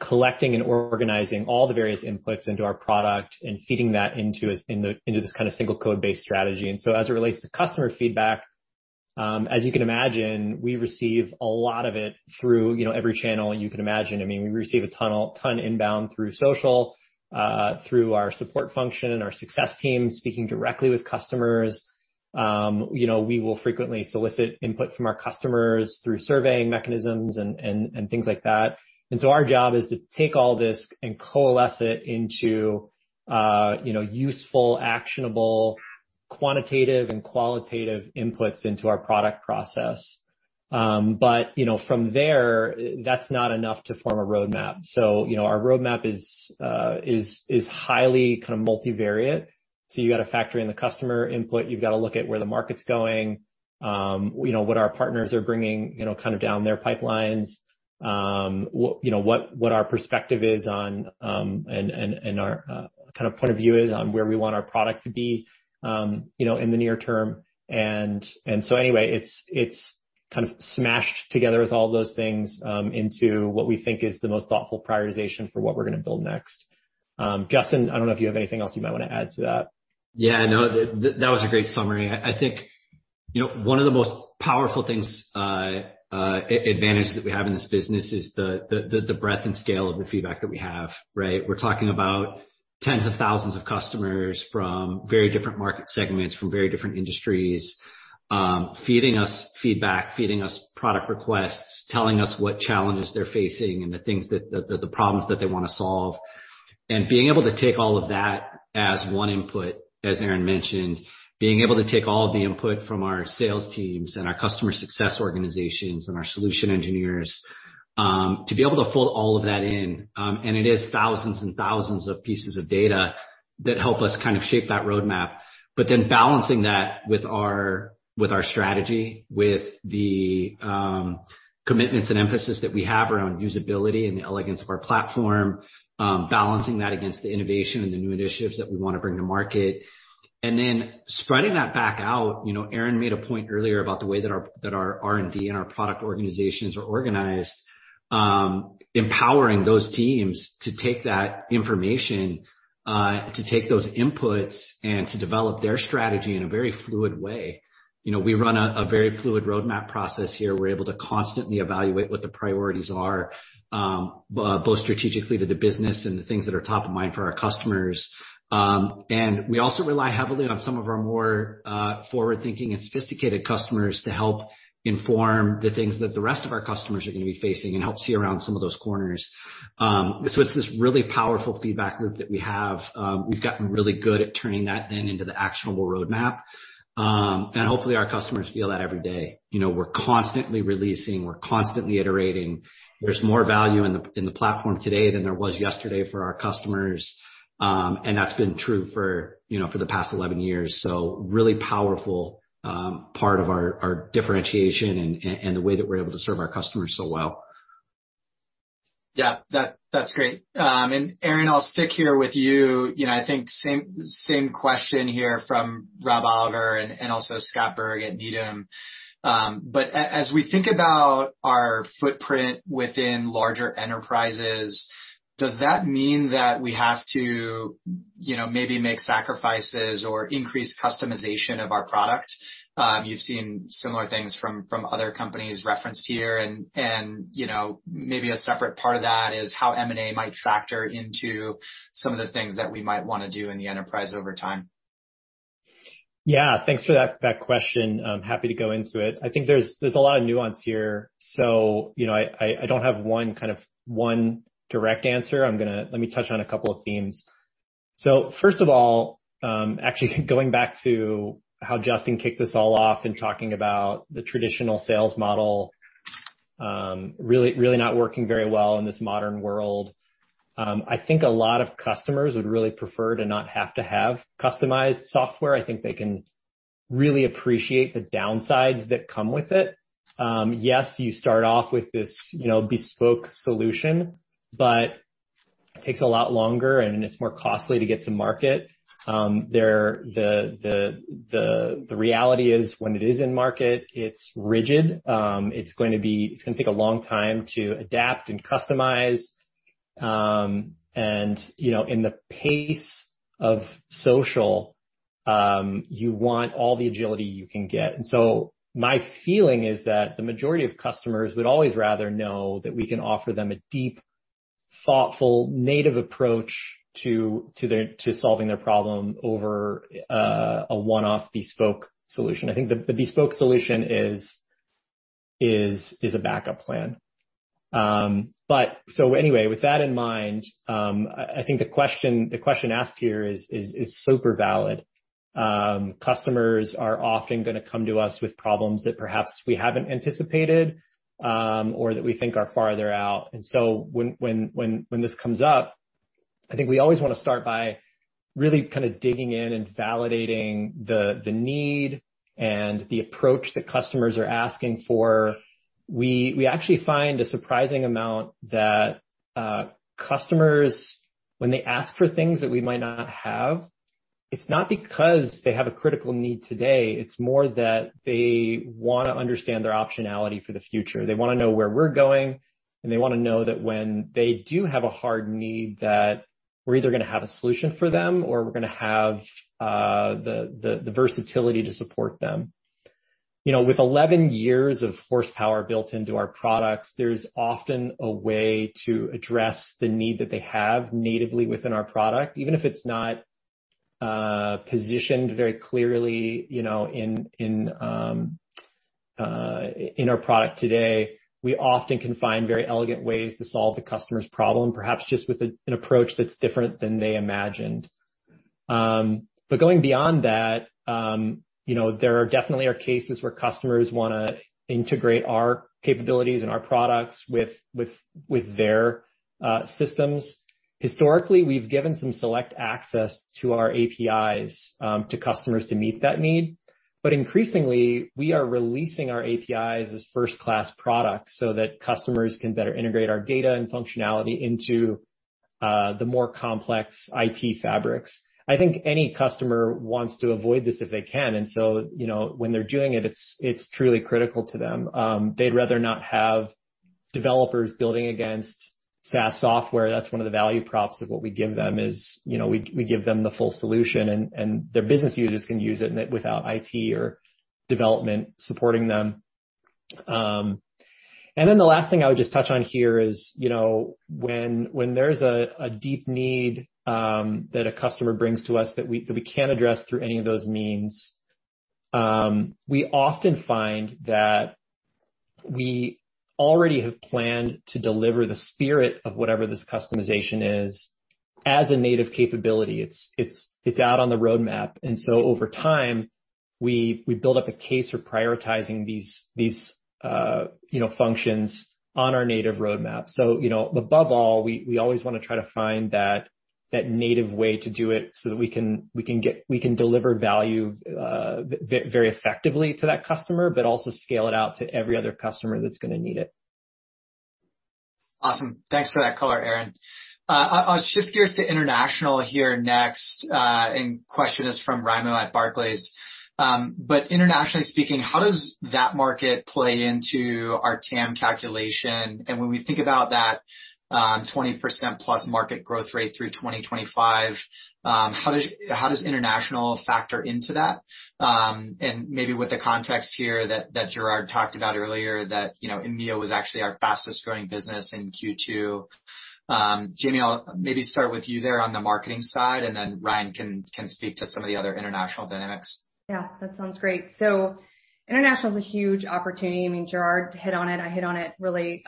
collecting and organizing all the various inputs into our product and feeding that into this kind of single code-based strategy. As it relates to customer feedback, as you can imagine, we receive a lot of it through every channel you could imagine. I mean, we receive a ton inbound through social, through our support function and our success team, speaking directly with customers. We will frequently solicit input from our customers through surveying mechanisms and things like that. Our job is to take all this and coalesce it into useful, actionable, quantitative and qualitative inputs into our product process. From there, that's not enough to form a roadmap. Our roadmap is highly kind of multivariate. You've got to factor in the customer input. You've got to look at where the market's going. What our partners are bringing kind of down their pipelines. What our perspective is on, and our kind of point of view is on where we want our product to be, in the near term. Anyway, it's kind of smashed together with all those things into what we think is the most thoughtful prioritization for what we're going to build next. Justyn, I don't know if you have anything else you might want to add to that. Yeah, no, that was a great summary. I think one of the most powerful advantages that we have in this business is the breadth and scale of the feedback that we have, right? We're talking about tens of thousands of customers from very different market segments, from very different industries, feeding us feedback, feeding us product requests, telling us what challenges they're facing and the problems that they want to solve. Being able to take all of that as one input, as Aaron mentioned, being able to take all of the input from our sales teams and our customer success organizations and our solution engineers, to be able to fold all of that in, and it is thousands and thousands of pieces of data that help us shape that roadmap. Balancing that with our strategy, with the commitments and emphasis that we have around usability and the elegance of our platform, balancing that against the innovation and the new initiatives that we want to bring to market. Spreading that back out. Aaron made a point earlier about the way that our R&D and our product organizations are organized, empowering those teams to take that information, to take those inputs, and to develop their strategy in a very fluid way. We run a very fluid roadmap process here. We're able to constantly evaluate what the priorities are, both strategically to the business and the things that are top of mind for our customers. We also rely heavily on some of our more forward-thinking and sophisticated customers to help inform the things that the rest of our customers are going to be facing and help see around some of those corners. It's this really powerful feedback loop that we have. We've gotten really good at turning that then into the actionable roadmap. Hopefully, our customers feel that every day. We're constantly releasing, we're constantly iterating. There's more value in the platform today than there was yesterday for our customers. That's been true for the past 11 years, so really powerful part of our differentiation and the way that we're able to serve our customers so well. Yeah. That's great. Aaron, I'll stick here with you. I think same question here from Rob Oliver and also Scott Berg at Needham. As we think about our footprint within larger enterprises, does that mean that we have to maybe make sacrifices or increase customization of our product? You've seen similar things from other companies referenced here, and maybe a separate part of that is how M&A might factor into some of the things that we might want to do in the enterprise over time. Thanks for that question. Happy to go into it. I think there's a lot of nuance here. I don't have one direct answer. Let me touch on a couple of themes. First of all, actually going back to how Justyn kicked this all off in talking about the traditional sales model really not working very well in this modern world. I think a lot of customers would really prefer to not have to have customized software. I think they can really appreciate the downsides that come with it. Yes, you start off with this bespoke solution. It takes a lot longer, and it's more costly to get to market. The reality is when it is in market, it's rigid. It's going to take a long time to adapt and customize. In the pace of social, you want all the agility you can get. My feeling is that the majority of customers would always rather know that we can offer them a deep, thoughtful, native approach to solving their problem over a one-off bespoke solution. I think the bespoke solution is a backup plan. With that in mind, I think the question asked here is super valid. Customers are often going to come to us with problems that perhaps we haven't anticipated or that we think are farther out. When this comes up, I think we always want to start by really digging in and validating the need and the approach that customers are asking for. We actually find a surprising amount that customers, when they ask for things that we might not have, it's not because they have a critical need today. It's more that they want to understand their optionality for the future. They want to know where we're going, and they want to know that when they do have a hard need, that we're either going to have a solution for them or we're going to have the versatility to support them. With 11 years of horsepower built into our products, there's often a way to address the need that they have natively within our product. Even if it's not positioned very clearly in our product today, we often can find very elegant ways to solve the customer's problem, perhaps just with an approach that's different than they imagined. Going beyond that, there definitely are cases where customers want to integrate our capabilities and our products with their systems. Historically, we've given some select access to our APIs to customers to meet that need. Increasingly, we are releasing our APIs as first-class products so that customers can better integrate our data and functionality into the more complex IT fabrics. I think any customer wants to avoid this if they can. When they're doing it's truly critical to them. They'd rather not have developers building against SaaS software. That's one of the value props of what we give them is we give them the full solution, and their business users can use it without IT or development supporting them. The last thing I would just touch on here is when there's a deep need that a customer brings to us that we can't address through any of those means, we often find that we already have planned to deliver the spirit of whatever this customization is as a native capability. It's out on the roadmap. Over time, we build up a case for prioritizing these functions on our native roadmap. Above all, we always want to try to find that native way to do it so that we can deliver value very effectively to that customer, but also scale it out to every other customer that's going to need it. Awesome. Thanks for that color, Aaron. I'll shift gears to international here next. Question is from Raimo at Barclays. Internationally speaking, how does that market play into our TAM calculation? When we think about that 20%+ market growth rate through 2025, how does international factor into that? Maybe with the context here that Gerard talked about earlier, that EMEA was actually our fastest growing business in Q2. Jamie, I'll maybe start with you there on the marketing side, and then Ryan can speak to some of the other international dynamics. Yeah, that sounds great. International is a huge opportunity. I mean, Gerard hit on it. I hit on it really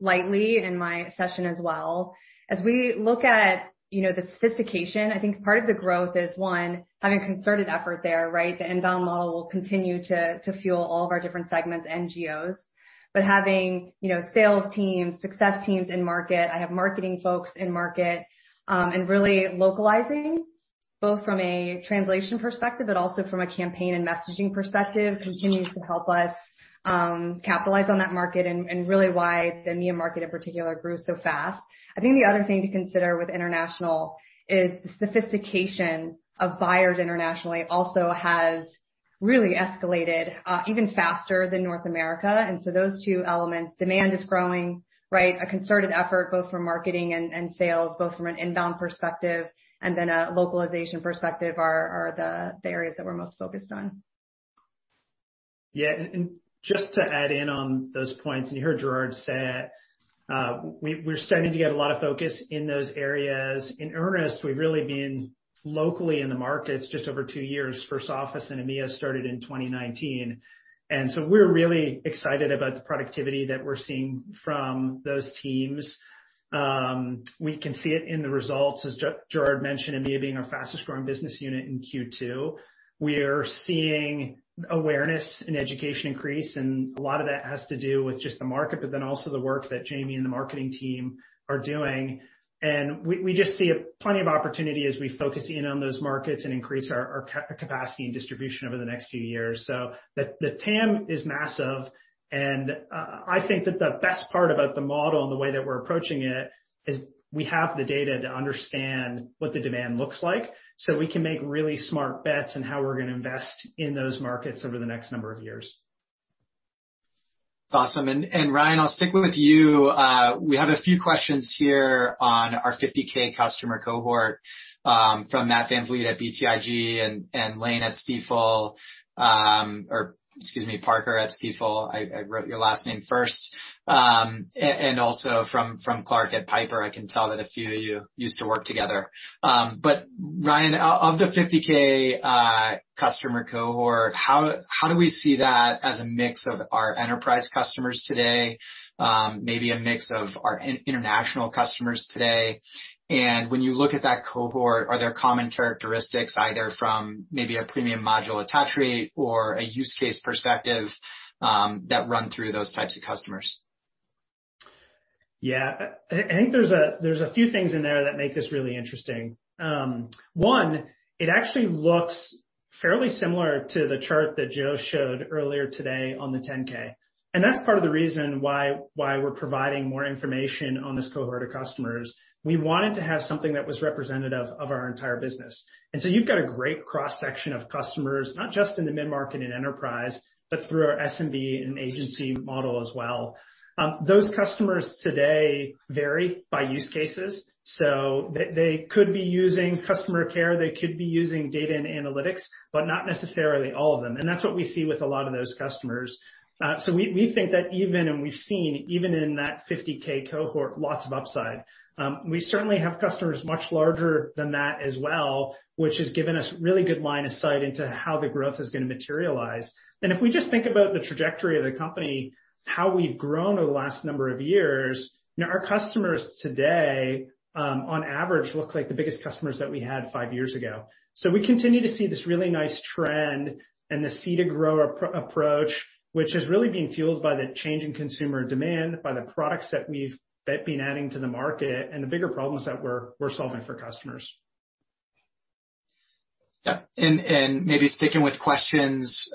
lightly in my session as well. As we look at the sophistication, I think part of the growth is, one, having concerted effort there, right? The inbound model will continue to fuel all of our different segments and geos. Having sales teams, success teams in market, I have marketing folks in market, and really localizing both from a translation perspective, but also from a campaign and messaging perspective, continues to help us capitalize on that market and really why the EMEA market, in particular, grew so fast. I think the other thing to consider with international is the sophistication of buyers internationally also has really escalated even faster than North America. Those two elements, demand is growing, right? A concerted effort both from marketing and sales, both from an inbound perspective and then a localization perspective are the areas that we're most focused on. Yeah. Just to add in on those points, you heard Gerard say it, we're starting to get a lot of focus in those areas. In earnest, we've really been locally in the markets just over two years. First office in EMEA started in 2019. We're really excited about the productivity that we're seeing from those teams. We can see it in the results, as Gerard mentioned, EMEA being our fastest growing business unit in Q2. We are seeing awareness and education increase, a lot of that has to do with just the market, also the work that Jamie and the marketing team are doing. We just see plenty of opportunity as we focus in on those markets and increase our capacity and distribution over the next few years. The TAM is massive, and I think that the best part about the model and the way that we're approaching it is we have the data to understand what the demand looks like, so we can make really smart bets on how we're going to invest in those markets over the next number of years. Awesome. Ryan, I'll stick with you. We have a few questions here on our $50,000 customer cohort from Matt VanVliet at BTIG and Lane at Stifel. Excuse me, Parker at Stifel. I wrote your last name first. Also from Clarke at Piper. I can tell that a few of you used to work together. Ryan, of the $50,000 customer cohort, how do we see that as a mix of our enterprise customers today, maybe a mix of our international customers today? When you look at that cohort, are there common characteristics either from maybe a premium module attach rate or a use case perspective that run through those types of customers? I think there's a few things in there that make this really interesting. One, it actually looks fairly similar to the chart that Joe showed earlier today on the $10,000. That's part of the reason why we're providing more information on this cohort of customers. We wanted to have something that was representative of our entire business. You've got a great cross-section of customers, not just in the mid-market and enterprise, but through our SMB and agency model as well. Those customers today vary by use cases, so they could be using customer care, they could be using data and analytics, but not necessarily all of them. That's what we see with a lot of those customers. We think that even, and we've seen, even in that $50,000 cohort, lots of upside. We certainly have customers much larger than that as well, which has given us really good line of sight into how the growth is going to materialize. If we just think about the trajectory of the company, how we've grown over the last number of years, our customers today, on average, look like the biggest customers that we had five years ago. We continue to see this really nice trend and the seed to grow approach, which is really being fueled by the change in consumer demand, by the products that we've been adding to the market, and the bigger problems that we're solving for customers. Yeah. Maybe sticking with questions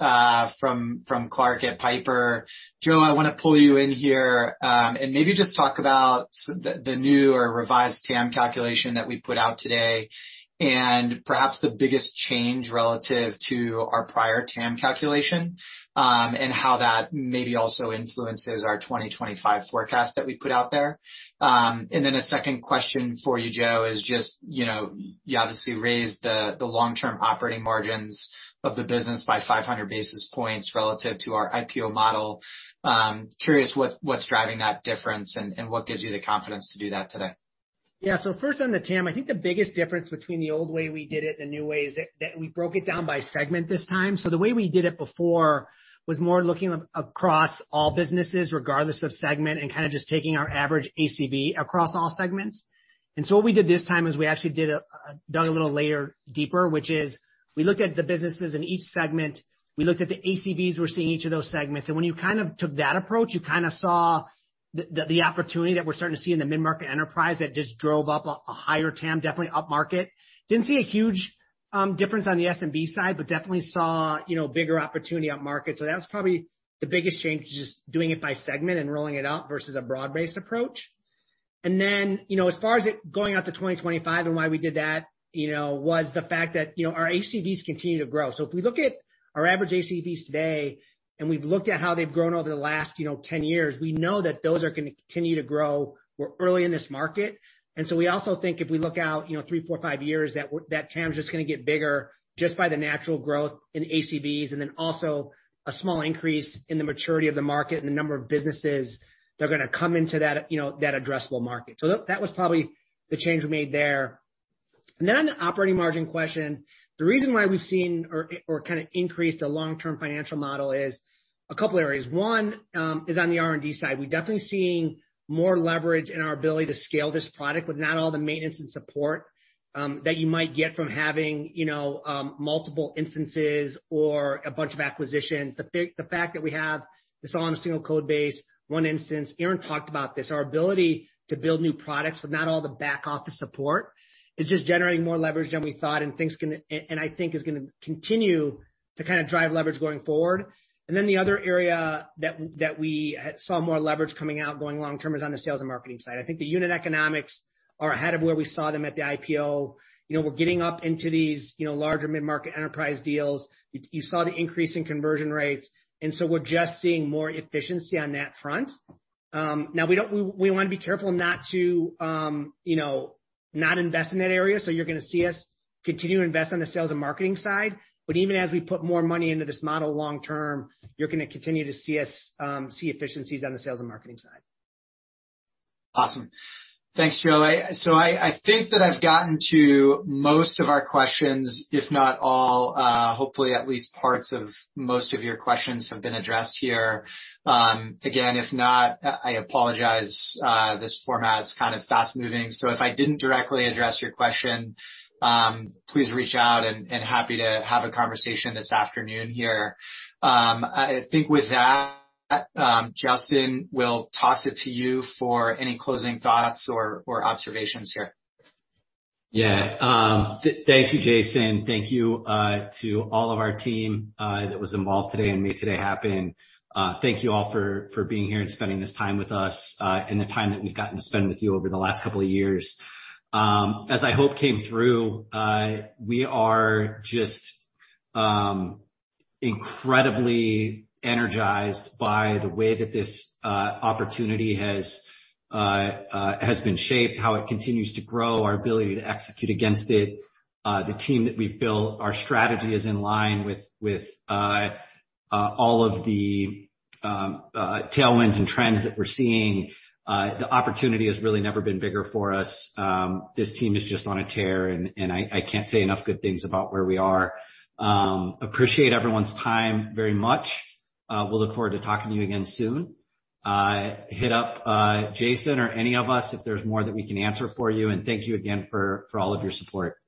from Clarke at Piper. Joe, I want to pull you in here, and maybe just talk about the new or revised TAM calculation that we put out today, and perhaps the biggest change relative to our prior TAM calculation, and how that maybe also influences our 2025 forecast that we put out there. A second question for you, Joe, is just you obviously raised the long-term operating margins of the business by 500 basis points relative to our IPO model. Curious what's driving that difference and what gives you the confidence to do that today? Yeah. First on the TAM, I think the biggest difference between the old way we did it and the new way is that we broke it down by segment this time. The way we did it before was more looking across all businesses, regardless of segment, and just taking our average ACV across all segments. What we did this time is we actually dug a little layer deeper, which is we looked at the businesses in each segment. We looked at the ACVs we're seeing each of those segments. When you took that approach, you saw the opportunity that we're starting to see in the mid-market enterprise that just drove up a higher TAM, definitely upmarket. Didn't see a huge difference on the SMB side, definitely saw bigger opportunity upmarket. That was probably the biggest change, just doing it by segment and rolling it up versus a broad-based approach. As far as it going out to 2025 and why we did that, was the fact that our ACVs continue to grow. If we look at our average ACVs today, and we've looked at how they've grown over the last 10 years, we know that those are going to continue to grow. We're early in this market. We also think if we look out three, four, five years, that TAM's just going to get bigger just by the natural growth in ACVs and then also a small increase in the maturity of the market and the number of businesses that are going to come into that addressable market. That was probably the change we made there. On the operating margin question, the reason why we've seen or increased a long-term financial model is a couple areas. One is on the R&D side. We're definitely seeing more leverage in our ability to scale this product with not all the maintenance and support that you might get from having multiple instances or a bunch of acquisitions. The fact that we have this all on a single code base, one instance, Aaron talked about this, our ability to build new products with not all the back-office support is just generating more leverage than we thought and I think is going to continue to drive leverage going forward. The other area that we saw more leverage coming out going long term is on the sales and marketing side. I think the unit economics are ahead of where we saw them at the IPO. We're getting up into these larger mid-market enterprise deals. You saw the increase in conversion rates. We're just seeing more efficiency on that front. Now we want to be careful not to not invest in that area. You're going to see us continue to invest on the sales and marketing side. Even as we put more money into this model long term, you're going to continue to see efficiencies on the sales and marketing side. Awesome. Thanks, Joe. I think that I've gotten to most of our questions, if not all. Hopefully, at least parts of most of your questions have been addressed here. Again, if not, I apologize. This format is kind of fast-moving, so if I didn't directly address your question, please reach out and happy to have a conversation this afternoon here. I think with that, Justyn, we'll toss it to you for any closing thoughts or observations here. Yeah. Thank you, Jason. Thank you to all of our team that was involved today and made today happen. Thank you all for being here and spending this time with us, and the time that we've gotten to spend with you over the last couple of years. As I hope came through, we are just incredibly energized by the way that this opportunity has been shaped, how it continues to grow, our ability to execute against it, the team that we've built. Our strategy is in line with all of the tailwinds and trends that we're seeing. The opportunity has really never been bigger for us. This team is just on a tear, and I can't say enough good things about where we are. Appreciate everyone's time very much. We'll look forward to talking to you again soon. Hit up Jason or any of us if there's more that we can answer for you, and thank you again for all of your support.